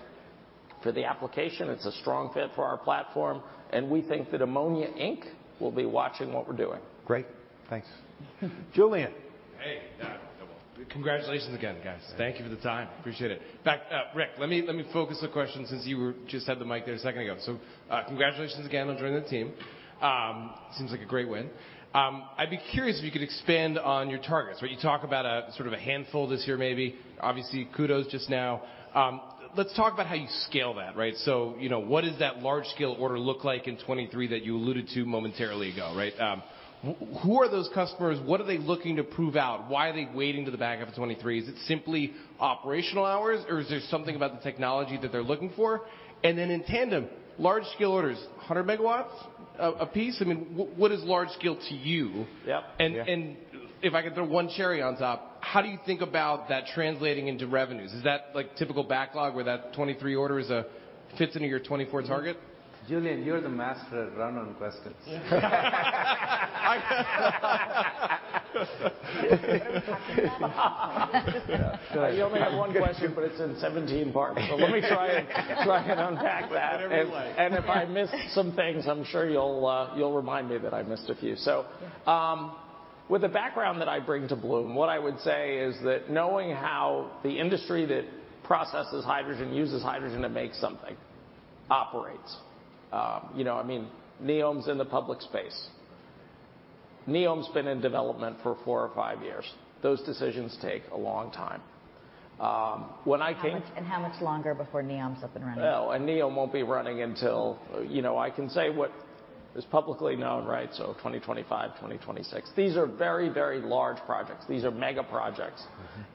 for the application. It's a strong fit for our platform. And we think that Ammonia Inc. will be watching what we're doing. Great. Thanks. Julian. Hey. Congratulations again, guys. Thank you for the time. Appreciate it. In fact, Rick, let me focus the question since you just had the mic there a second ago. So congratulations again on joining the team. Seems like a great win. I'd be curious if you could expand on your targets. You talk about sort of a handful this year, maybe. Obviously, kudos just now. Let's talk about how you scale that, right? So what does that large-scale order look like in 2023 that you alluded to momentarily ago, right? Who are those customers? What are they looking to prove out? Why are they waiting to the back of 2023? Is it simply operational hours, or is there something about the technology that they're looking for? And then in tandem, large-scale orders, 100 megawatts apiece? I mean, what is large-scale to you? And if I could throw one cherry on top, how do you think about that translating into revenues? Is that typical backlog where that 2023 order fits into your 2024 target? Julian, you're the master at run-on questions. We only have one question, but it's in 17 parts. So let me try and unpack that. If I miss some things, I'm sure you'll remind me that I missed a few. With the background that I bring to Bloom, what I would say is that knowing how the industry that processes hydrogen, uses hydrogen to make something, operates. I mean, NEOM's in the public space. NEOM's been in development for four or five years. Those decisions take a long time. When I came— How much longer before NEOM's up and running? Oh, and NEOM won't be running until I can say what is publicly known, right? 2025, 2026. These are very, very large projects. These are mega projects.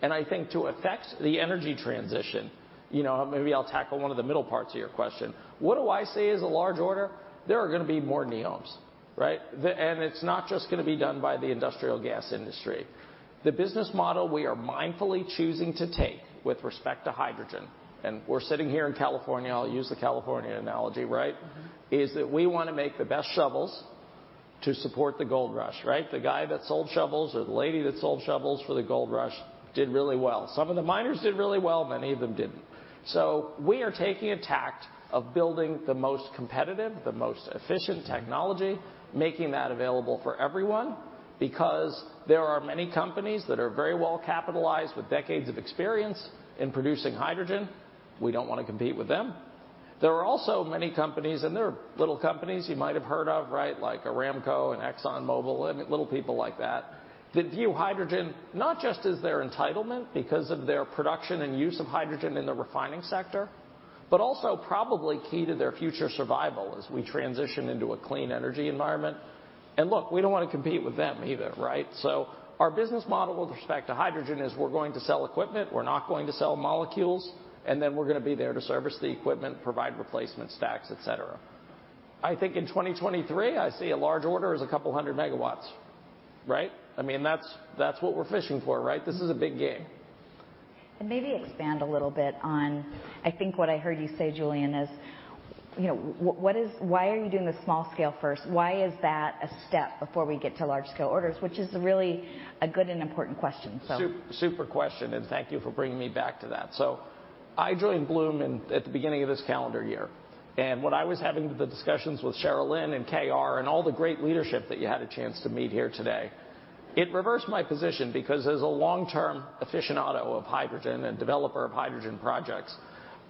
I think to effect the energy transition, maybe I'll tackle one of the middle parts of your question. What do I see as a large order? There are going to be more NEOMs, right? It's not just going to be done by the industrial gas industry. The business model we are mindfully choosing to take with respect to hydrogen, and we're sitting here in California, I'll use the California analogy, right? Is that we want to make the best shovels to support the gold rush, right? The guy that sold shovels or the lady that sold shovels for the gold rush did really well. Some of the miners did really well. Many of them didn't. So we are taking a tack of building the most competitive, the most efficient technology, making that available for everyone because there are many companies that are very well capitalized with decades of experience in producing hydrogen. We don't want to compete with them. There are also many companies, and they're little companies you might have heard of, right? Like Aramco and ExxonMobil and little people like that that view hydrogen not just as their entitlement because of their production and use of hydrogen in the refining sector, but also probably key to their future survival as we transition into a clean energy environment. And look, we don't want to compete with them either, right? So our business model with respect to hydrogen is we're going to sell equipment. We're not going to sell molecules. And then we're going to be there to service the equipment, provide replacement stacks, etc. I think in 2023, I see a large order is a couple hundred megawatts, right? I mean, that's what we're fishing for, right? This is a big game. And maybe expand a little bit on, I think what I heard you say, Julian, is why are you doing the small scale first? Why is that a step before we get to large-scale orders, which is really a good and important question. So. Super question. And thank you for bringing me back to that. So I joined Bloom at the beginning of this calendar year. And when I was having the discussions with Sharelynn and KR and all the great leadership that you had a chance to meet here today, it reversed my position because as a long-term aficionado of hydrogen and developer of hydrogen projects,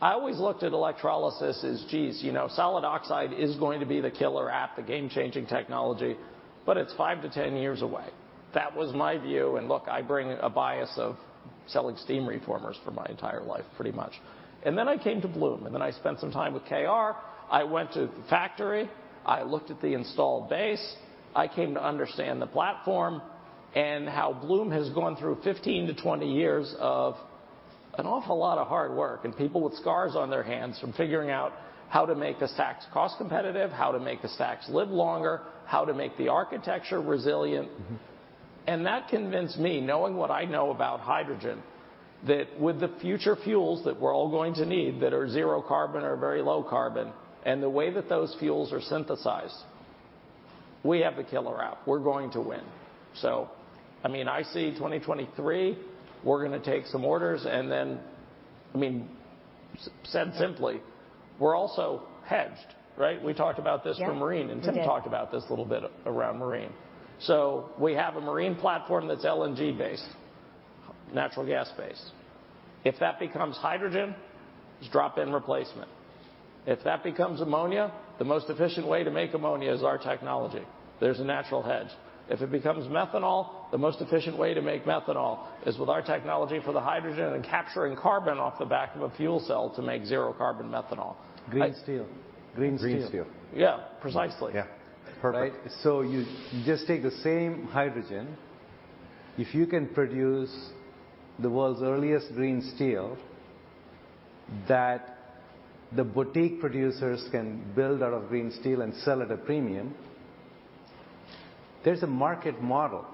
I always looked at electrolysis as, "Geez, solid oxide is going to be the killer app, the game-changing technology, but it's five to 10 years away." That was my view. And look, I bring a bias of selling steam reformers for my entire life, pretty much. And then I came to Bloom. And then I spent some time with KR. I went to the factory. I looked at the installed base. I came to understand the platform and how Bloom has gone through 15-20 years of an awful lot of hard work and people with scars on their hands from figuring out how to make the stacks cost-competitive, how to make the stacks live longer, how to make the architecture resilient. And that convinced me, knowing what I know about hydrogen, that with the future fuels that we're all going to need that are zero carbon or very low carbon and the way that those fuels are synthesized, we have the killer app. We're going to win. So I mean, I see 2023, we're going to take some orders. And then, I mean, said simply, we're also hedged, right? We talked about this for marine. And Tim talked about this a little bit around marine. So we have a marine platform that's LNG-based, natural gas-based. If that becomes hydrogen, it's drop-in replacement. If that becomes ammonia, the most efficient way to make ammonia is our technology. There's a natural hedge. If it becomes methanol, the most efficient way to make methanol is with our technology for the hydrogen and capturing carbon off the back of a fuel cell to make zero-carbon methanol. Green steel. Green steel. Yeah, precisely. Yeah. Perfect. So you just take the same hydrogen. If you can produce the world's earliest green steel that the boutique producers can build out of green steel and sell at a premium, there's a market model.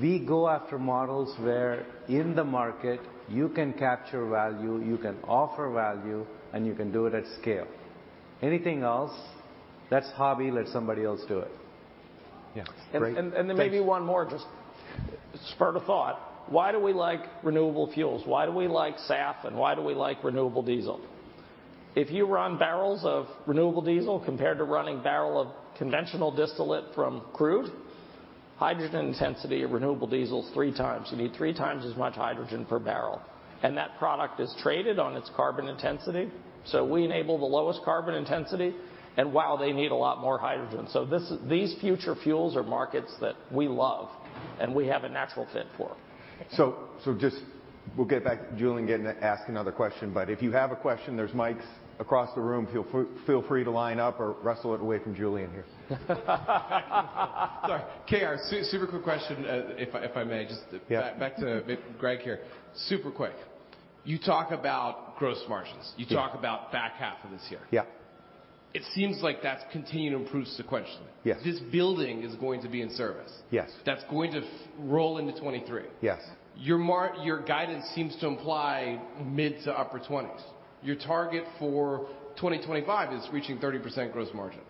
We go after models where in the market, you can capture value, you can offer value, and you can do it at scale. Anything else? That's hobby. Let somebody else do it. Yeah. Great. And then maybe one more, just spur of thought. Why do we like renewable fuels? Why do we like SAF and why do we like renewable diesel? If you run barrels of renewable diesel compared to running a barrel of conventional distillate from crude, hydrogen intensity of renewable diesel is three times. You need three times as much hydrogen per barrel. And that product is traded on its carbon intensity. So we enable the lowest carbon intensity, and wow, they need a lot more hydrogen. So these future fuels are markets that we love, and we have a natural fit for. So we'll get back to Julian asking another question. But if you have a question, there's mics across the room. Feel free to line up or wrestle it away from Julian here. Sorry. KR, super quick question, if I may. Just back to Greg here. Super quick. You talk about gross margins. You talk about back half of this year. It seems like that's continuing to improve sequentially. This building is going to be in service. That's going to roll into 2023. Your guidance seems to imply mid- to upper-20s%. Your target for 2025 is reaching 30% gross margin.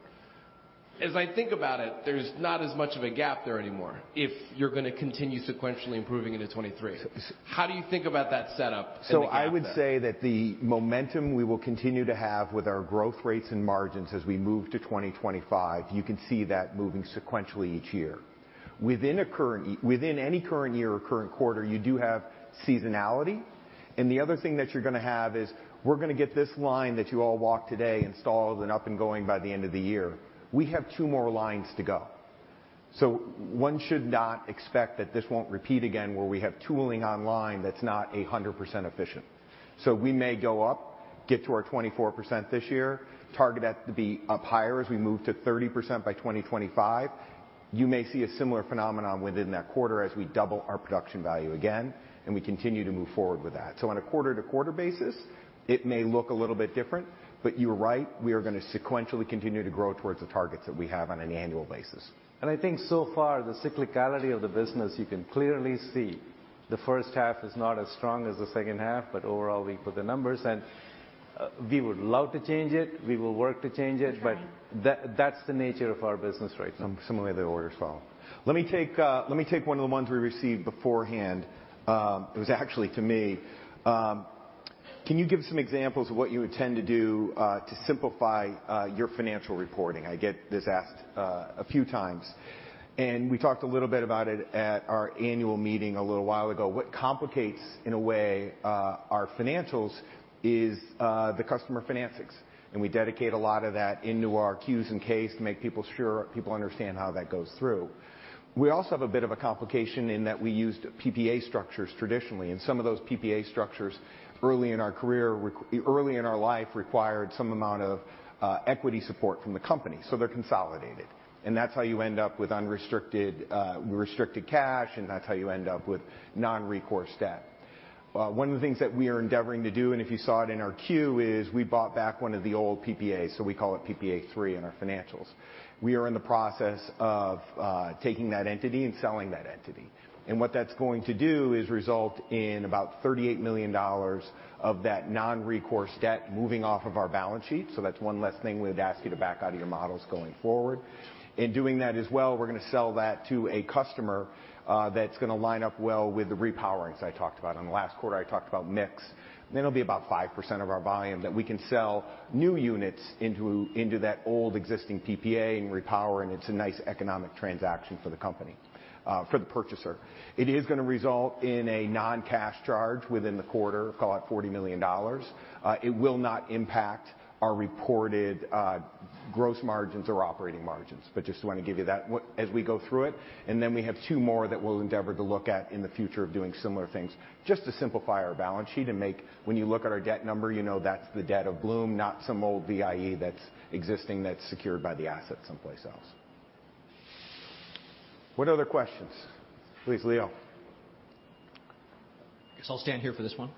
As I think about it, there's not as much of a gap there anymore if you're going to continue sequentially improving into 2023. How do you think about that setup? So I would say that the momentum we will continue to have with our growth rates and margins as we move to 2025, you can see that moving sequentially each year. Within any current year or current quarter, you do have seasonality. The other thing that you're going to have is we're going to get this line that you all walked today, installed, and up and going by the end of the year. We have two more lines to go. So one should not expect that this won't repeat again where we have tooling online that's not 100% efficient. So we may go up, get to our 24% this year, target that to be up higher as we move to 30% by 2025. You may see a similar phenomenon within that quarter as we double our production value again, and we continue to move forward with that. So on a quarter-to-quarter basis, it may look a little bit different. But you're right. We are going to sequentially continue to grow towards the targets that we have on an annual basis. I think so far, the cyclicality of the business, you can clearly see. The first half is not as strong as the second half, but overall, we put the numbers. We would love to change it. We will work to change it. But that's the nature of our business right now. Similarly, the order is following. Let me take one of the ones we received beforehand. It was actually to me. Can you give some examples of what you intend to do to simplify your financial reporting? I get this asked a few times. We talked a little bit about it at our annual meeting a little while ago. What complicates, in a way, our financials is the customer financings. We dedicate a lot of that into our Q's and K's to make sure people understand how that goes through. We also have a bit of a complication in that we used PPA structures traditionally, and some of those PPA structures early in our career, early in our life, required some amount of equity support from the company, so they're consolidated, and that's how you end up with unrestricted cash, and that's how you end up with non-recourse debt. One of the things that we are endeavoring to do, and if you saw it in our queue, is we bought back one of the old PPAs, so we call it PPA3 in our financials. We are in the process of taking that entity and selling that entity, and what that's going to do is result in about $38 million of that non-recourse debt moving off of our balance sheet, so that's one less thing we would ask you to back out of your models going forward. In doing that as well, we're going to sell that to a customer that's going to line up well with the repowerings I talked about. In the last quarter, I talked about mix. And it'll be about 5% of our volume that we can sell new units into that old existing PPA and repower. And it's a nice economic transaction for the company, for the purchaser. It is going to result in a non-cash charge within the quarter, call it $40 million. It will not impact our reported gross margins or operating margins. But just want to give you that as we go through it. And then we have two more that we'll endeavor to look at in the future of doing similar things, just to simplify our balance sheet and make, when you look at our debt number, you know, that's the debt of Bloom, not some old VIE that's existing that's secured by the asset someplace else. What other questions? Please, Leo. I guess I'll stand here for this one.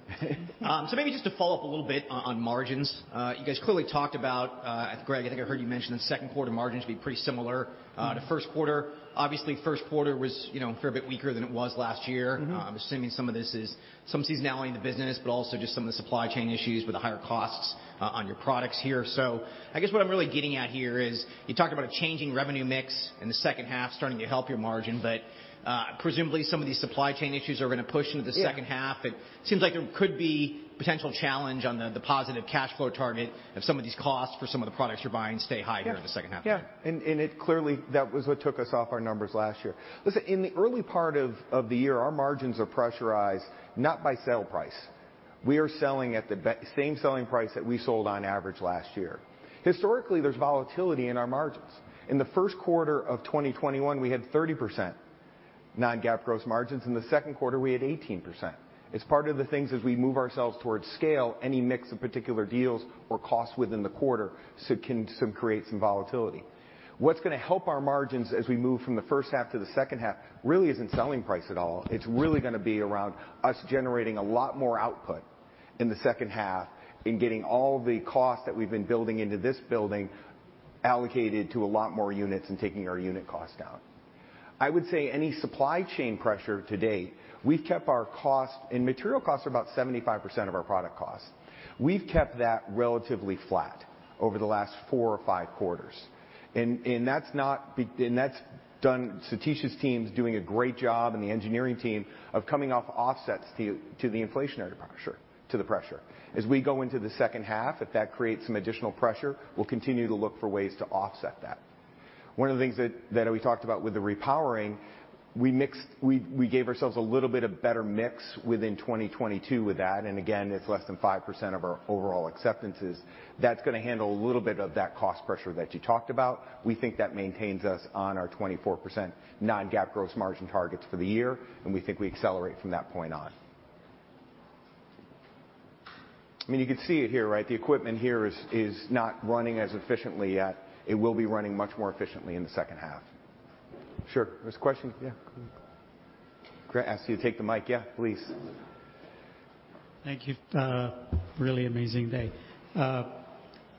So maybe just to follow up a little bit on margins. You guys clearly talked about, Greg, I think I heard you mention the second quarter margins would be pretty similar to first quarter. Obviously, first quarter was a fair bit weaker than it was last year. I'm assuming some of this is some seasonality in the business, but also just some of the supply chain issues with the higher costs on your products here. I guess what I'm really getting at here is you talked about a changing revenue mix in the second half starting to help your margin. But presumably, some of these supply chain issues are going to push into the second half. It seems like there could be potential challenge on the positive cash flow target if some of these costs for some of the products you're buying stay high here in the second half. Yeah. And clearly, that was what took us off our numbers last year. Listen, in the early part of the year, our margins are pressurized not by sale price. We are selling at the same selling price that we sold on average last year. Historically, there's volatility in our margins. In the first quarter of 2021, we had 30% non-GAAP gross margins. In the second quarter, we had 18%. It's part of the things as we move ourselves towards scale. Any mix of particular deals or costs within the quarter can create some volatility. What's going to help our margins as we move from the first half to the second half really isn't selling price at all. It's really going to be around us generating a lot more output in the second half and getting all the costs that we've been building into this building allocated to a lot more units and taking our unit costs down. I would say any supply chain pressure to date. We've kept our cost and material costs at about 75% of our product costs. We've kept that relatively flat over the last four or five quarters. And that's Satish's team doing a great job and the engineering team of coming off offsets to the inflationary pressure. As we go into the second half, if that creates some additional pressure, we'll continue to look for ways to offset that. One of the things that we talked about with the repowering, we gave ourselves a little bit of better mix within 2022 with that, and again, it's less than 5% of our overall acceptances. That's going to handle a little bit of that cost pressure that you talked about. We think that maintains us on our 24% non-GAAP gross margin targets for the year, and we think we accelerate from that point on. I mean, you can see it here, right? The equipment here is not running as efficiently yet. It will be running much more efficiently in the second half. Sure. There's a question? Yeah.Greg, I asked you to take the mic. Yeah, please. Thank you. Really amazing day.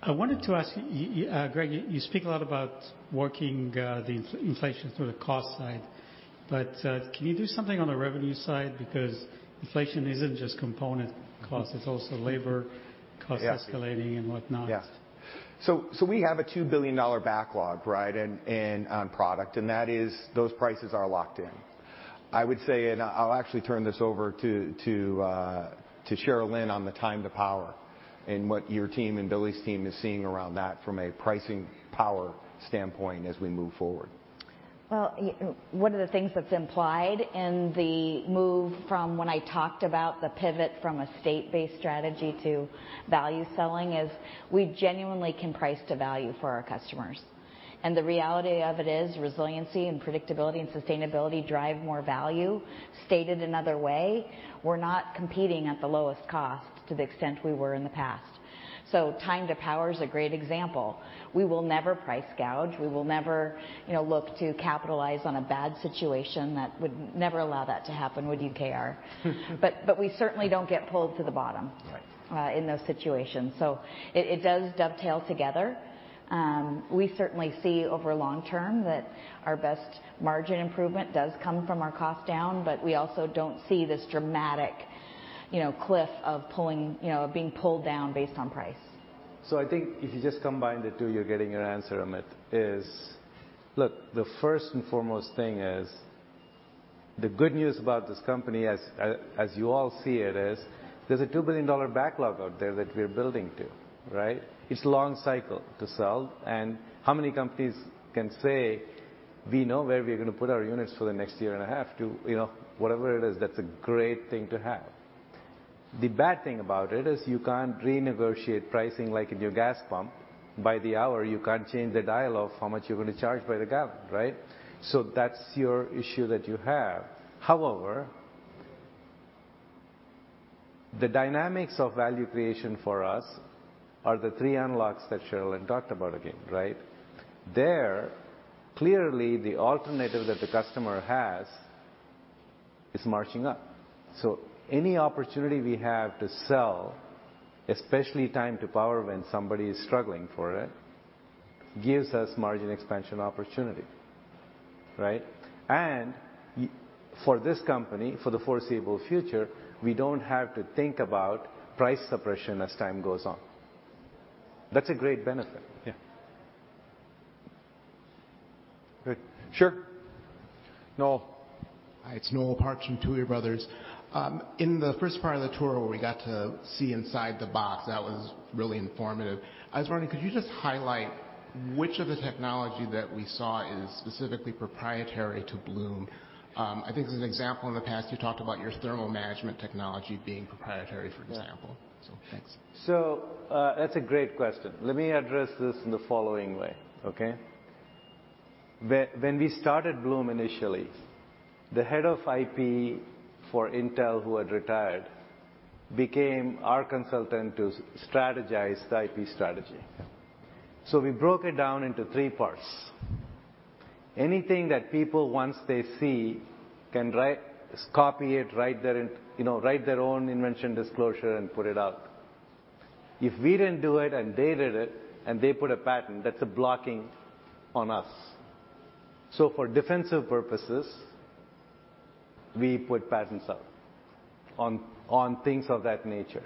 I wanted to ask you, Greg. You speak a lot about working the inflation through the cost side. But can you do something on the revenue side? Because inflation isn't just component costs. It's also labor costs escalating and whatnot. Yeah. So we have a $2 billion backlog, right, on product. And those prices are locked in. I would say, and I'll actually turn this over to Sharelynn on the time to power and what your team and Billy's team is seeing around that from a pricing power standpoint as we move forward. Well, one of the things that's implied in the move from when I talked about the pivot from a state-based strategy to value selling is we genuinely can price to value for our customers. And the reality of it is resiliency and predictability and sustainability drive more value. Stated another way, we're not competing at the lowest cost to the extent we were in the past. So time to power is a great example. We will never price gouge. We will never look to capitalize on a bad situation that would never allow that to happen with UKR. But we certainly don't get pulled to the bottom in those situations. So it does dovetail together. We certainly see over long term that our best margin improvement does come from our cost down, but we also don't see this dramatic cliff of being pulled down based on price. So I think if you just combine the two, you're getting your answer, Amit, is, look, the first and foremost thing is the good news about this company, as you all see it, is there's a $2 billion backlog out there that we're building to, right? It's a long cycle to sell, and how many companies can say, "We know where we're going to put our units for the next year and a half," to whatever it is, that's a great thing to have. The bad thing about it is you can't renegotiate pricing like in your gas pump. By the hour, you can't change the dial of how much you're going to charge by the gallon, right? So that's your issue that you have. However, the dynamics of value creation for us are the three analogs that Sharelynn talked about again, right? There, clearly, the alternative that the customer has is marching up. So any opportunity we have to sell, especially time-to-power when somebody is struggling for it, gives us margin expansion opportunity, right? And for this company, for the foreseeable future, we don't have to think about price suppression as time goes on. That's a great benefit. Yeah. Sure. Noel. Hi. It's Noel Park from Tuohy Brothers. In the first part of the tour where we got to see inside the box, that was really informative. I was wondering, could you just highlight which of the technology that we saw is specifically proprietary to Bloom? I think as an example, in the past, you talked about your thermal management technology being proprietary, for example. So thanks. So that's a great question. Let me address this in the following way, okay? When we started Bloom initially, the head of IP for Intel who had retired became our consultant to strategize the IP strategy. So we broke it down into three parts. Anything that people, once they see, can copy it, write their own invention disclosure, and put it out. If we didn't do it and they did it and they put a patent, that's a blocking on us. So for defensive purposes, we put patents out on things of that nature.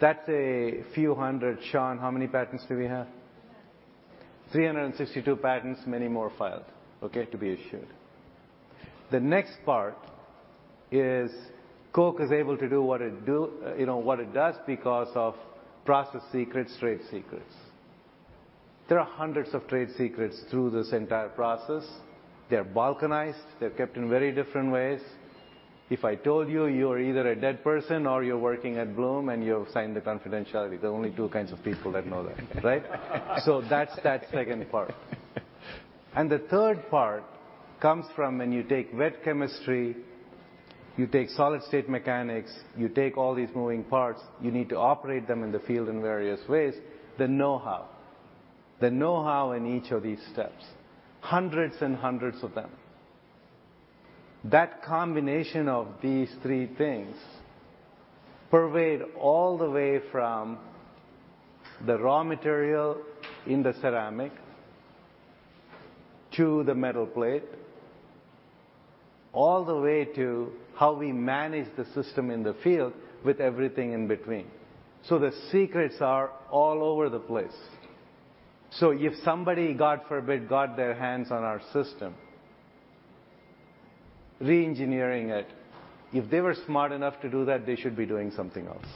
That's a few hundred. Shawn, how many patents do we have? 362 patents, many more filed, okay, to be issued. The next part is Coke is able to do what it does because of process secrets, trade secrets. There are hundreds of trade secrets through this entire process. They're balkanized. They're kept in very different ways. If I told you, you are either a dead person or you're working at Bloom and you've signed the confidentiality, there are only two kinds of people that know that, right? So that's that second part. The third part comes from when you take wet chemistry, you take solid-state mechanics, you take all these moving parts, you need to operate them in the field in various ways, the know-how. The know-how in each of these steps, hundreds and hundreds of them. That combination of these three things pervade all the way from the raw material in the ceramic to the metal plate, all the way to how we manage the system in the field with everything in between. So the secrets are all over the place. So if somebody, God forbid, got their hands on our system, re-engineering it, if they were smart enough to do that, they should be doing something else.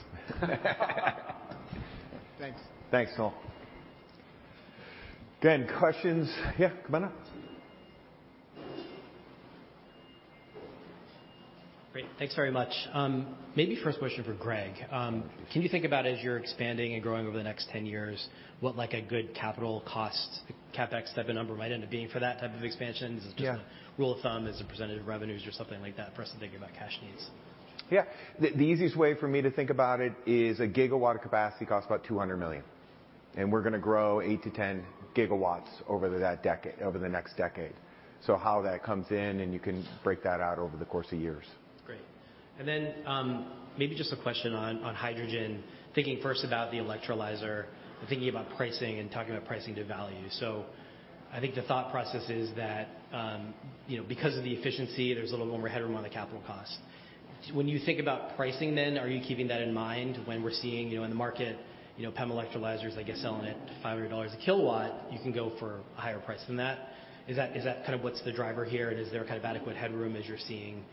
Thanks. Thanks, Noel. Good. Questions? Yeah, come on up. Great. Thanks very much. Maybe first question for Greg. Can you think about, as you're expanding and growing over the next 10 years, what a good capital cost CapEx type of number might end up being for that type of expansion? Is it just a rule of thumb as a percentage of revenues or something like that for us to think about cash needs? Yeah. The easiest way for me to think about it is a gigawatt of capacity costs about $200 million, and we're going to grow 8-10 gigawatts over the next decade. So how that comes in, and you can break that out over the course of years. Great, and then maybe just a question on hydrogen, thinking first about the electrolyzer and thinking about pricing and talking about pricing to value. So I think the thought process is that because of the efficiency, there's a little more headroom on the capital cost. When you think about pricing, then, are you keeping that in mind when we're seeing in the market, PEM electrolyzers, I guess, selling at $500 a kilowatt, you can go for a higher price than that? Is that kind of what's the driver here? And is there kind of adequate headroom as you're seeing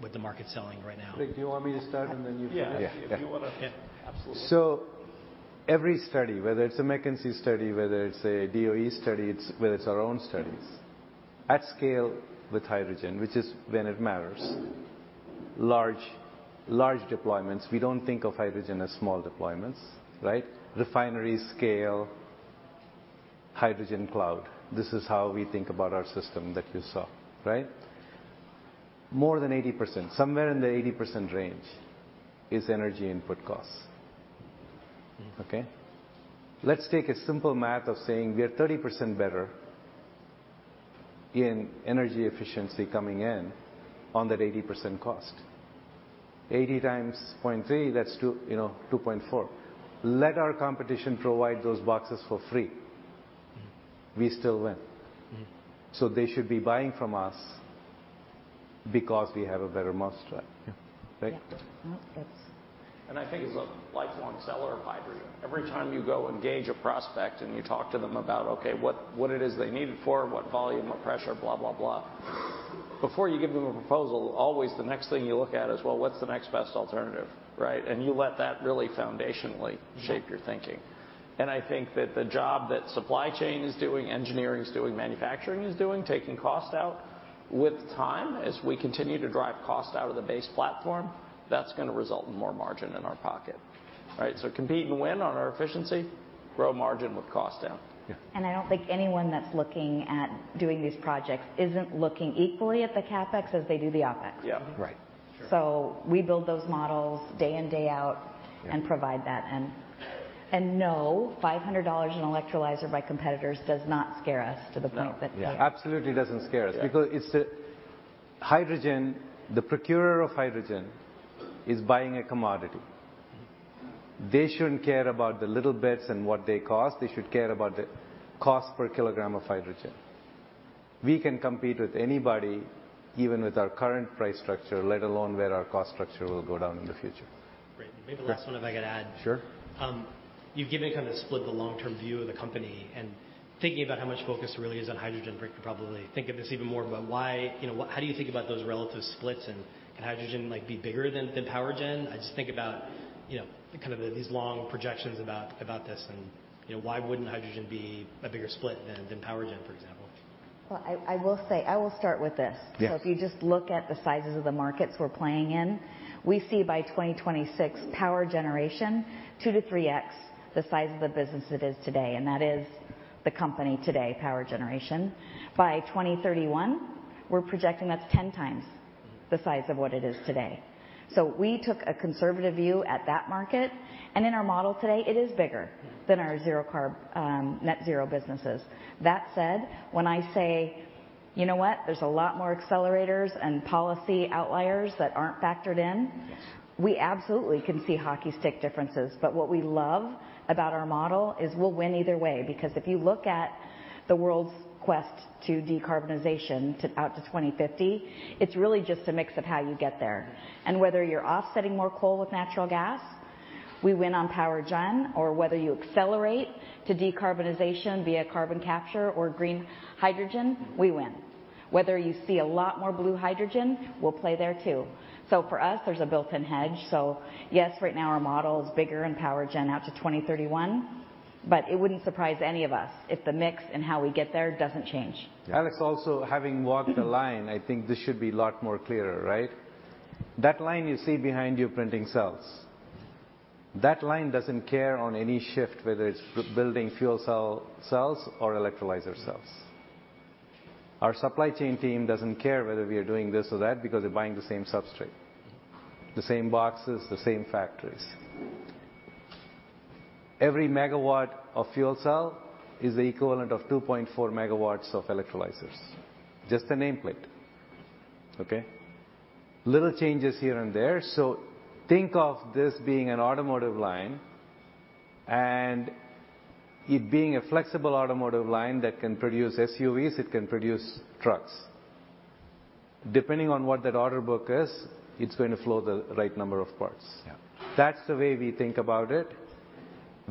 what the market's selling right now? Greg, do you want me to start and then you finish? Yeah. Yeah. Yeah. Absolutely. So every study, whether it's a McKinsey study, whether it's a DOE study, whether it's our own studies, at scale with hydrogen, which is when it matters, large deployments, we don't think of hydrogen as small deployments, right? Refinery scale, hydrogen cloud. This is how we think about our system that you saw, right? More than 80%, somewhere in the 80% range is energy input costs. Okay? Let's take a simple math of saying we are 30% better in energy efficiency coming in on that 80% cost. 80 times 0.3, that's 2.4. Let our competition provide those boxes for free. We still win. So they should be buying from us because we have a better mousetrap, right? And I think it's a lifelong seller of hydrogen. Every time you go engage a prospect and you talk to them about, okay, what it is they need it for, what volume, what pressure, blah, blah, blah, before you give them a proposal, always the next thing you look at is, well, what's the next best alternative, right? And you let that really foundationally shape your thinking. And I think that the job that supply chain is doing, engineering is doing, manufacturing is doing, taking cost out with time, as we continue to drive cost out of the base platform, that's going to result in more margin in our pocket, right? So compete and win on our efficiency, grow margin with cost down. And I don't think anyone that's looking at doing these projects isn't looking equally at the CapEx as they do the OpEx. So we build those models day in, day out and provide that. And no, $500 an electrolyzer by competitors does not scare us to the point that. Yeah. Absolutely doesn't scare us. Because hydrogen, the procurer of hydrogen is buying a commodity. They shouldn't care about the little bits and what they cost. They should care about the cost per kilogram of hydrogen. We can compete with anybody, even with our current price structure, let alone where our cost structure will go down in the future. Great. Maybe last one, if I could add. Sure. You've given kind of a split, the long-term view of the company. And thinking about how much focus really is on hydrogen, Greg could probably think of this even more. But how do you think about those relative splits? And can hydrogen be bigger than Power Gen? I just think about kind of these long projections about this. And why wouldn't hydrogen be a bigger split than Power Gen, for example? Well, I will start with this. So if you just look at the sizes of the markets we're playing in, we see by 2026, power generation, 2-3X the size of the business it is today. And that is the company today, Power Generation. By 2031, we're projecting that's 10 times the size of what it is today. So we took a conservative view at that market. And in our model today, it is bigger than our net-zero businesses. That said, when I say, you know what, there's a lot more accelerators and policy outliers that aren't factored in, we absolutely can see hockey stick differences. But what we love about our model is we'll win either way. Because if you look at the world's quest to decarbonization out to 2050, it's really just a mix of how you get there. And whether you're offsetting more coal with natural gas, we win on Power Gen. Or whether you accelerate to decarbonization via carbon capture or green hydrogen, we win. Whether you see a lot more blue hydrogen, we'll play there too. So for us, there's a built-in hedge. So yes, right now our model is bigger in Power Gen out to 2031, but it wouldn't surprise any of us if the mix and how we get there doesn't change. Alex, also having walked the line, I think this should be a lot more clearer, right? That line you see behind you printing cells, that line doesn't care on any shift, whether it's building fuel cells or electrolyzer cells. Our supply chain team doesn't care whether we are doing this or that because they're buying the same substrate, the same boxes, the same factories. Every megawatt of fuel cell is the equivalent of 2.4 megawatts of electrolyzers, just the nameplate, okay? Little changes here and there, so think of this being an automotive line and it being a flexible automotive line that can produce SUVs. It can produce trucks. Depending on what that order book is, it's going to flow the right number of parts. That's the way we think about it.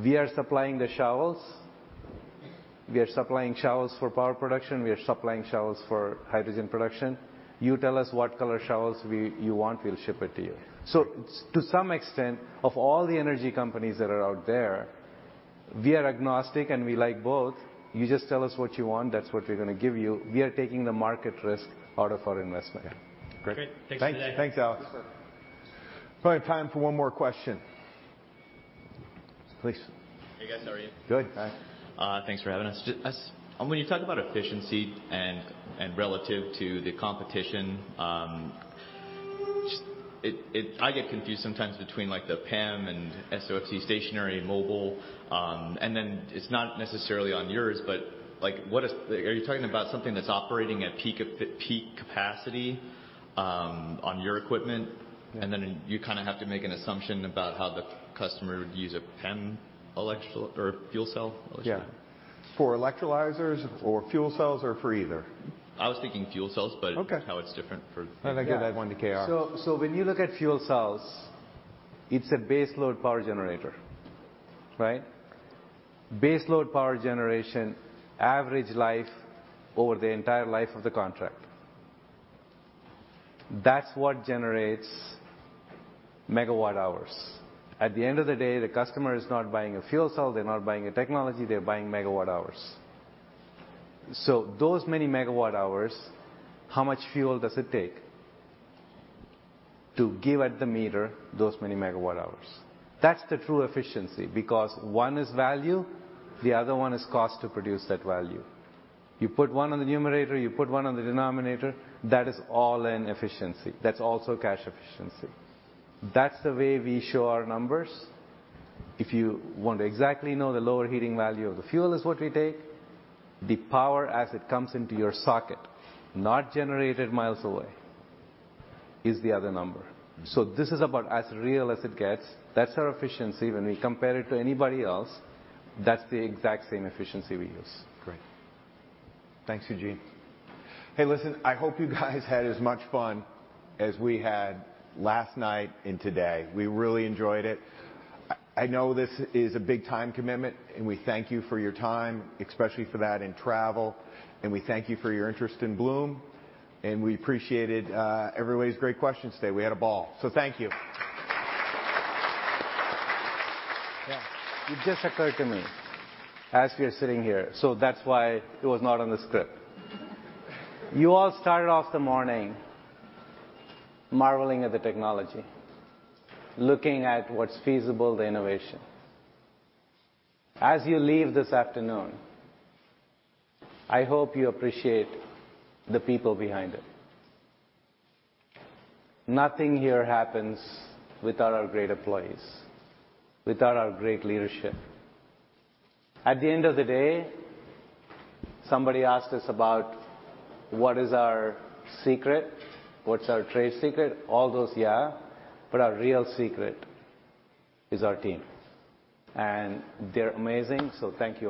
We are supplying the shovels. We are supplying shovels for power production. We are supplying shovels for hydrogen production. You tell us what color shovels you want, we'll ship it to you. So to some extent, of all the energy companies that are out there, we are agnostic and we like both. You just tell us what you want, that's what we're going to give you. We are taking the market risk out of our investment. Great. Thanks for today. Thanks, Alex. Probably time for one more question, please. Hey, guys. How are you? Good. Hi. Thanks for having us. When you talk about efficiency and relative to the competition, I get confused sometimes between the PEM and SOFC stationary mobile. And then it's not necessarily on yours, but are you talking about something that's operating at peak capacity on your equipment? And then you kind of have to make an assumption about how the customer would use a PEM fuel cell? Yeah. For electrolyzers or fuel cells or for either? I was thinking fuel cells, but how it's different for. I'm going to give that one to KR. So when you look at fuel cells, it's a baseload power generator, right? Baseload power generation, average life over the entire life of the contract. That's what generates megawatt hours. At the end of the day, the customer is not buying a fuel cell, they're not buying a technology, they're buying megawatt hours. So those many megawatt hours, how much fuel does it take to give at the meter those many megawatt hours? That's the true efficiency because one is value, the other one is cost to produce that value. You put one on the numerator, you put one on the denominator, that is all in efficiency. That's also cash efficiency. That's the way we show our numbers. If you want to exactly know, the lower heating value of the fuel is what we take, the power as it comes into your socket, not generated miles away, is the other number. So this is about as real as it gets. That's our efficiency. When we compare it to anybody else, that's the exact same efficiency we use. Great. Thanks, Eugene. Hey, listen, I hope you guys had as much fun as we had last night and today. We really enjoyed it. I know this is a big-time commitment, and we thank you for your time, especially for that in travel. We thank you for your interest in Bloom. We appreciated everybody's great questions today. We had a ball. Thank you. Yeah. It just occurred to me, as we are sitting here, so that's why it was not on the script. You all started off the morning marveling at the technology, looking at what's feasible, the innovation. As you leave this afternoon, I hope you appreciate the people behind it. Nothing here happens without our great employees, without our great leadership. At the end of the day, somebody asked us about what is our secret, what's our trade secret, all those, yeah. Our real secret is our team. They're amazing. Thank you.